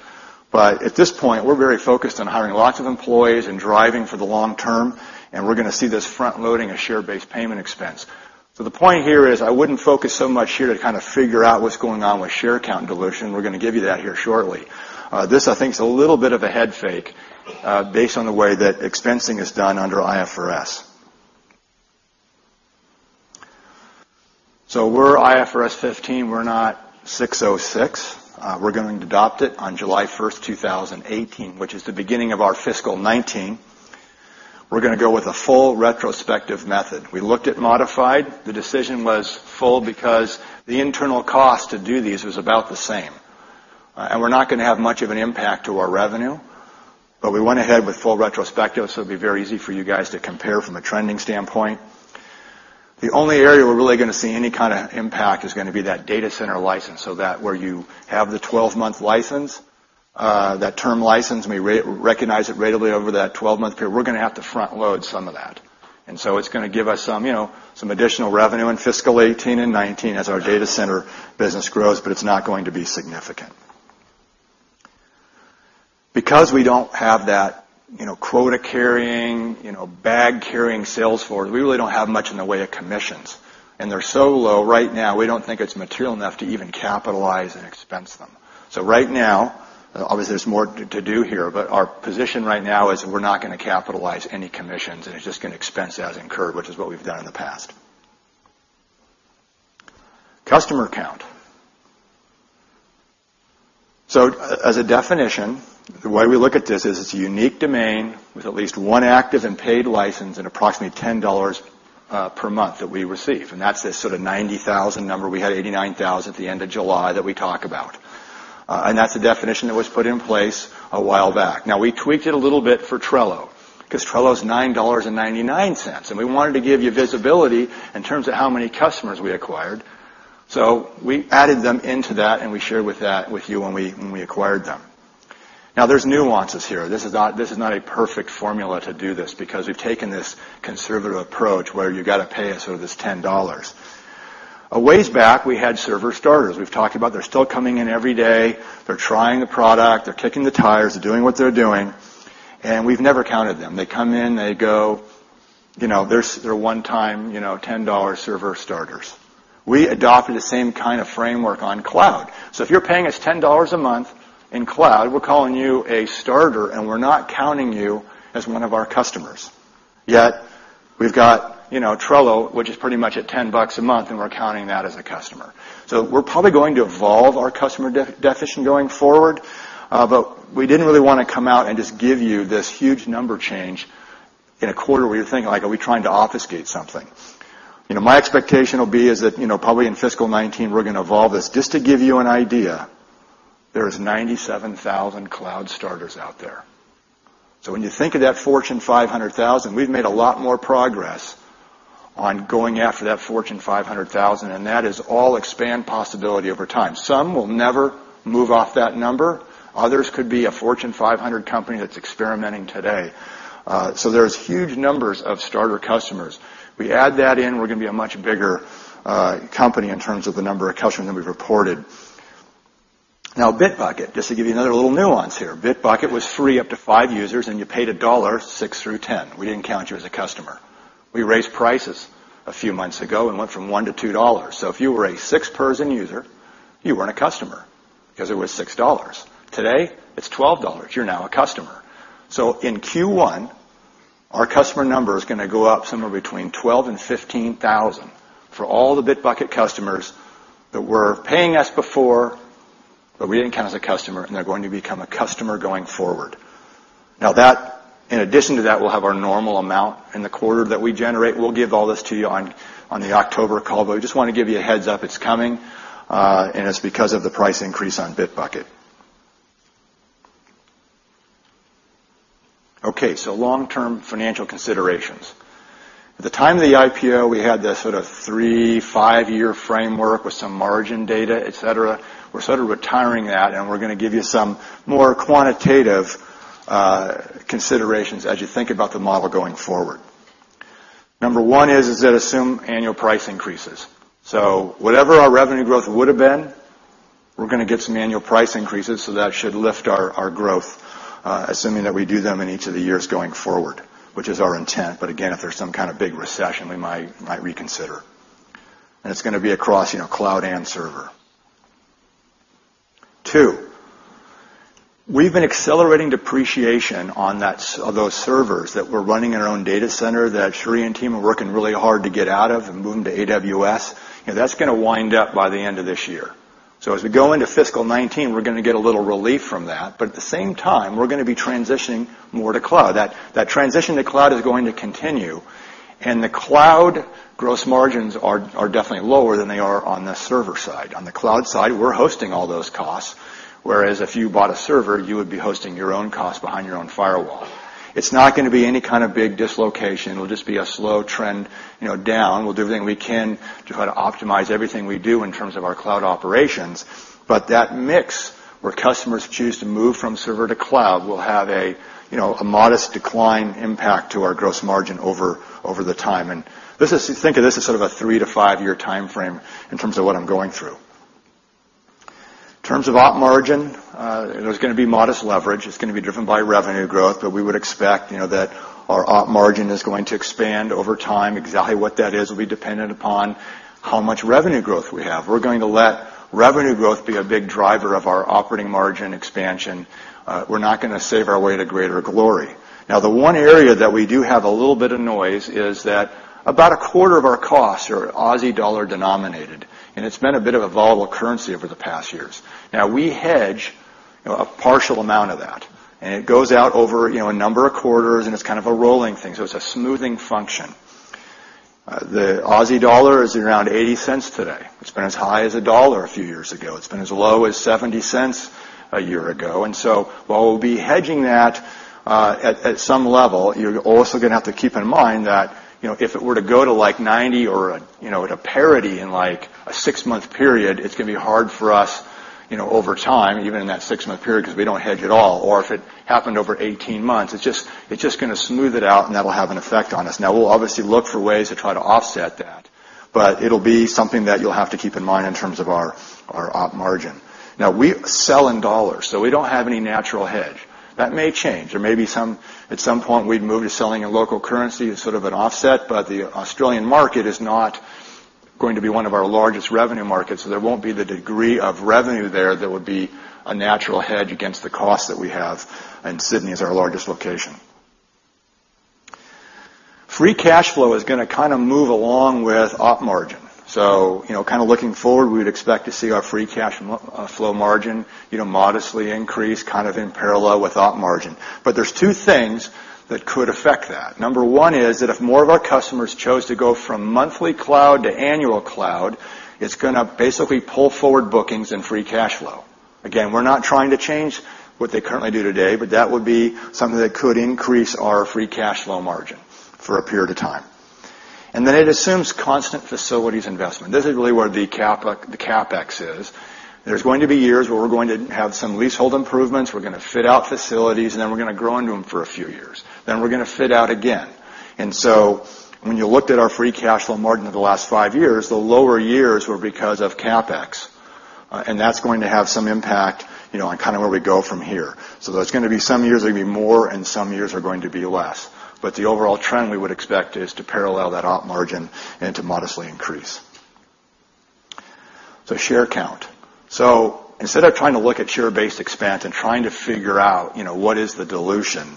At this point, we're very focused on hiring lots of employees and driving for the long term. We're going to see this front-loading of share-based payment expense. The point here is, I wouldn't focus so much here to kind of figure out what's going on with share count dilution. We're going to give you that here shortly. This, I think, is a little bit of a head fake based on the way that expensing is done under IFRS. We're IFRS 15. We're not 606. We're going to adopt it on July 1st, 2018, which is the beginning of our fiscal 2019. We're going to go with a full retrospective method. We looked at modified. The decision was full because the internal cost to do these was about the same. We're not going to have much of an impact to our revenue. We went ahead with full retrospective, so it'll be very easy for you guys to compare from a trending standpoint. The only area we're really going to see any kind of impact is going to be that data center license. That where you have the 12-month license, that term license, and we recognize it ratably over that 12-month period, we're going to have to front-load some of that. It's going to give us some additional revenue in fiscal 2018 and 2019 as our data center business grows. It's not going to be significant. Because we don't have that quota-carrying, bag-carrying Salesforce, we really don't have much in the way of commissions, and they're so low right now, we don't think it's material enough to even capitalize and expense them. Right now, obviously, there's more to do here, our position right now is we're not going to capitalize any commissions, and it's just going to expense as incurred, which is what we've done in the past. Customer count. As a definition, the way we look at this is it's a unique domain with at least one active and paid license and approximately $10 per month that we receive. That's this sort of 90,000 number. We had 89,000 at the end of July that we talk about. That's the definition that was put in place a while back. We tweaked it a little bit for Trello because Trello is $9.99, we wanted to give you visibility in terms of how many customers we acquired. We added them into that, we shared with you when we acquired them. There's nuances here. This is not a perfect formula to do this because we've taken this conservative approach where you've got to pay us this $10. A ways back, we had server starters. We've talked about they're still coming in every day. They're trying the product. They're kicking the tires. They're doing what they're doing, we've never counted them. They come in. They go. They're one-time $10 server starters. We adopted the same kind of framework on cloud. If you're paying us $10 a month in cloud, we're calling you a starter, we're not counting you as one of our customers. Yet, we've got Trello, which is pretty much at $10 a month, we're counting that as a customer. We're probably going to evolve our customer definition going forward. We didn't really want to come out and just give you this huge number change in a quarter where you're thinking, like, "Are we trying to obfuscate something?" My expectation will be is that probably in fiscal 2019, we're going to evolve this. Just to give you an idea, there is 97,000 cloud starters out there. When you think of that Fortune 500,000, we've made a lot more progress on going after that Fortune 500,000, that is all expand possibility over time. Some will never move off that number. Others could be a Fortune 500 company that's experimenting today. There's huge numbers of starter customers. We add that in, we're going to be a much bigger company in terms of the number of customers that we've reported. Bitbucket, just to give you another little nuance here. Bitbucket was free up to five users, you paid $1 6-10. We didn't count you as a customer. We raised prices a few months ago, went from $1 to $2. If you were a six-person user, you weren't a customer because it was $6. Today, it's $12. You're now a customer. In Q1, our customer number is going to go up somewhere between 12,000-15,000 for all the Bitbucket customers that were paying us before, we didn't count as a customer, they're going to become a customer going forward. In addition to that, we'll have our normal amount in the quarter that we generate. We'll give all this to you on the October call, we just want to give you a heads-up it's coming, it's because of the price increase on Bitbucket. Long-term financial considerations. At the time of the IPO, we had this sort of three, five-year framework with some margin data, et cetera. We're sort of retiring that, we're going to give you some more quantitative considerations as you think about the model going forward. Number one is, assume annual price increases. Whatever our revenue growth would have been, we're going to get some annual price increases, so that should lift our growth, assuming that we do them in each of the years going forward, which is our intent. Again, if there's some kind of big recession, we might reconsider. It's going to be across cloud and server. Two. We've been accelerating depreciation on those servers that we're running in our own data center that Sri and team are working really hard to get out of and move to AWS. That's going to wind up by the end of this year. As we go into fiscal 2019, we're going to get a little relief from that, but at the same time, we're going to be transitioning more to cloud. That transition to cloud is going to continue, the cloud gross margins are definitely lower than they are on the server side. On the cloud side, we're hosting all those costs, whereas if you bought a server, you would be hosting your own cost behind your own firewall. It's not going to be any kind of big dislocation. It'll just be a slow trend down. We'll do everything we can to try to optimize everything we do in terms of our cloud operations. That mix where customers choose to move from server to cloud will have a modest decline impact to our gross margin over the time. Think of this as sort of a three to five-year timeframe in terms of what I'm going through. In terms of op margin, there's going to be modest leverage. It's going to be driven by revenue growth. We would expect that our op margin is going to expand over time. Exactly what that is will be dependent upon how much revenue growth we have. We're going to let revenue growth be a big driver of our operating margin expansion. We're not going to save our way to greater glory. The one area that we do have a little bit of noise is that about a quarter of our costs are Aussie dollar denominated, it's been a bit of a volatile currency over the past years. We hedge a partial amount of that, it goes out over a number of quarters, it's kind of a rolling thing. It's a smoothing function. The Aussie dollar is around 0.80 today. It's been as high as AUD 1.00 a few years ago. It's been as low as 0.70 a year ago. While we'll be hedging that at some level, you're also going to have to keep in mind that if it were to go to 0.90 or at a parity in a six-month period, it's going to be hard for us over time, even in that six-month period, because we don't hedge at all, or if it happened over 18 months, it's just going to smooth it out, that'll have an effect on us. We'll obviously look for ways to try to offset that, but it'll be something that you'll have to keep in mind in terms of our op margin. We sell in dollars, so we don't have any natural hedge. That may change. There may be at some point, we'd move to selling in local currency as sort of an offset, but the Australian market is not going to be one of our largest revenue markets. There won't be the degree of revenue there that would be a natural hedge against the cost that we have, and Sydney is our largest location. Free cash flow is going to kind of move along with op margin. Looking forward, we would expect to see our Free cash flow margin modestly increase kind of in parallel with op margin. There's two things that could affect that. Number 1 is that if more of our customers chose to go from monthly cloud to annual cloud, it's going to basically pull forward bookings and Free cash flow. Again, we're not trying to change what they currently do today, but that would be something that could increase our Free cash flow margin for a period of time. It assumes constant facilities investment. This is really where the CapEx is. There's going to be years where we're going to have some leasehold improvements, we're going to fit out facilities, and then we're going to grow into them for a few years. Then we're going to fit out again. When you looked at our Free cash flow margin over the last five years, the lower years were because of CapEx. That's going to have some impact on kind of where we go from here. There's going to be some years are going to be more and some years are going to be less. The overall trend we would expect is to parallel that op margin and to modestly increase. Share count. Instead of trying to look at share-based expense and trying to figure out what is the dilution,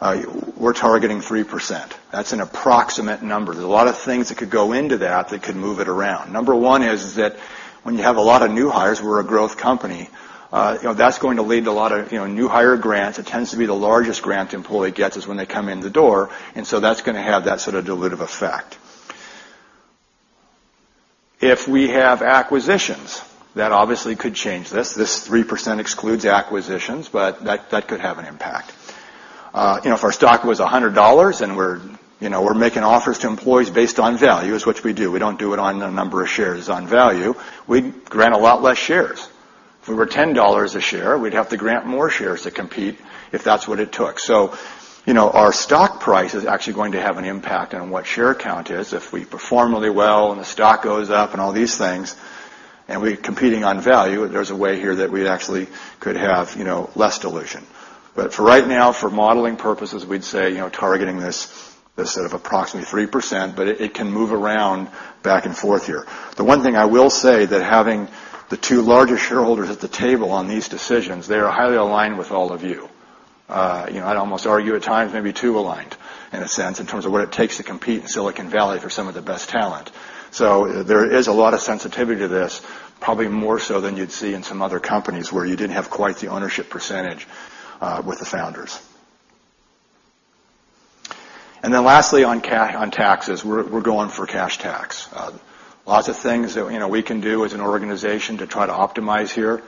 we're targeting 3%. That's an approximate number. There's a lot of things that could go into that could move it around. Number 1 is that when you have a lot of new hires, we're a growth company, that's going to lead to a lot of new hire grants. It tends to be the largest grant employee gets is when they come in the door. If we have acquisitions, that obviously could change this. This 3% excludes acquisitions, that could have an impact. If our stock was $100 and we're making offers to employees based on value, is what we do. We don't do it on a number of shares, it's on value. We'd grant a lot less shares. If we were $10 a share, we'd have to grant more shares to compete if that's what it took. Our stock price is actually going to have an impact on what share count is. If we perform really well and the stock goes up and all these things, and we're competing on value, there's a way here that we actually could have less dilution. For right now, for modeling purposes, we'd say targeting this sort of approximately 3%, but it can move around back and forth here. The one thing I will say that having the two largest shareholders at the table on these decisions, they are highly aligned with all of you. I'd almost argue at times maybe too aligned in a sense, in terms of what it takes to compete in Silicon Valley for some of the best talent. There is a lot of sensitivity to this, probably more so than you'd see in some other companies where you didn't have quite the ownership percentage with the founders. Lastly, on taxes, we're going for cash tax. Lots of things that we can do as an organization to try to optimize here.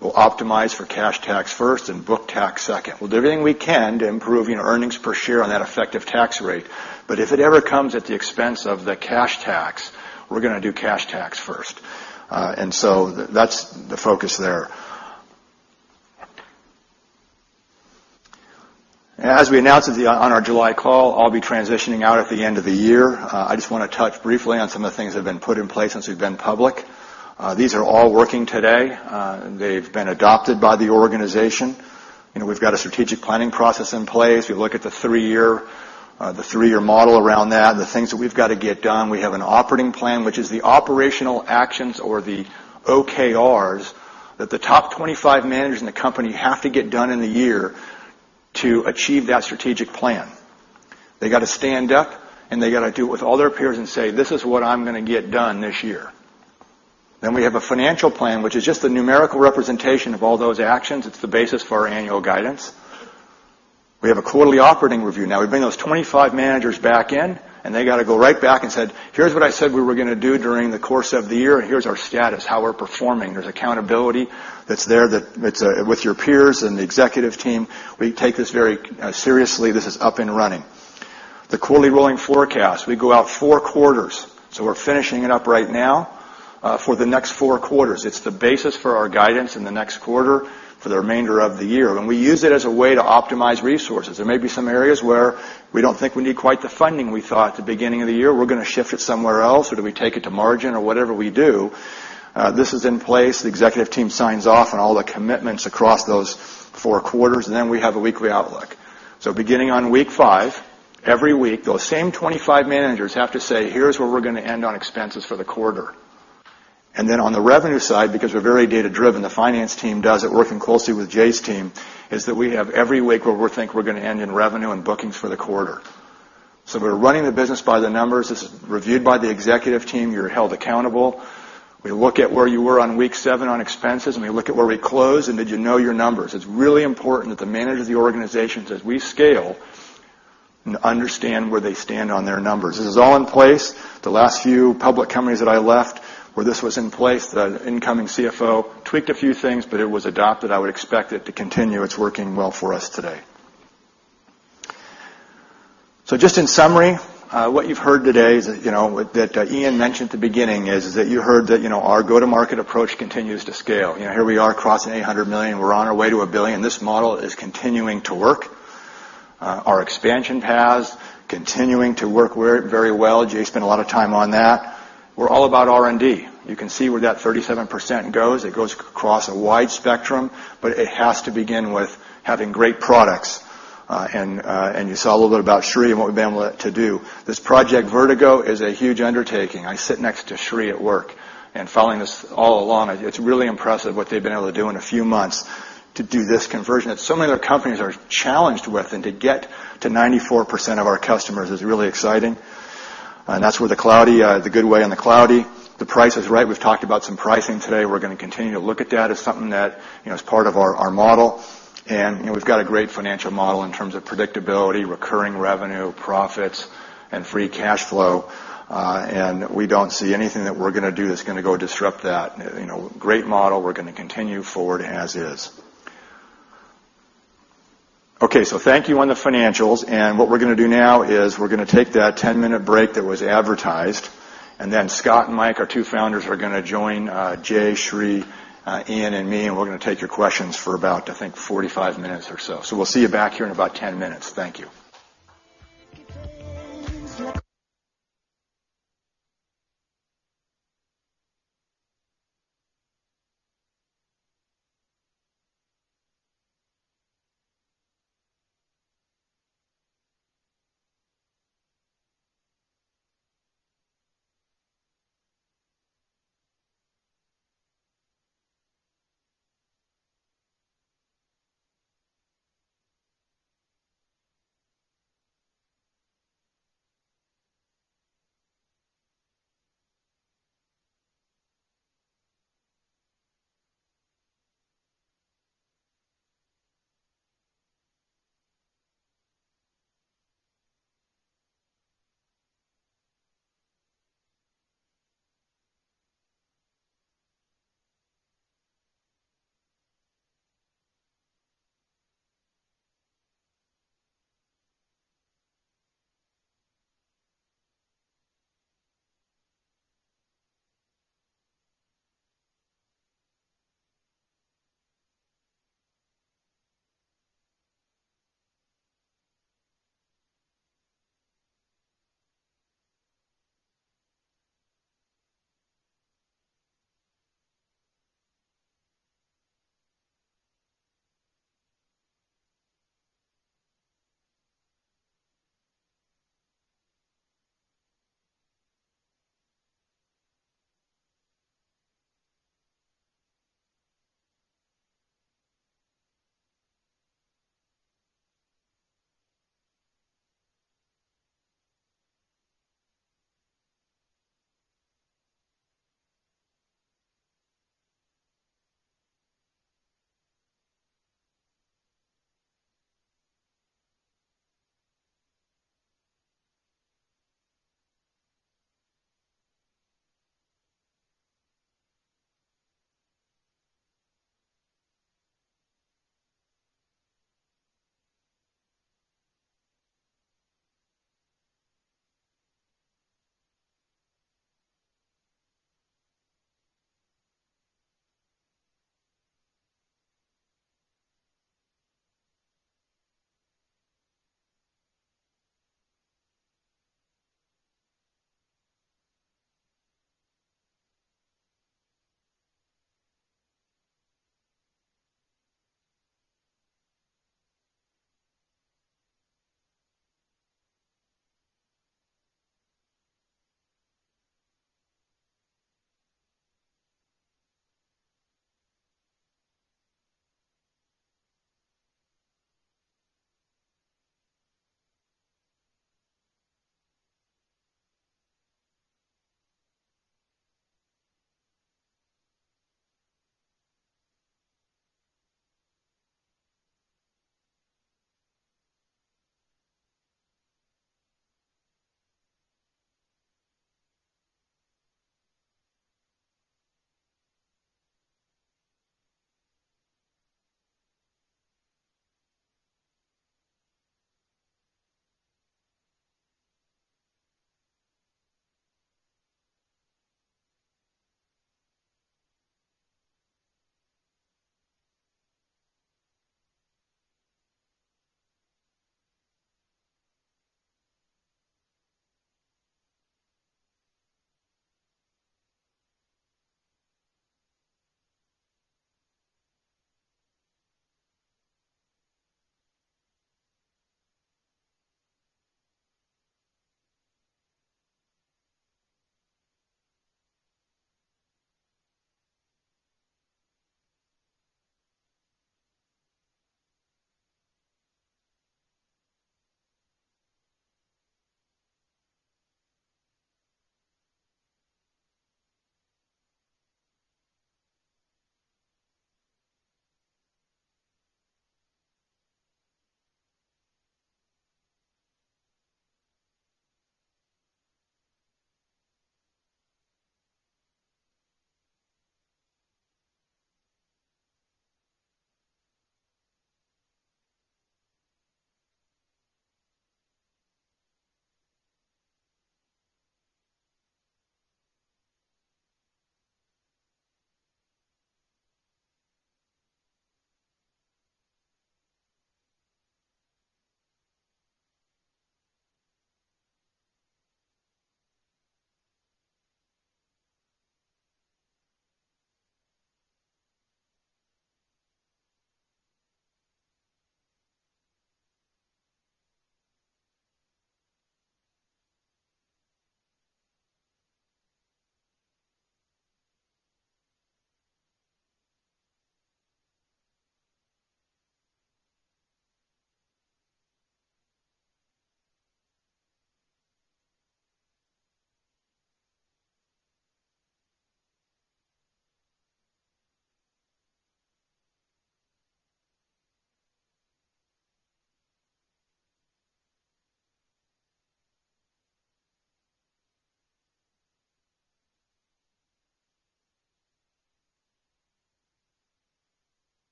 We'll optimize for cash tax first and book tax second. We'll do everything we can to improve earnings per share on that effective tax rate. If it ever comes at the expense of the cash tax, we're going to do cash tax first. That's the focus there. As we announced on our July call, I'll be transitioning out at the end of the year. I just want to touch briefly on some of the things that have been put in place since we've been public. These are all working today. They've been adopted by the organization. We've got a strategic planning process in place. We look at the three-year model around that, the things that we've got to get done. We have an operating plan, which is the operational actions or the OKRs that the top 25 managers in the company have to get done in the year to achieve that strategic plan. They got to stand up, and they got to do it with all their peers and say, "This is what I'm going to get done this year." We have a financial plan, which is just the numerical representation of all those actions. It's the basis for our annual guidance. We have a quarterly operating review. Now, we bring those 25 managers back in, and they got to go right back and said, "Here's what I said we were going to do during the course of the year, and here's our status, how we're performing." There's accountability that's there with your peers and the executive team. We take this very seriously. This is up and running. The quarterly rolling forecast, we go out four quarters. We're finishing it up right now for the next four quarters. It's the basis for our guidance in the next quarter for the remainder of the year. We use it as a way to optimize resources. There may be some areas where we don't think we need quite the funding we thought at the beginning of the year. We're going to shift it somewhere else, or do we take it to margin or whatever we do. This is in place. The executive team signs off on all the commitments across those four quarters. We have a weekly outlook. Beginning on week 5, every week, those same 25 managers have to say, "Here's where we're going to end on expenses for the quarter." On the revenue side, because we're very data-driven, the finance team does it working closely with Jay's team, is that we have every week where we think we're going to end in revenue and bookings for the quarter. We're running the business by the numbers. This is reviewed by the executive team. You're held accountable. We look at where you were on week 7 on expenses, and we look at where we close and did you know your numbers. It's really important that the managers of the organizations, as we scale, understand where they stand on their numbers. This is all in place. The last few public companies that I left, where this was in place, the incoming CFO tweaked a few things. It was adopted. I would expect it to continue. It's working well for us today. Just in summary, what you've heard today that Ian mentioned at the beginning is that you heard that our go-to-market approach continues to scale. Here we are crossing $800 million. We're on our way to $1 billion. This model is continuing to work. Our expansion paths continuing to work very well. Jay spent a lot of time on that. We're all about R&D. You can see where that 37% goes. It goes across a wide spectrum. It has to begin with having great products. You saw a little bit about Sri and what we've been able to do. This Project Vertigo is a huge undertaking. I sit next to Sri at work. Following this all along, it's really impressive what they've been able to do in a few months to do this conversion that so many other companies are challenged with and to get to 94% of our customers is really exciting. That's where the good way and the cloudy. The price is right. We've talked about some pricing today. We're going to continue to look at that as something that is part of our model. We've got a great financial model in terms of predictability, recurring revenue, profits, and free cash flow. We don't see anything that we're going to do that's going to go disrupt that. Great model. We're going to continue forward as is. Okay. Thank you on the financials. What we're going to do now is we're going to take that 10-minute break that was advertised. Scott and Mike, our two founders, are going to join Jay, Sri, Ian, and me. We're going to take your questions for about, I think, 45 minutes or so. We'll see you back here in about 10 minutes. Thank you.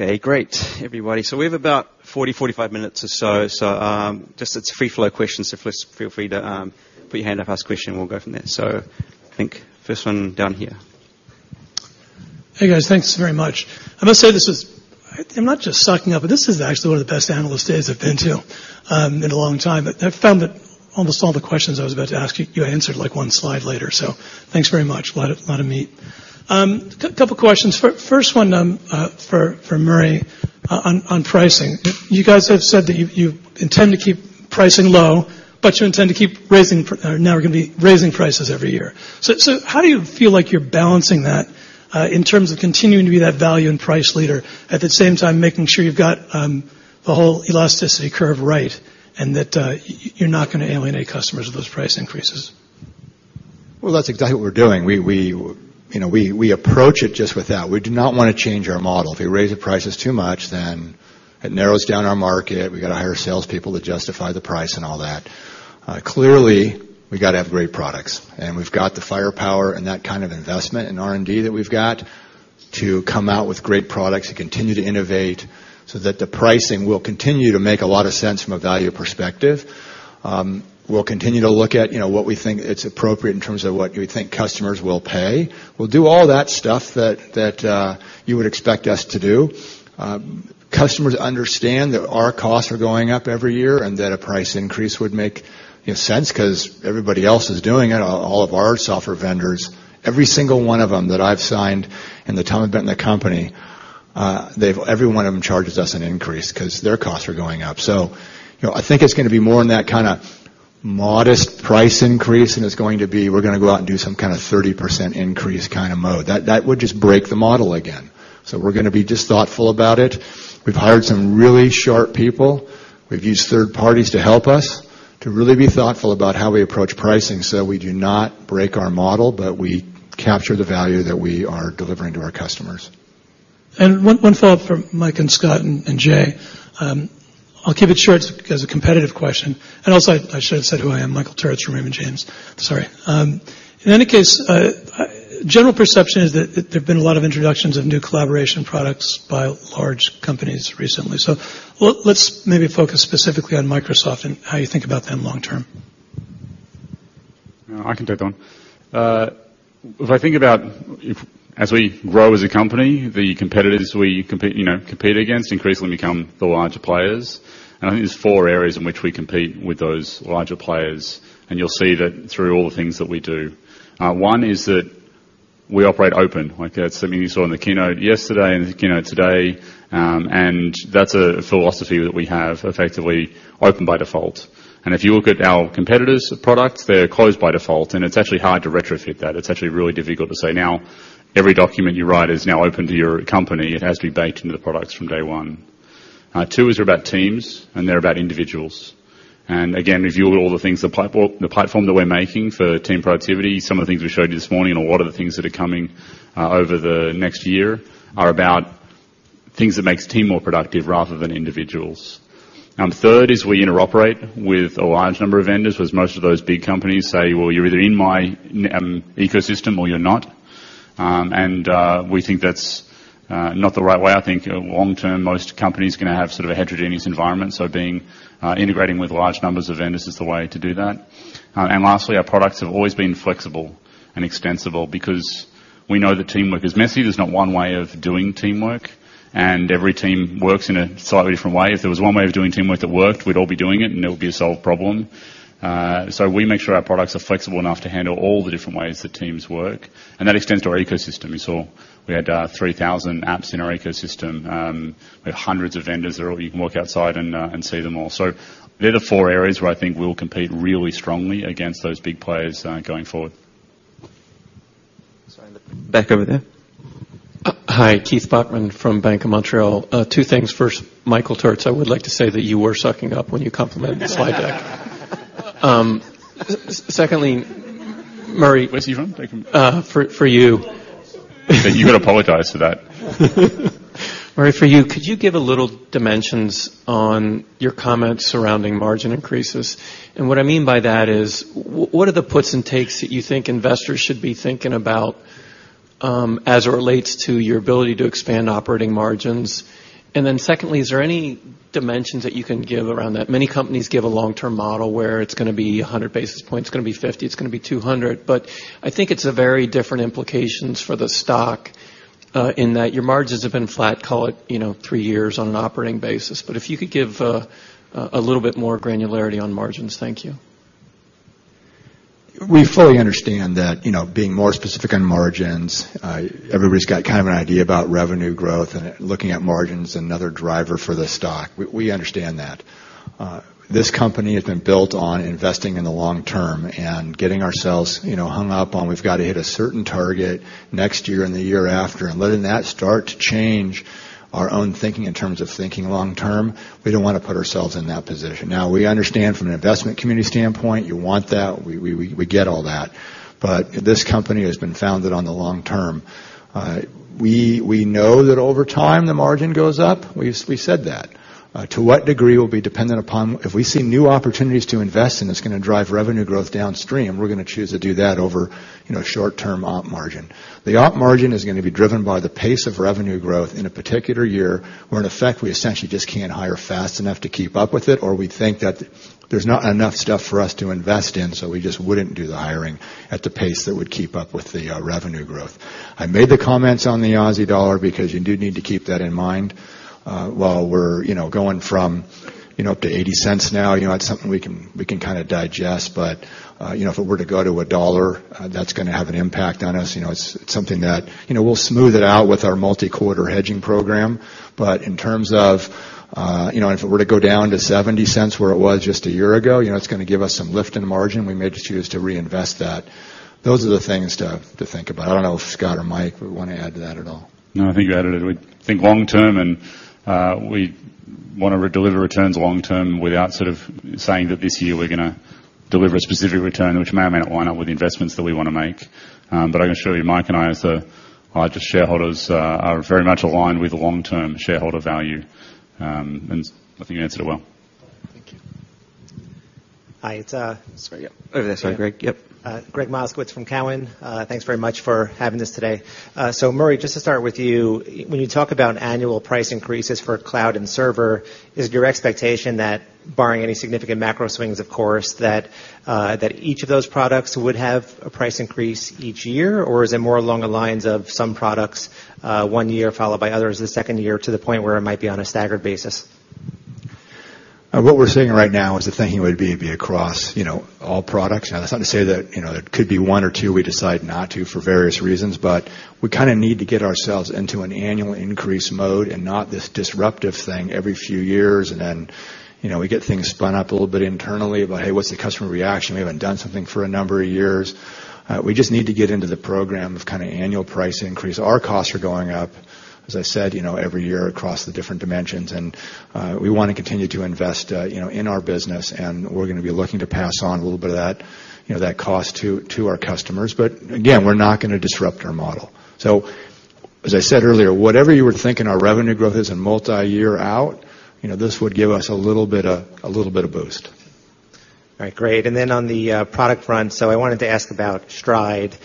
Okay, great, everybody. We have about 40, 45 minutes or so. It's free flow questions, please feel free to put your hand up, ask a question, and we'll go from there. I think first one down here. Hey, guys. Thanks very much. I must say, I'm not just sucking up, but this is actually one of the best analyst days I've been to in a long time. I found that almost all the questions I was about to ask you answered one slide later, thanks very much. A lot to meet. Couple of questions. First one for Murray on pricing. You guys have said that you intend to keep pricing low, but you intend to keep raising. Now you're going to be raising prices every year. How do you feel like you're balancing that, in terms of continuing to be that value and price leader, at the same time, making sure you've got the whole elasticity curve right, and that you're not going to alienate customers with those price increases? Well, that's exactly what we're doing. We approach it just with that. We do not want to change our model. If we raise the prices too much, it narrows down our market. We've got to hire salespeople to justify the price and all that. Clearly, we've got to have great products. We've got the firepower and that kind of investment in R&D that we've got to come out with great products and continue to innovate so that the pricing will continue to make a lot of sense from a value perspective. We'll continue to look at what we think it's appropriate in terms of what we think customers will pay. We'll do all that stuff that you would expect us to do. Customers understand that our costs are going up every year and that a price increase would make sense because everybody else is doing it. All of our software vendors, every single one of them that I've signed in the time I've been in the company, every one of them charges us an increase because their costs are going up. I think it's going to be more in that kind of modest price increase than it's going to be, we're going to go out and do some kind of 30% increase mode. That would just break the model again. We're going to be just thoughtful about it. We've hired some really sharp people. We've used third parties to help us to really be thoughtful about how we approach pricing so that we do not break our model, but we capture the value that we are delivering to our customers. One follow-up for Mike and Scott and Jay. I'll keep it short. It's a competitive question. Also, I should have said who I am, Michael Turrin from Raymond James. Sorry. In any case, general perception is that there've been a lot of introductions of new collaboration products by large companies recently. Let's maybe focus specifically on Microsoft and how you think about them long term. I can take that one. If I think about as we grow as a company, the competitors we compete against increasingly become the larger players. I think there's four areas in which we compete with those larger players, and you'll see that through all the things that we do. One is that we operate open. That's something you saw in the keynote yesterday and the keynote today. That's a philosophy that we have, effectively open by default. If you look at our competitors' products, they're closed by default, and it's actually hard to retrofit that. It's actually really difficult to say, now every document you write is now open to your company. It has to be baked into the products from day one. Two is we're about teams, and they're about individuals. Again, if you look at all the things, the platform that we're making for team productivity, some of the things we showed you this morning and a lot of the things that are coming over the next year are about things that makes team more productive rather than individuals. Third is we interoperate with a large number of vendors. Whereas most of those big companies say, "Well, you're either in my ecosystem or you're not." We think that's not the right way. I think long term, most companies are going to have a heterogeneous environment. Integrating with large numbers of vendors is the way to do that. Lastly, our products have always been flexible and extensible because we know that teamwork is messy. There's not one way of doing teamwork, and every team works in a slightly different way. If there was one way of doing teamwork that worked, we'd all be doing it and it would be a solved problem. We make sure our products are flexible enough to handle all the different ways that teams work, and that extends to our ecosystem. You saw we had 3,000 apps in our ecosystem. We have hundreds of vendors. You can walk outside and see them all. They're the four areas where I think we'll compete really strongly against those big players going forward. Sorry, in the back over there. Hi. Keith Bachman from Bank of Montreal. Two things. First, Michael Turits, I would like to say that you were sucking up when you complimented the slide deck. Secondly, Where is Keith from? For you. You got to apologize for that. Murray, for you, could you give a little dimensions on your comments surrounding margin increases? What I mean by that is, what are the puts and takes that you think investors should be thinking about as it relates to your ability to expand operating margins? Secondly, is there any dimensions that you can give around that? Many companies give a long-term model where it's going to be 100 basis points, it's going to be 50, it's going to be 200. I think it's a very different implications for the stock in that your margins have been flat, call it three years on an operating basis. If you could give a little bit more granularity on margins. Thank you. We fully understand that being more specific on margins, everybody's got an idea about revenue growth and looking at margins, another driver for the stock. We understand that. This company has been built on investing in the long term and getting ourselves hung up on we've got to hit a certain target next year and the year after and letting that start to change our own thinking in terms of thinking long term, we don't want to put ourselves in that position. Now, we understand from an investment community standpoint, you want that. We get all that. This company has been founded on the long term. We know that over time, the margin goes up. We said that. To what degree will be dependent upon if we see new opportunities to invest and it's going to drive revenue growth downstream, we're going to choose to do that over short-term op margin. The op margin is going to be driven by the pace of revenue growth in a particular year, where in effect, we essentially just can't hire fast enough to keep up with it, or we think that there's not enough stuff for us to invest in, so we just wouldn't do the hiring at the pace that would keep up with the revenue growth. I made the comments on the Aussie dollar because you do need to keep that in mind. While we're going from up to 0.80 now, it's something we can digest, but if it were to go to AUD 1.00, that's going to have an impact on us. It's something that we'll smooth it out with our multi-quarter hedging program. In terms of if it were to go down to $0.70 where it was just a year ago, it's going to give us some lift in margin. We may just choose to reinvest that. Those are the things to think about. I don't know if Scott or Mike would want to add to that at all. No, I think you added it. We think long term, we want to deliver returns long term without saying that this year we're going to deliver a specific return, which may or may not line up with the investments that we want to make. I can assure you, Mike and I, as the largest shareholders, are very much aligned with the long-term shareholder value. I think you answered it well. Thank you. Hi. Sorry, yep. Over there, sorry, Gregg. Yep. Gregg Moskowitz from Cowen. Thanks very much for having us today. Murray, just to start with you, when you talk about annual price increases for cloud and server, is your expectation that barring any significant macro swings, of course, that each of those products would have a price increase each year? Or is it more along the lines of some products one year followed by others the second year to the point where it might be on a staggered basis? What we're seeing right now is the thinking would be it'd be across all products. That's not to say that it could be one or two we decide not to for various reasons, but we need to get ourselves into an annual increase mode and not this disruptive thing every few years and then we get things spun up a little bit internally about, hey, what's the customer reaction? We haven't done something for a number of years. We just need to get into the program of annual price increase. Our costs are going up, as I said, every year across the different dimensions, and we want to continue to invest in our business, and we're going to be looking to pass on a little bit of that cost to our customers. Again, we're not going to disrupt our model. As I said earlier, whatever you were thinking our revenue growth is in multi-year out, this would give us a little bit of boost. All right, great. On the product front, I wanted to ask about Stride.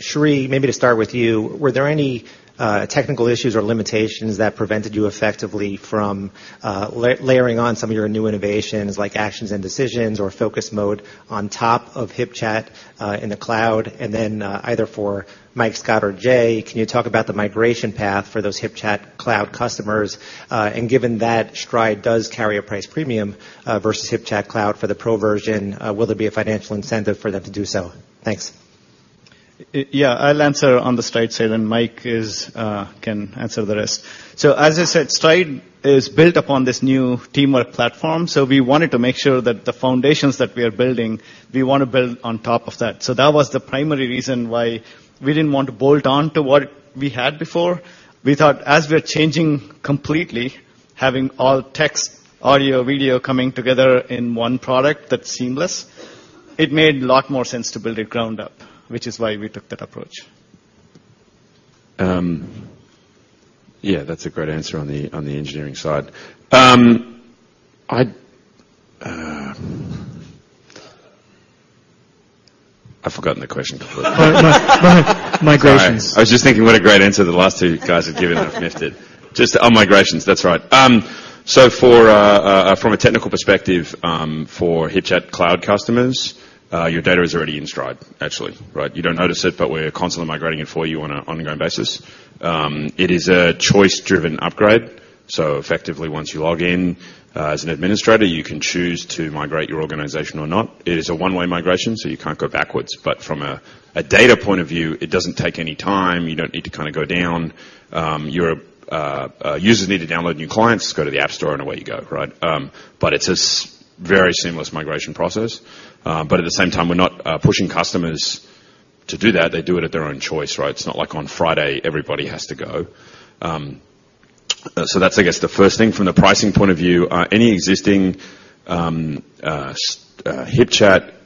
Sri, maybe to start with you, were there any technical issues or limitations that prevented you effectively from layering on some of your new innovations like actions and decisions or focus mode on top of HipChat in the cloud? Then either for Mike, Scott, or Jay, can you talk about the migration path for those HipChat Cloud customers? Given that Stride does carry a price premium versus HipChat Cloud for the Pro version, will there be a financial incentive for them to do so? Thanks. Yeah. I'll answer on the Stride side, and Mike can answer the rest. As I said, Stride is built upon this new teamwork platform, so we wanted to make sure that the foundations that we are building, we want to build on top of that. That was the primary reason why we didn't want to bolt on to what we had before. We thought as we're changing completely, having all text, audio, video coming together in one product that's seamless, it made a lot more sense to build it ground up, which is why we took that approach. Yeah, that's a great answer on the engineering side. I've forgotten the question completely. Migrations. Sorry. I was just thinking what a great answer the last two guys have given, and I've miffed it. Just on migrations, that's right. From a technical perspective for HipChat Cloud customers, your data is already in Stride, actually, right? You don't notice it, but we're constantly migrating it for you on an ongoing basis. It is a choice-driven upgrade, so effectively, once you log in as an administrator, you can choose to migrate your organization or not. It is a one-way migration, so you can't go backwards, but from a data point of view, it doesn't take any time. You don't need to go down. Your users need to download new clients, go to the App Store, and away you go, right? It's a very seamless migration process. At the same time, we're not pushing customers to do that. They do it at their own choice, right? It's not like on Friday, everybody has to go. That's, I guess, the first thing. From the pricing point of view, any existing HipChat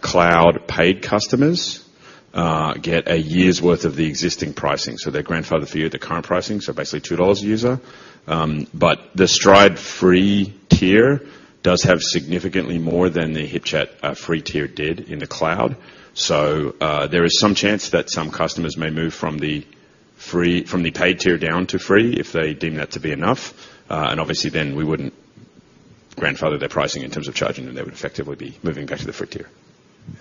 Cloud paid customers get a year's worth of the existing pricing. They're grandfathered for the current pricing, basically $2 a user. The Stride free tier does have significantly more than the HipChat free tier did in the cloud. There is some chance that some customers may move from the paid tier down to free if they deem that to be enough. Obviously then, we wouldn't grandfather their pricing in terms of charging them. They would effectively be moving back to the free tier.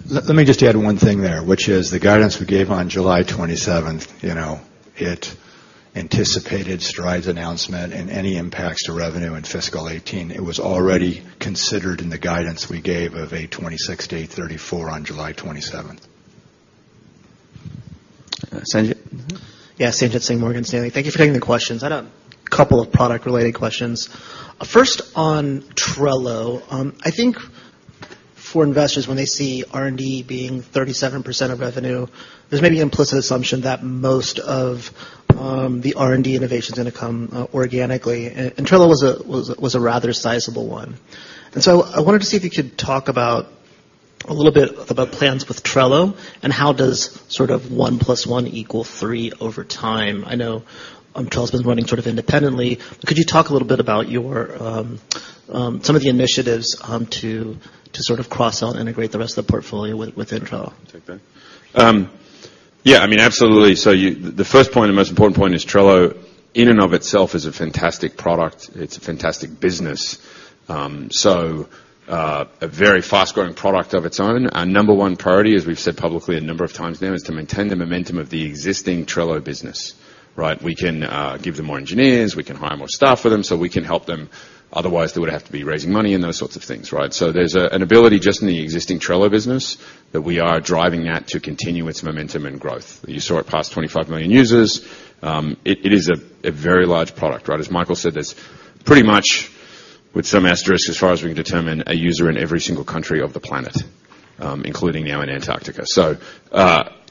Let me just add one thing there, which is the guidance we gave on July 27th, it anticipated Stride's announcement and any impacts to revenue in fiscal 2018. It was already considered in the guidance we gave of $826 million-$834 million on July 27th. Sanjit? Yeah, Sanjit Singh, Morgan Stanley. Thank you for taking the questions. I had a couple of product-related questions. First, on Trello. I think for investors, when they see R&D being 37% of revenue, there's maybe an implicit assumption that most of the R&D innovation's going to come organically, and Trello was a rather sizable one. I wanted to see if you could talk a little bit about plans with Trello, and how does sort of one plus one equal three over time? I know Trello's been running sort of independently. Could you talk a little bit about some of the initiatives to sort of cross-sell and integrate the rest of the portfolio with Trello? The first point, and most important point is Trello in and of itself is a fantastic product. It's a fantastic business. A very fast-growing product of its own. Our number one priority, as we've said publicly a number of times now, is to maintain the momentum of the existing Trello business. Right? We can give them more engineers, we can hire more staff for them, we can help them. Otherwise, they would have to be raising money and those sorts of things, right? There's an ability just in the existing Trello business that we are driving at to continue its momentum and growth. You saw it pass 25 million users. It is a very large product, right? As Michael said, there's pretty much, with some asterisks, as far as we can determine, a user in every single country of the planet, including now in Antarctica.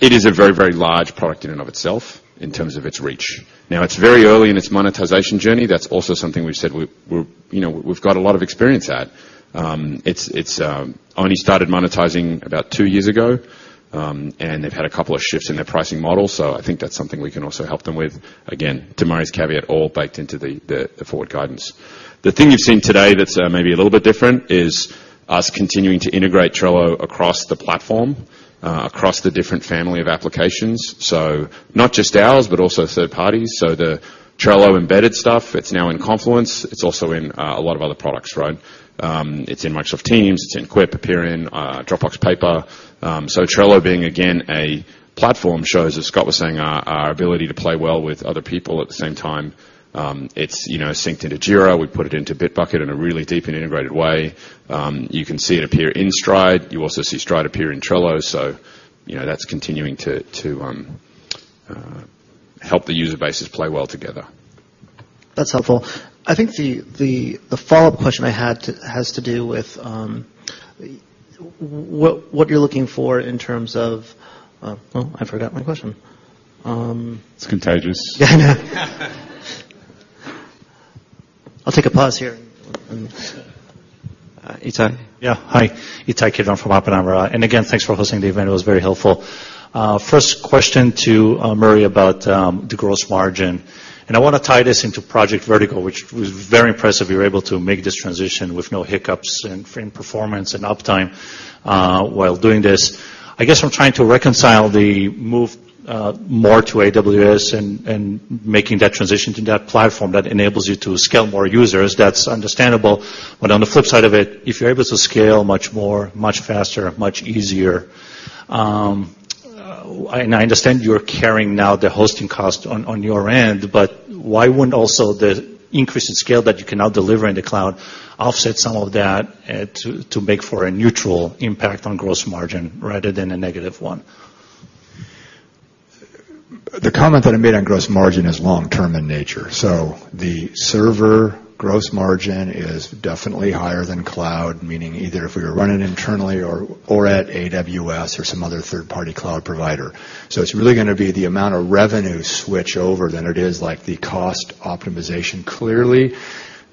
It is a very, very large product in and of itself in terms of its reach. Now, it's very early in its monetization journey. That's also something we've said we've got a lot of experience at. It's only started monetizing about two years ago, and they've had a couple of shifts in their pricing model. I think that's something we can also help them with. Again, to Murray's caveat, all baked into the forward guidance. The thing you've seen today that's maybe a little bit different is us continuing to integrate Trello across the platform, across the different family of applications. Not just ours, but also third parties. The Trello embedded stuff, it's now in Confluence, it's also in a lot of other products, right? It's in Microsoft Teams, it's in Quip, appear in Dropbox Paper. Trello being, again, a platform shows, as Scott was saying, our ability to play well with other people. At the same time, it's synced into Jira. We put it into Bitbucket in a really deep and integrated way. You can see it appear in Stride. You also see Stride appear in Trello. That's continuing to help the user bases play well together. That's helpful. I think the follow-up question I had has to do with what you're looking for in terms of. Oh, I forgot my question. It's contagious. Yeah. I'll take a pause here. Itai. Yeah. Hi. Itai Kidron from Oppenheimer. Again, thanks for hosting the event, it was very helpful. First question to Murray about the gross margin. I want to tie this into Project Vertigo, which was very impressive. You were able to make this transition with no hiccups in frame performance and uptime while doing this. I guess I'm trying to reconcile the move more to AWS and making that transition to that platform that enables you to scale more users. That's understandable. On the flip side of it, if you're able to scale much more, much faster, much easier, and I understand you're carrying now the hosting cost on your end, but why wouldn't also the increase in scale that you can now deliver in the cloud offset some of that to make for a neutral impact on gross margin rather than a negative one? The comment that I made on gross margin is long-term in nature. The server gross margin is definitely higher than cloud, meaning either if we were running internally or at AWS or some other third-party cloud provider. It's really going to be the amount of revenue switch over than it is like the cost optimization. Clearly,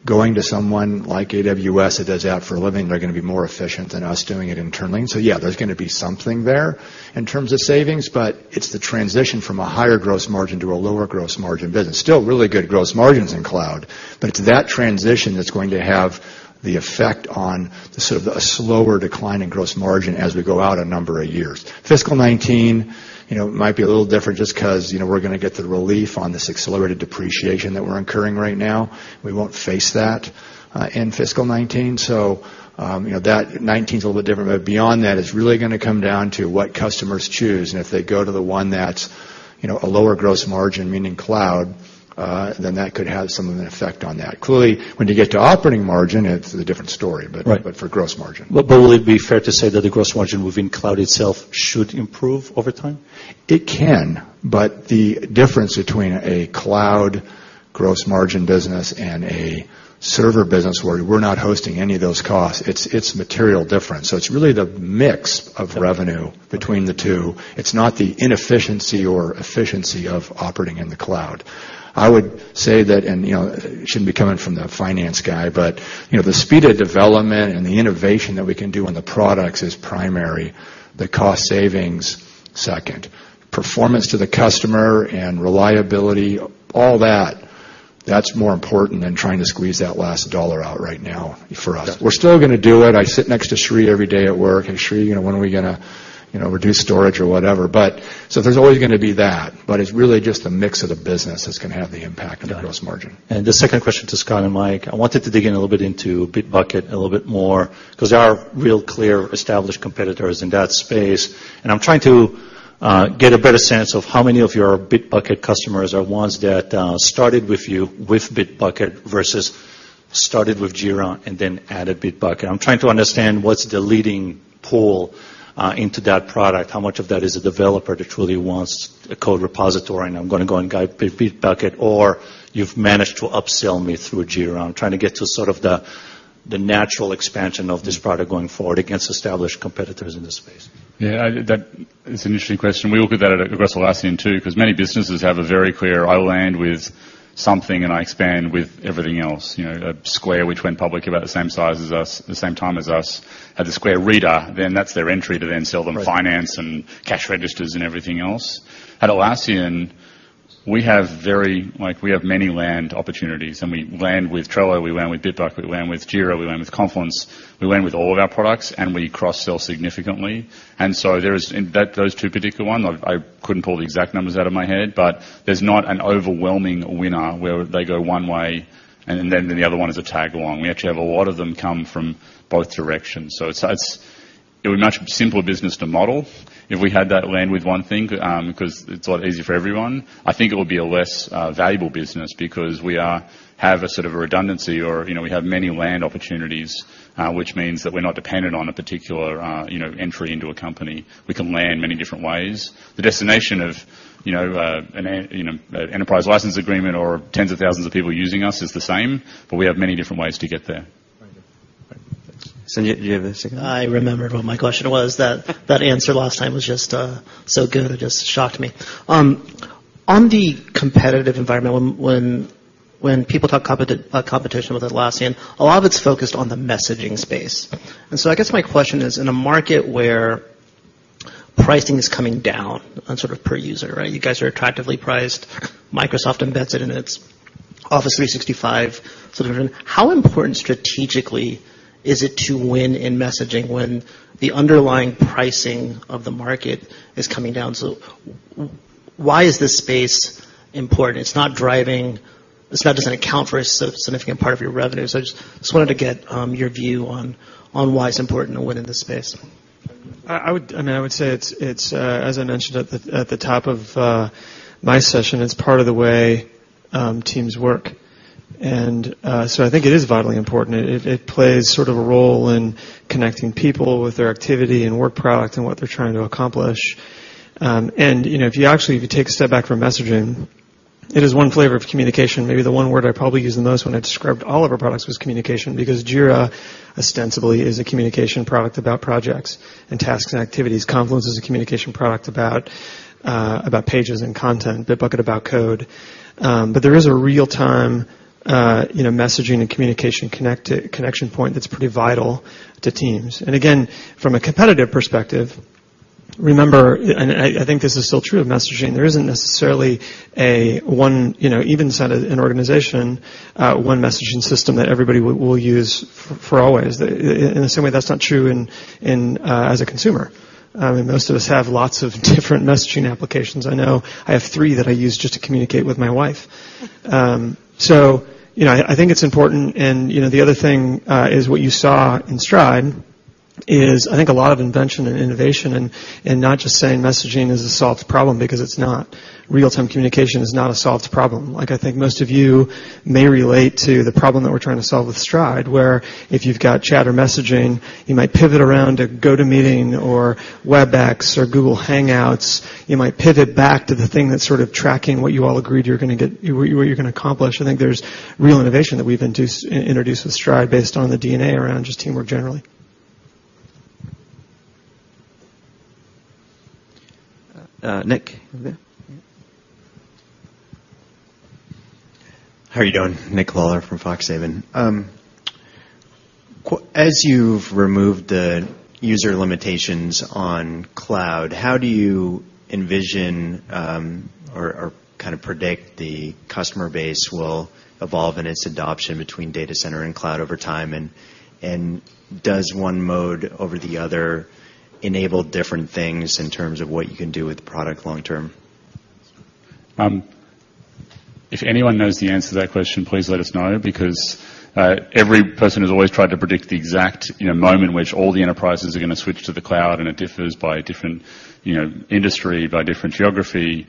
going to someone like AWS that does it out for a living, they're going to be more efficient than us doing it internally. Yeah, there's going to be something there in terms of savings, but it's the transition from a higher gross margin to a lower gross margin business. Still really good gross margins in cloud, but it's that transition that's going to have the effect on the sort of a slower decline in gross margin as we go out a number of years. Fiscal 2019 might be a little different just because we're going to get the relief on this accelerated depreciation that we're incurring right now. We won't face that in fiscal 2019. 2019's a little bit different, but beyond that, it's really going to come down to what customers choose, and if they go to the one that's a lower gross margin, meaning cloud, then that could have some of an effect on that. Clearly, when you get to operating margin, it's a different story. Right. For gross margin. Will it be fair to say that the gross margin within cloud itself should improve over time? It can, but the difference between a cloud gross margin business and a server business where we're not hosting any of those costs. It's material different. It's really the mix of revenue between the two. It's not the inefficiency or efficiency of operating in the cloud. I would say that, and it shouldn't be coming from the finance guy, but the speed of development and the innovation that we can do on the products is primary, the cost savings second. Performance to the customer and reliability, all that's more important than trying to squeeze that last dollar out right now for us. Yeah. We're still going to do it. I sit next to Sri every day at work. "Hey, Sri, when are we going to reduce storage or whatever?" There's always going to be that, but it's really just a mix of the business that's going to have the impact- Got it on the gross margin. Scott and Mike, I wanted to dig in a little bit into Bitbucket a little bit more because there are real clear established competitors in that space. I'm trying to get a better sense of how many of your Bitbucket customers are ones that started with you with Bitbucket versus started with Jira and then added Bitbucket. I'm trying to understand what's the leading pull into that product, how much of that is a developer that truly wants a code repository, I'm going to go and get Bitbucket, or you've managed to upsell me through Jira. I'm trying to get to sort of the natural expansion of this product going forward against established competitors in this space. Yeah, that is an interesting question. We look at that across Atlassian, too, because many businesses have a very clear, "I land with something, and I expand with everything else." Square, which went public about the same time as us, had the Square Reader, then that's their entry to then sell them finance and cash registers and everything else. At Atlassian, we have many land opportunities, we land with Trello, we land with Bitbucket, we land with Jira, we land with Confluence, we land with all of our products, and we cross-sell significantly. Those two particular ones, I couldn't pull the exact numbers out of my head, but there's not an overwhelming winner where they go one way and then the other one is a tag-along. We actually have a lot of them come from both directions. It would be a much simpler business to model if we had that land with one thing, because it's a lot easier for everyone. I think it would be a less valuable business because we have a sort of a redundancy, or we have many land opportunities, which means that we're not dependent on a particular entry into a company. We can land many different ways. The destination of an enterprise license agreement or tens of thousands of people using us is the same, but we have many different ways to get there. Thank you. Great. Thanks. Sanjit, do you have a second? I remembered what my question was. That answer last time was just so good, it just shocked me. On the competitive environment, when people talk competition with Atlassian, a lot of it's focused on the messaging space. I guess my question is, in a market where pricing is coming down on sort of per user, right? You guys are attractively priced. Microsoft embeds it in its Office 365 solution. How important strategically is it to win in messaging when the underlying pricing of the market is coming down? Why is this space important? It's not just an account for a significant part of your revenue. I just wanted to get your view on why it's important to win in this space. I would say it's, as I mentioned at the top of my session, it's part of the way teams work. I think it is vitally important. It plays sort of a role in connecting people with their activity and work product and what they're trying to accomplish. If you actually take a step back from messaging, it is one flavor of communication. Maybe the one word I probably use the most when I described all of our products was communication because Jira ostensibly is a communication product about projects and tasks and activities. Confluence is a communication product about pages and content, Bitbucket about code. There is a real-time messaging and communication connection point that's pretty vital to teams. Again, from a competitive perspective, remember, and I think this is still true of messaging, there isn't necessarily, even inside an organization, one messaging system that everybody will use for always. In the same way that's not true as a consumer. Most of us have lots of different messaging applications. I know I have three that I use just to communicate with my wife. I think it's important, and the other thing is what you saw in Stride is I think a lot of invention and innovation and not just saying messaging is a solved problem because it's not. Real-time communication is not a solved problem. I think most of you may relate to the problem that we're trying to solve with Stride, where if you've got chatter messaging, you might pivot around a GoToMeeting or Webex or Google Hangouts. You might pivot back to the thing that's sort of tracking what you all agreed you're going to accomplish. I think there's real innovation that we've introduced with Stride based on the DNA around just teamwork generally. Nick, over there. How are you doing? Nick Lawler from Foxhaven. As you've removed the user limitations on cloud, how do you envision or kind of predict the customer base will evolve in its adoption between data center and cloud over time? Does one mode over the other enable different things in terms of what you can do with the product long term? If anyone knows the answer to that question, please let us know because every person has always tried to predict the exact moment in which all the enterprises are going to switch to the cloud, and it differs by different industry, by different geography.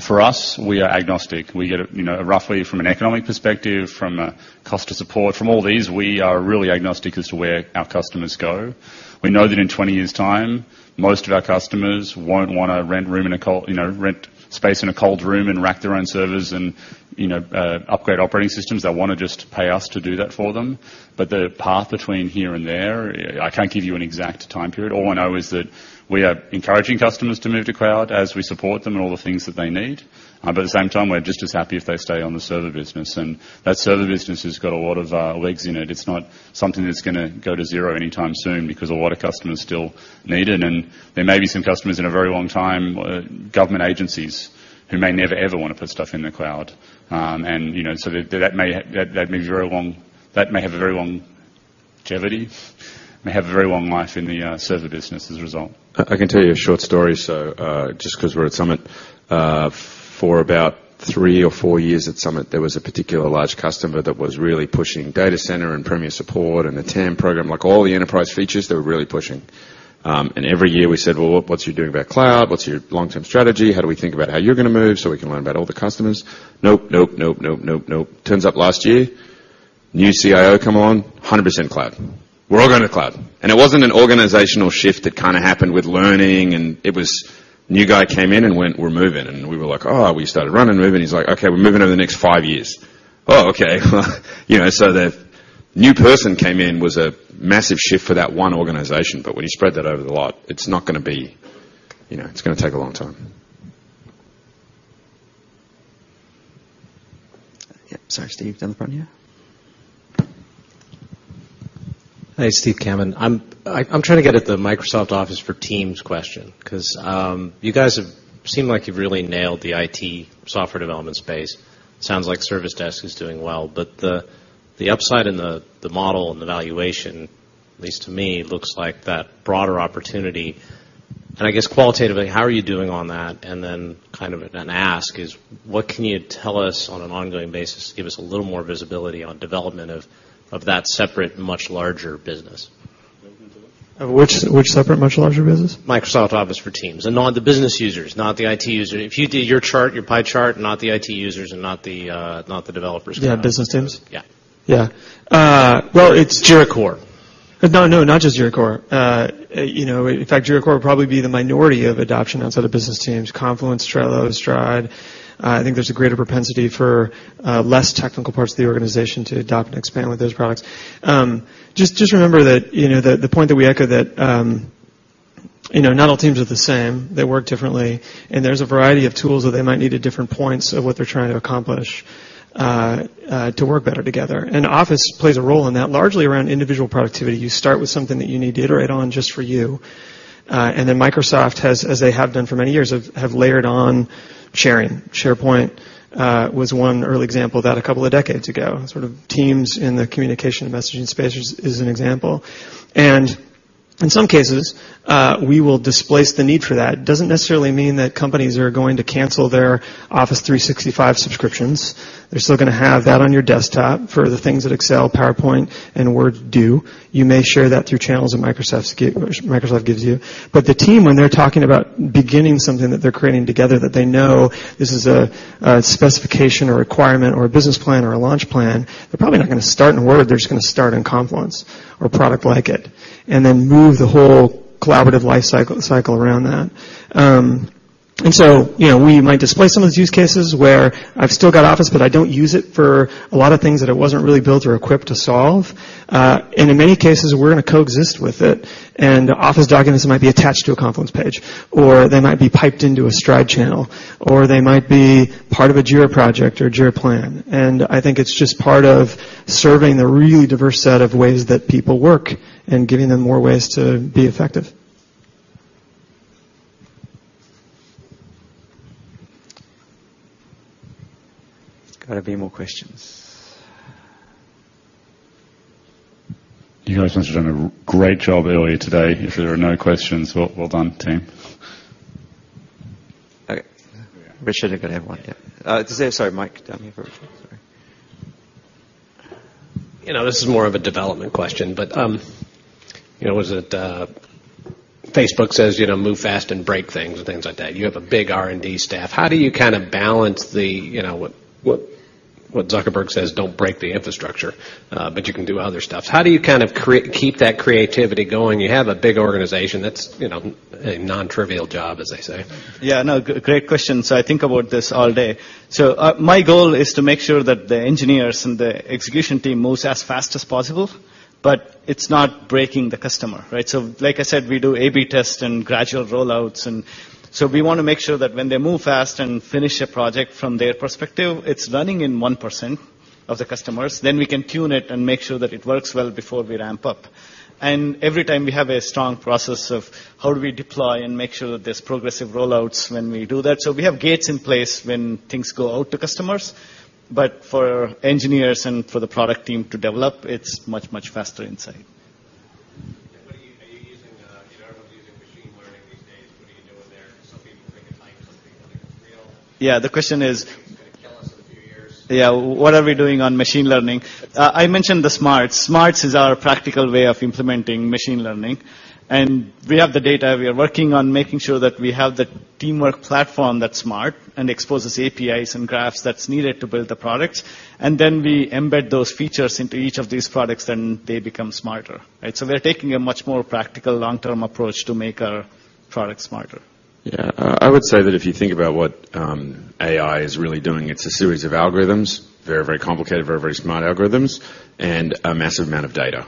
For us, we are agnostic. We get it roughly from an economic perspective, from a cost of support, from all these, we are really agnostic as to where our customers go. We know that in 20 years' time, most of our customers won't want to rent space in a cold room and rack their own servers and upgrade operating systems. They'll want to just pay us to do that for them. The path between here and there, I can't give you an exact time period. All I know is that we are encouraging customers to move to cloud as we support them and all the things that they need. At the same time, we're just as happy if they stay on the server business. That server business has got a lot of legs in it. It's not something that's going to go to zero anytime soon because a lot of customers still need it, and there may be some customers in a very long time, government agencies, who may never, ever want to put stuff in the cloud. That may have a very long longevity, may have a very long life in the server business as a result. I can tell you a short story, just because we're at Summit. For about three or four years at Summit, there was a particular large customer that was really pushing Data Center and Premier Support and the TAM program. Like all the enterprise features, they were really pushing. Every year we said, "Well, what're you doing about cloud? What's your long-term strategy? How do we think about how you're going to move so we can learn about all the customers?" Nope. Turns up last year, new CIO come along, 100% cloud. We're all going to cloud. It wasn't an organizational shift that happened with learning, it was new guy came in and went, "We're moving." We were like, "Oh." We started running, moving. He's like, "Okay, we're moving over the next five years." Oh, okay. The new person came in, was a massive shift for that one organization. When you spread that over the lot, it's going to take a long time. Yep. Sorry, Steve, down the front here. Hi, Steve Cameron. I'm trying to get at the Microsoft Office for Teams question because you guys have seemed like you've really nailed the IT software development space. Sounds like Service Desk is doing well, but the upside in the model and the valuation, at least to me, looks like that broader opportunity. I guess qualitatively, how are you doing on that? Then kind of an ask is what can you tell us on an ongoing basis to give us a little more visibility on development of that separate, much larger business? Which separate, much larger business? Microsoft Office for Teams, on the business users, not the IT user. If you did your chart, your pie chart, not the IT users and not the developers. Yeah, business teams? Yeah. Yeah. Well. Jira Core. No, not just Jira Core. In fact, Jira Core will probably be the minority of adoption outside of business teams. Confluence, Trello, Stride. I think there's a greater propensity for less technical parts of the organization to adopt and expand with those products. Just remember that the point that we echoed, that not all teams are the same. They work differently, and there's a variety of tools that they might need at different points of what they're trying to accomplish, to work better together. Office plays a role in that, largely around individual productivity. You start with something that you need to iterate on just for you. Microsoft has, as they have done for many years, have layered on sharing. SharePoint was one early example of that a couple of decades ago. Teams in the communication messaging space is an example. In some cases, we will displace the need for that. Doesn't necessarily mean that companies are going to cancel their Office 365 subscriptions. They're still going to have that on your desktop for the things that Excel, PowerPoint, and Word do. You may share that through channels that Microsoft gives you. The team, when they're talking about beginning something that they're creating together that they know this is a specification or requirement or a business plan or a launch plan, they're probably not going to start in Word. They're just going to start in Confluence or a product like it, and then move the whole collaborative life cycle around that. We might display some of those use cases where I've still got Office, but I don't use it for a lot of things that it wasn't really built or equipped to solve. In many cases, we're going to coexist with it, Office documents might be attached to a Confluence page, or they might be piped into a Stride channel, or they might be part of a Jira project or Jira plan. I think it's just part of serving the really diverse set of ways that people work and giving them more ways to be effective. There's got to be more questions. You guys must've done a great job earlier today. If there are no questions, well done, team. Okay. Viswanath, you're going to have one. Yeah. Sorry, Mike, down here. This is more of a development question, was it Facebook says, "Move fast and break things," and things like that. You have a big R&D staff. How do you kind of balance what Zuckerberg says, don't break the infrastructure, but you can do other stuff. How do you kind of keep that creativity going? You have a big organization. That's a non-trivial job, as they say. Yeah, no, great question. I think about this all day. My goal is to make sure that the engineers and the execution team moves as fast as possible, but it's not breaking the customer, right? Like I said, we do A/B tests and gradual rollouts, we want to make sure that when they move fast and finish a project from their perspective, it's running in 1% of the customers. We can tune it and make sure that it works well before we ramp up. Every time we have a strong process of how do we deploy and make sure that there's progressive rollouts when we do that. We have gates in place when things go out to customers, but for engineers and for the product team to develop, it's much, much faster inside. You know there some people think it might, some people think it's real. Yeah. The question is. Some people think it's going to kill us in a few years. Yeah. What are we doing on machine learning? I mentioned the smarts. Smarts is our practical way of implementing machine learning, we have the data. We are working on making sure that we have the Teamwork Platform that's smart and exposes APIs and graphs that's needed to build the products. We embed those features into each of these products, they become smarter. Right? We're taking a much more practical long-term approach to make our products smarter. Yeah. I would say that if you think about what AI is really doing, it's a series of algorithms. Very, very complicated, very, very smart algorithms and a massive amount of data,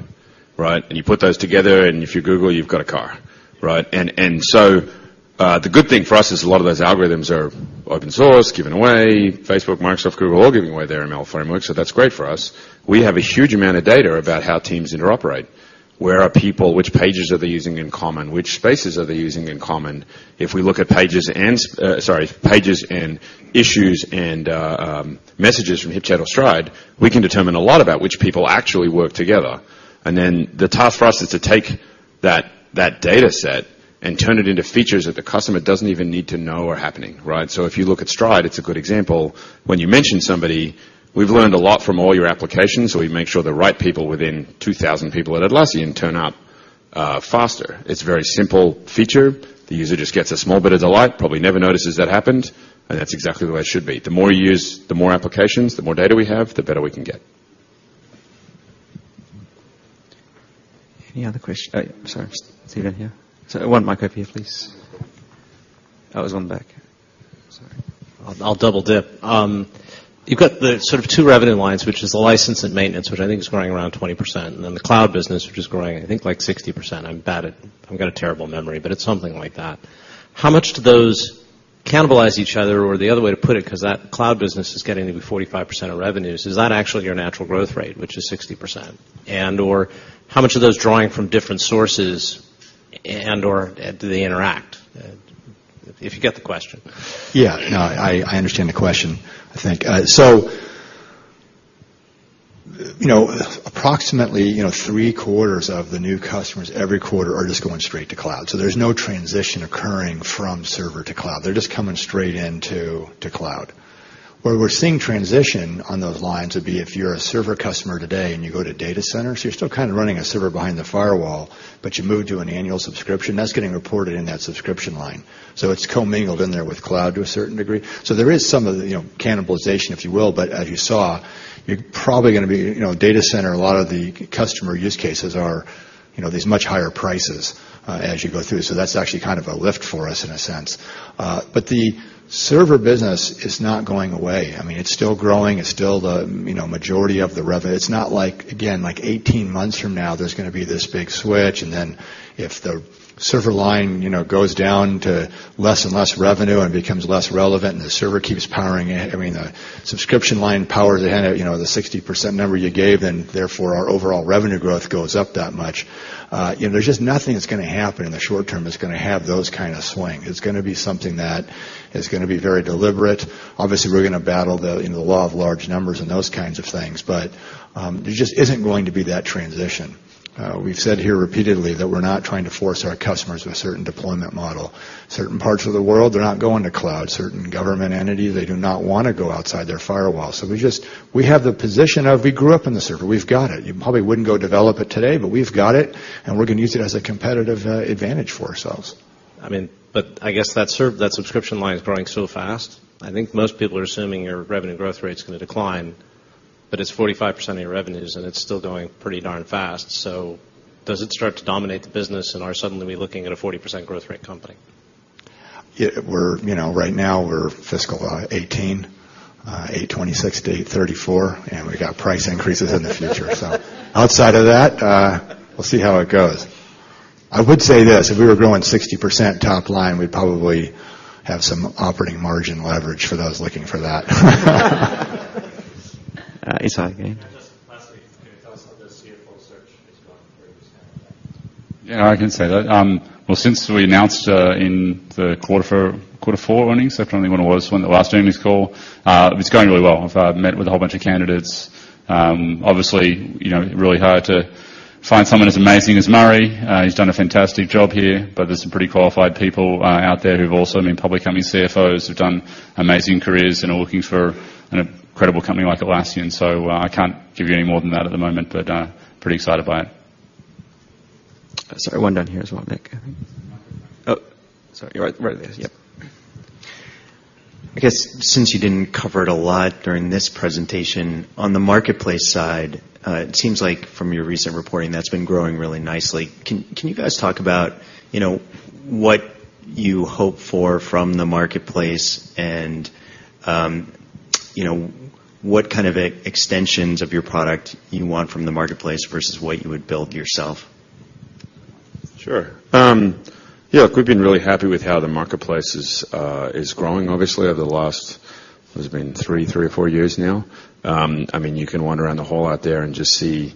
right? You put those together, if you Google, you've got a car, right? The good thing for us is a lot of those algorithms are open source, given away. Facebook, Microsoft, Google, all giving away their ML framework, that's great for us. We have a huge amount of data about how teams interoperate. Where are people? Which pages are they using in common? Which spaces are they using in common? If we look at pages and, sorry, pages and issues and messages from HipChat or Stride, we can determine a lot about which people actually work together. The task for us is to take that dataset and turn it into features that the customer doesn't even need to know are happening, right? If you look at Stride, it's a good example. When you mention somebody, we've learned a lot from all your applications, we make sure the right people within 2,000 people at Atlassian turn up faster. It's a very simple feature. The user just gets a small bit of the light, probably never notices that happened, and that's exactly the way it should be. The more you use, the more applications, the more data we have, the better we can get. Any other question? Sorry. See you down here. One mic over here, please. That was one back. Sorry. I'll double-dip. You've got the sort of two revenue lines, which is the license and maintenance, which I think is growing around 20%, and then the cloud business, which is growing, I think, like 60%. I've got a terrible memory, but it's something like that. How much do those cannibalize each other? The other way to put it, because that cloud business is getting to be 45% of revenues, is that actually your natural growth rate, which is 60%? And/or how much are those drawing from different sources and/or do they interact? If you get the question. Yeah. No, I understand the question, I think. Approximately three-quarters of the new customers every quarter are just going straight to cloud. There's no transition occurring from server to cloud. They're just coming straight into cloud. Where we're seeing transition on those lines would be if you're a server customer today and you go to data centers, you're still kind of running a server behind the firewall, but you moved to an annual subscription, that's getting reported in that subscription line. It's commingled in there with cloud to a certain degree. There is some of the cannibalization, if you will. As you saw, you're probably going to be, data center, a lot of the customer use cases are these much higher prices, as you go through. That's actually kind of a lift for us in a sense. The server business is not going away. It's still growing. It's still the majority of the revenue. It's not like, again, like 18 months from now, there's going to be this big switch. If the server line goes down to less and less revenue and becomes less relevant and the server keeps powering it, I mean, the subscription line powers ahead, the 60% number you gave, therefore our overall revenue growth goes up that much. There's just nothing that's going to happen in the short term that's going to have those kind of swing. It's going to be something that is going to be very deliberate. Obviously, we're going to battle the law of large numbers and those kinds of things, but there just isn't going to be that transition. We've said here repeatedly that we're not trying to force our customers to a certain deployment model. Certain parts of the world, they're not going to cloud. Certain government entity, they do not want to go outside their firewall. We have the position of, we grew up in the server. We've got it. You probably wouldn't go develop it today, but we've got it, and we're going to use it as a competitive advantage for ourselves. I guess that subscription line is growing so fast. I think most people are assuming your revenue growth rate's going to decline. It's 45% of your revenues, and it's still growing pretty darn fast, does it start to dominate the business, and are suddenly we looking at a 40% growth rate company? Right now we're fiscal 2018, $826-$834, we got price increases in the future. Outside of that, we'll see how it goes. I would say this, if we were growing 60% top line, we'd probably have some operating margin leverage for those looking for that. [Its a gain]. Just lastly, can you tell us how the CFO search is going for you, Scott? I can say that. Since we announced, in the quarter four earnings, I can't remember when it was, when the last earnings call. It's going really well. I've met with a whole bunch of candidates. Obviously, really hard to find someone as amazing as Murray. He's done a fantastic job here, but there's some pretty qualified people out there who've also been public company CFOs, who've done amazing careers and are looking for an incredible company like Atlassian. I can't give you any more than that at the moment, pretty excited by it. Sorry, one down here as well, Nick, I think. Sorry. Right there. Yep. I guess since you didn't cover it a lot during this presentation, on the Marketplace side, it seems like from your recent reporting, that's been growing really nicely. Can you guys talk about what you hope for from the Marketplace and what kind of extensions of your product you want from the Marketplace versus what you would build yourself? Sure. Look, we've been really happy with how the Marketplace is growing, obviously, over the last, what has it been, three or four years now. You can wander around the hall out there and just see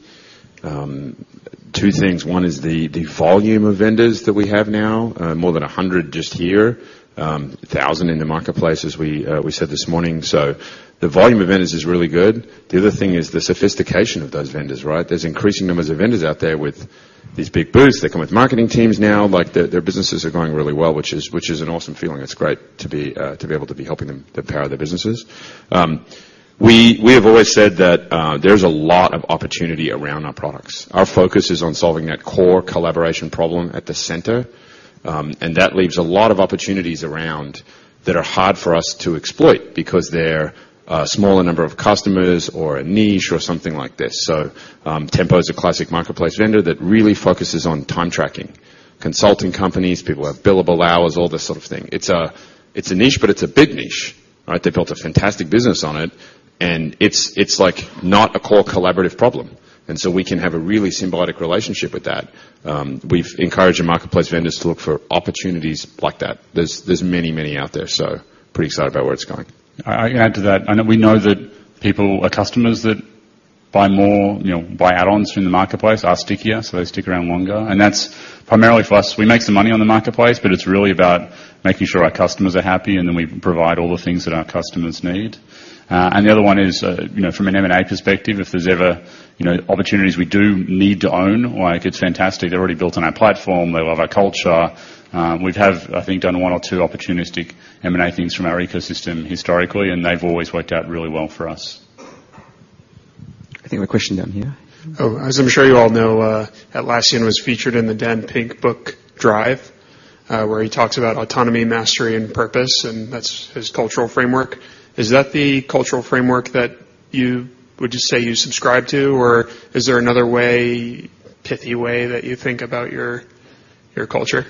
two things. One is the volume of vendors that we have now, more than 100 just here 1,000 in the marketplace, as we said this morning. The volume of vendors is really good. The other thing is the sophistication of those vendors, right. There's increasing numbers of vendors out there with these big booths. They come with marketing teams now. Their businesses are going really well, which is an awesome feeling. It's great to be able to be helping them to power their businesses. We have always said that there's a lot of opportunity around our products. Our focus is on solving that core collaboration problem at the center, and that leaves a lot of opportunities around that are hard for us to exploit because they're a smaller number of customers or a niche or something like this. Tempo is a classic marketplace vendor that really focuses on time tracking. Consulting companies, people have billable hours, all this sort of thing. It's a niche, but it's a big niche, right. They built a fantastic business on it, and it's not a core collaborative problem. We can have a really symbiotic relationship with that. We've encouraged our marketplace vendors to look for opportunities like that. There's many out there, pretty excited about where it's going. I add to that. I know we know that people are customers that buy more, buy add-ons from the marketplace are stickier. They stick around longer. That's primarily for us. We make some money on the marketplace, it's really about making sure our customers are happy, we provide all the things that our customers need. The other one is, from an M&A perspective, if there's ever opportunities we do need to own, it's fantastic. They're already built on our platform. They love our culture. We have, I think, done one or two opportunistic M&A things from our ecosystem historically, and they've always worked out really well for us. I think we have a question down here. As I'm sure you all know, Atlassian was featured in the Daniel Pink book, "Drive," where he talks about autonomy, mastery, and purpose, and that's his cultural framework. Is that the cultural framework that you would just say you subscribe to, or is there another way, pithy way that you think about your culture?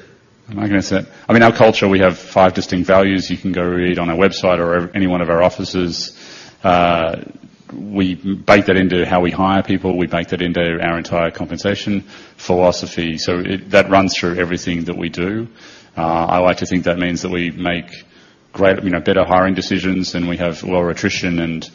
I'm not going to say Our culture, we have five distinct values. You can go read on our website or any one of our offices. We bake that into how we hire people. We bake that into our entire compensation philosophy. That runs through everything that we do. I like to think that means that we make better hiring decisions, and we have lower attrition, and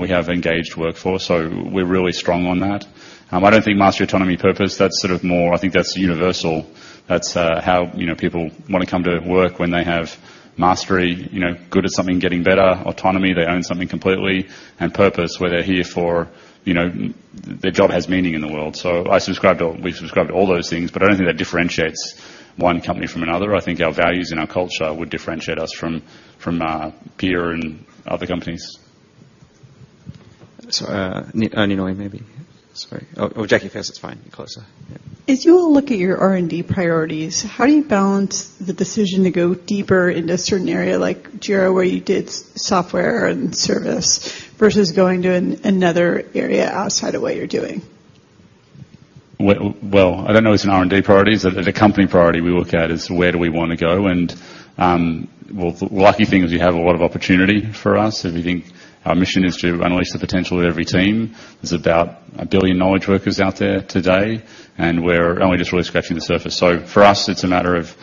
we have engaged workforce. We're really strong on that. I don't think mastery, autonomy, purpose, that's sort of more I think that's universal. That's how people want to come to work when they have mastery, good at something, getting better. Autonomy, they own something completely. Purpose, where they're here for Their job has meaning in the world. We subscribe to all those things, but I don't think that differentiates one company from another. I think our values and our culture would differentiate us from peer and other companies. [Anyone], maybe. Sorry. Jackie first, it's fine. You're closer. Yeah. As you all look at your R&D priorities, how do you balance the decision to go deeper into a certain area like Jira, where you did software and service, versus going to another area outside of what you're doing? Well, I don't know it's an R&D priority. As a company priority, we look at is where do we want to go? Lucky thing is we have a lot of opportunity for us. If you think our mission is to unleash the potential of every team, there's about a billion knowledge workers out there today, and we're only just really scratching the surface. For us, it's a matter of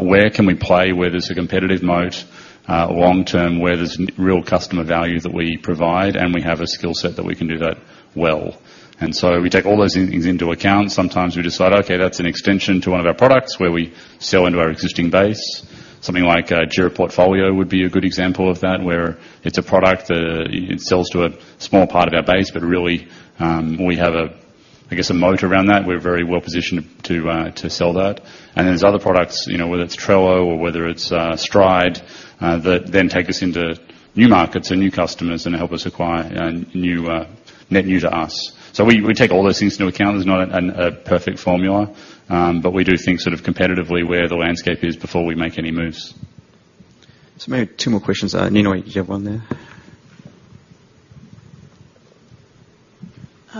where can we play, where there's a competitive moat long term, where there's real customer value that we provide, and we have a skill set that we can do that well. We take all those things into account. Sometimes we decide, okay, that's an extension to one of our products where we sell into our existing base. Something like Jira Portfolio would be a good example of that, where it's a product, it sells to a small part of our base, really, we have a moat around that. We're very well-positioned to sell that. There's other products, whether it's Trello or whether it's Stride, that then take us into new markets and new customers and help us acquire net new to us. We take all those things into account. There's not a perfect formula, but we do think sort of competitively where the landscape is before we make any moves. Maybe two more questions. Ninoi, did you have one there?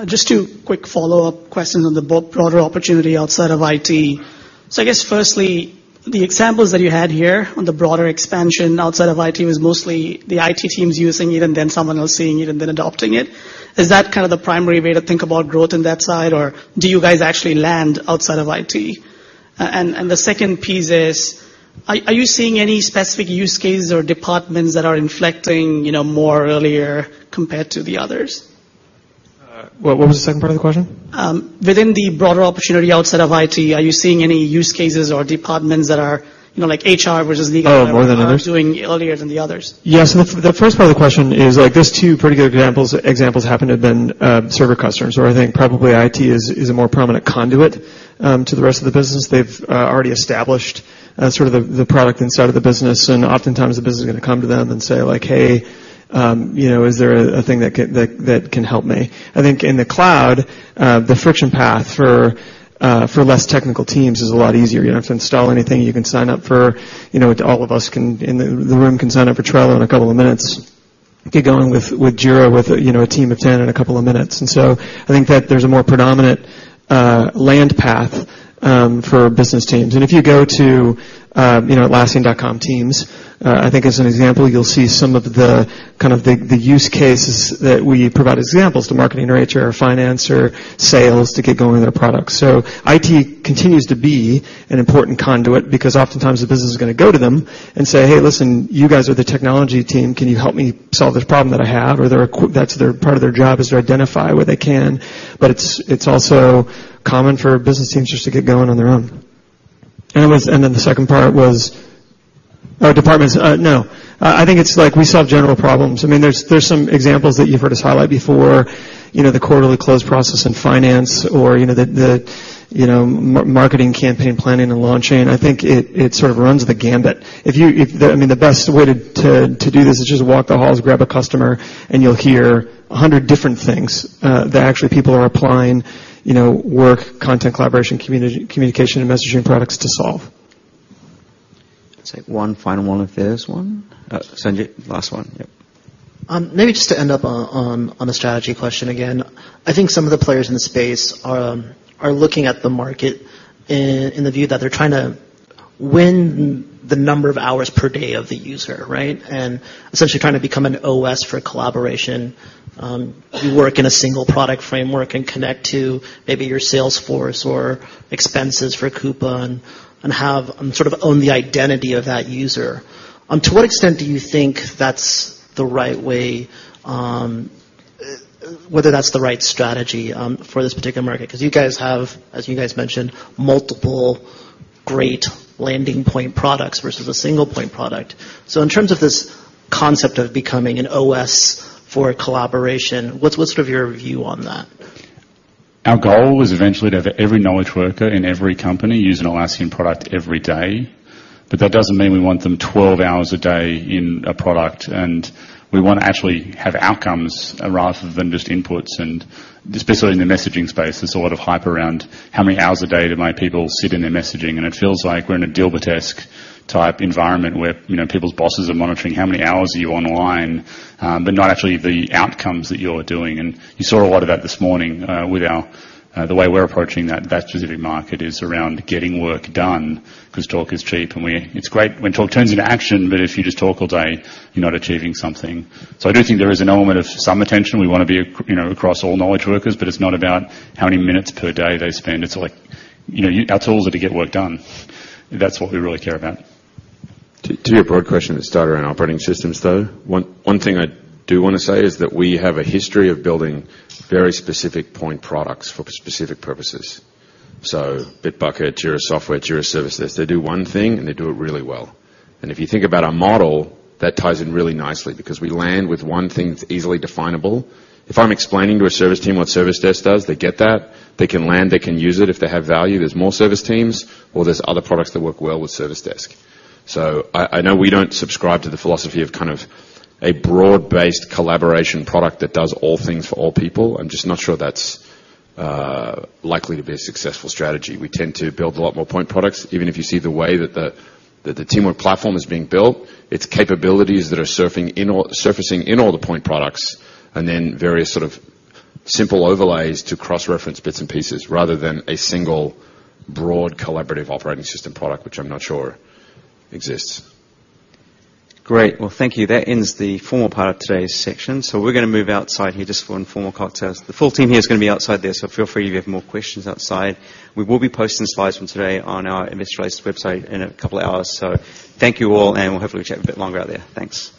Just two quick follow-up questions on the broader opportunity outside of IT. I guess firstly, the examples that you had here on the broader expansion outside of IT was mostly the IT teams using it and then someone else seeing it and then adopting it. Is that kind of the primary way to think about growth in that side, or do you guys actually land outside of IT? The second piece is, are you seeing any specific use cases or departments that are inflecting more earlier compared to the others? What was the second part of the question? Within the broader opportunity outside of IT, are you seeing any use cases or departments that are like HR versus legal- More than others are doing earlier than the others? Yeah. The first part of the question is, those two pretty good examples happen to have been server customers, where I think probably IT is a more prominent conduit to the rest of the business. They've already established sort of the product inside of the business, and oftentimes the business is going to come to them and say, "Hey, is there a thing that can help me?" I think in the cloud, the friction path for less technical teams is a lot easier. You don't have to install anything. You can sign up for All of us in the room can sign up for Trello in a couple of minutes, get going with Jira with a team of 10 in a couple of minutes. I think that there's a more predominant land path for business teams. If you go to atlassian.com/teams, I think as an example, you'll see some of the use cases that we provide as examples to marketing or HR or finance or sales to get going with our products. IT continues to be an important conduit because oftentimes the business is going to go to them and say, "Hey, listen, you guys are the technology team. Can you help me solve this problem that I have?" Or that's part of their job is to identify where they can, but it's also common for business teams just to get going on their own. The second part was? Oh, departments? No. I think it's like we solve general problems. There's some examples that you've heard us highlight before, the quarterly close process in finance or the marketing campaign planning and launching. I think it sort of runs the gamut. The best way to do this is just walk the halls, grab a customer, and you'll hear 100 different things that actually people are applying work, content collaboration, communication, and messaging products to solve. Let's take one final one if there's one. Sanjit, last one. Yep. Maybe just to end up on a strategy question again. I think some of the players in the space are looking at the market in the view that they're trying to win the number of hours per day of the user, right? Essentially trying to become an OS for collaboration. You work in a single product framework and connect to maybe your Salesforce or expenses for coupon and sort of own the identity of that user. To what extent do you think whether that's the right strategy for this particular market? You guys have, as you guys mentioned, multiple great landing point products versus a single point product. In terms of this concept of becoming an OS for collaboration, what's sort of your view on that? Our goal is eventually to have every knowledge worker in every company use an Atlassian product every day. That doesn't mean we want them 12 hours a day in a product, and we want to actually have outcomes rather than just inputs, and especially in the messaging space, there's a lot of hype around how many hours a day do my people sit in their messaging. It feels like we're in a Dilbertesque-type environment where people's bosses are monitoring how many hours are you online, but not actually the outcomes that you're doing. You saw a lot of that this morning with the way we're approaching that specific market is around getting work done because talk is cheap, and it's great when talk turns into action, but if you just talk all day, you're not achieving something. I do think there is an element of some attention. We want to be across all knowledge workers, but it's not about how many minutes per day they spend. Our tools are to get work done. That's what we really care about. To your broad question to start around operating systems, though, one thing I do want to say is that we have a history of building very specific point products for specific purposes. Bitbucket, Jira Software, Jira Service Desk, they do one thing and they do it really well. If you think about our model, that ties in really nicely because we land with one thing that's easily definable. If I'm explaining to a service team what Service Desk does, they get that. They can land, they can use it. If they have value, there's more service teams, or there's other products that work well with Service Desk. I know we don't subscribe to the philosophy of kind of a broad-based collaboration product that does all things for all people. I'm just not sure that's likely to be a successful strategy. We tend to build a lot more point products. Even if you see the way that the Teamwork platform is being built, its capabilities that are surfacing in all the point products, and then various sort of simple overlays to cross-reference bits and pieces rather than a single broad collaborative operating system product, which I'm not sure exists. Great. Well, thank you. That ends the formal part of today's session. We're going to move outside here just for informal cocktails. The full team here is going to be outside there, so feel free if you have more questions outside. We will be posting slides from today on our investor relations website in a couple of hours. Thank you all, and we'll hopefully chat a bit longer out there. Thanks.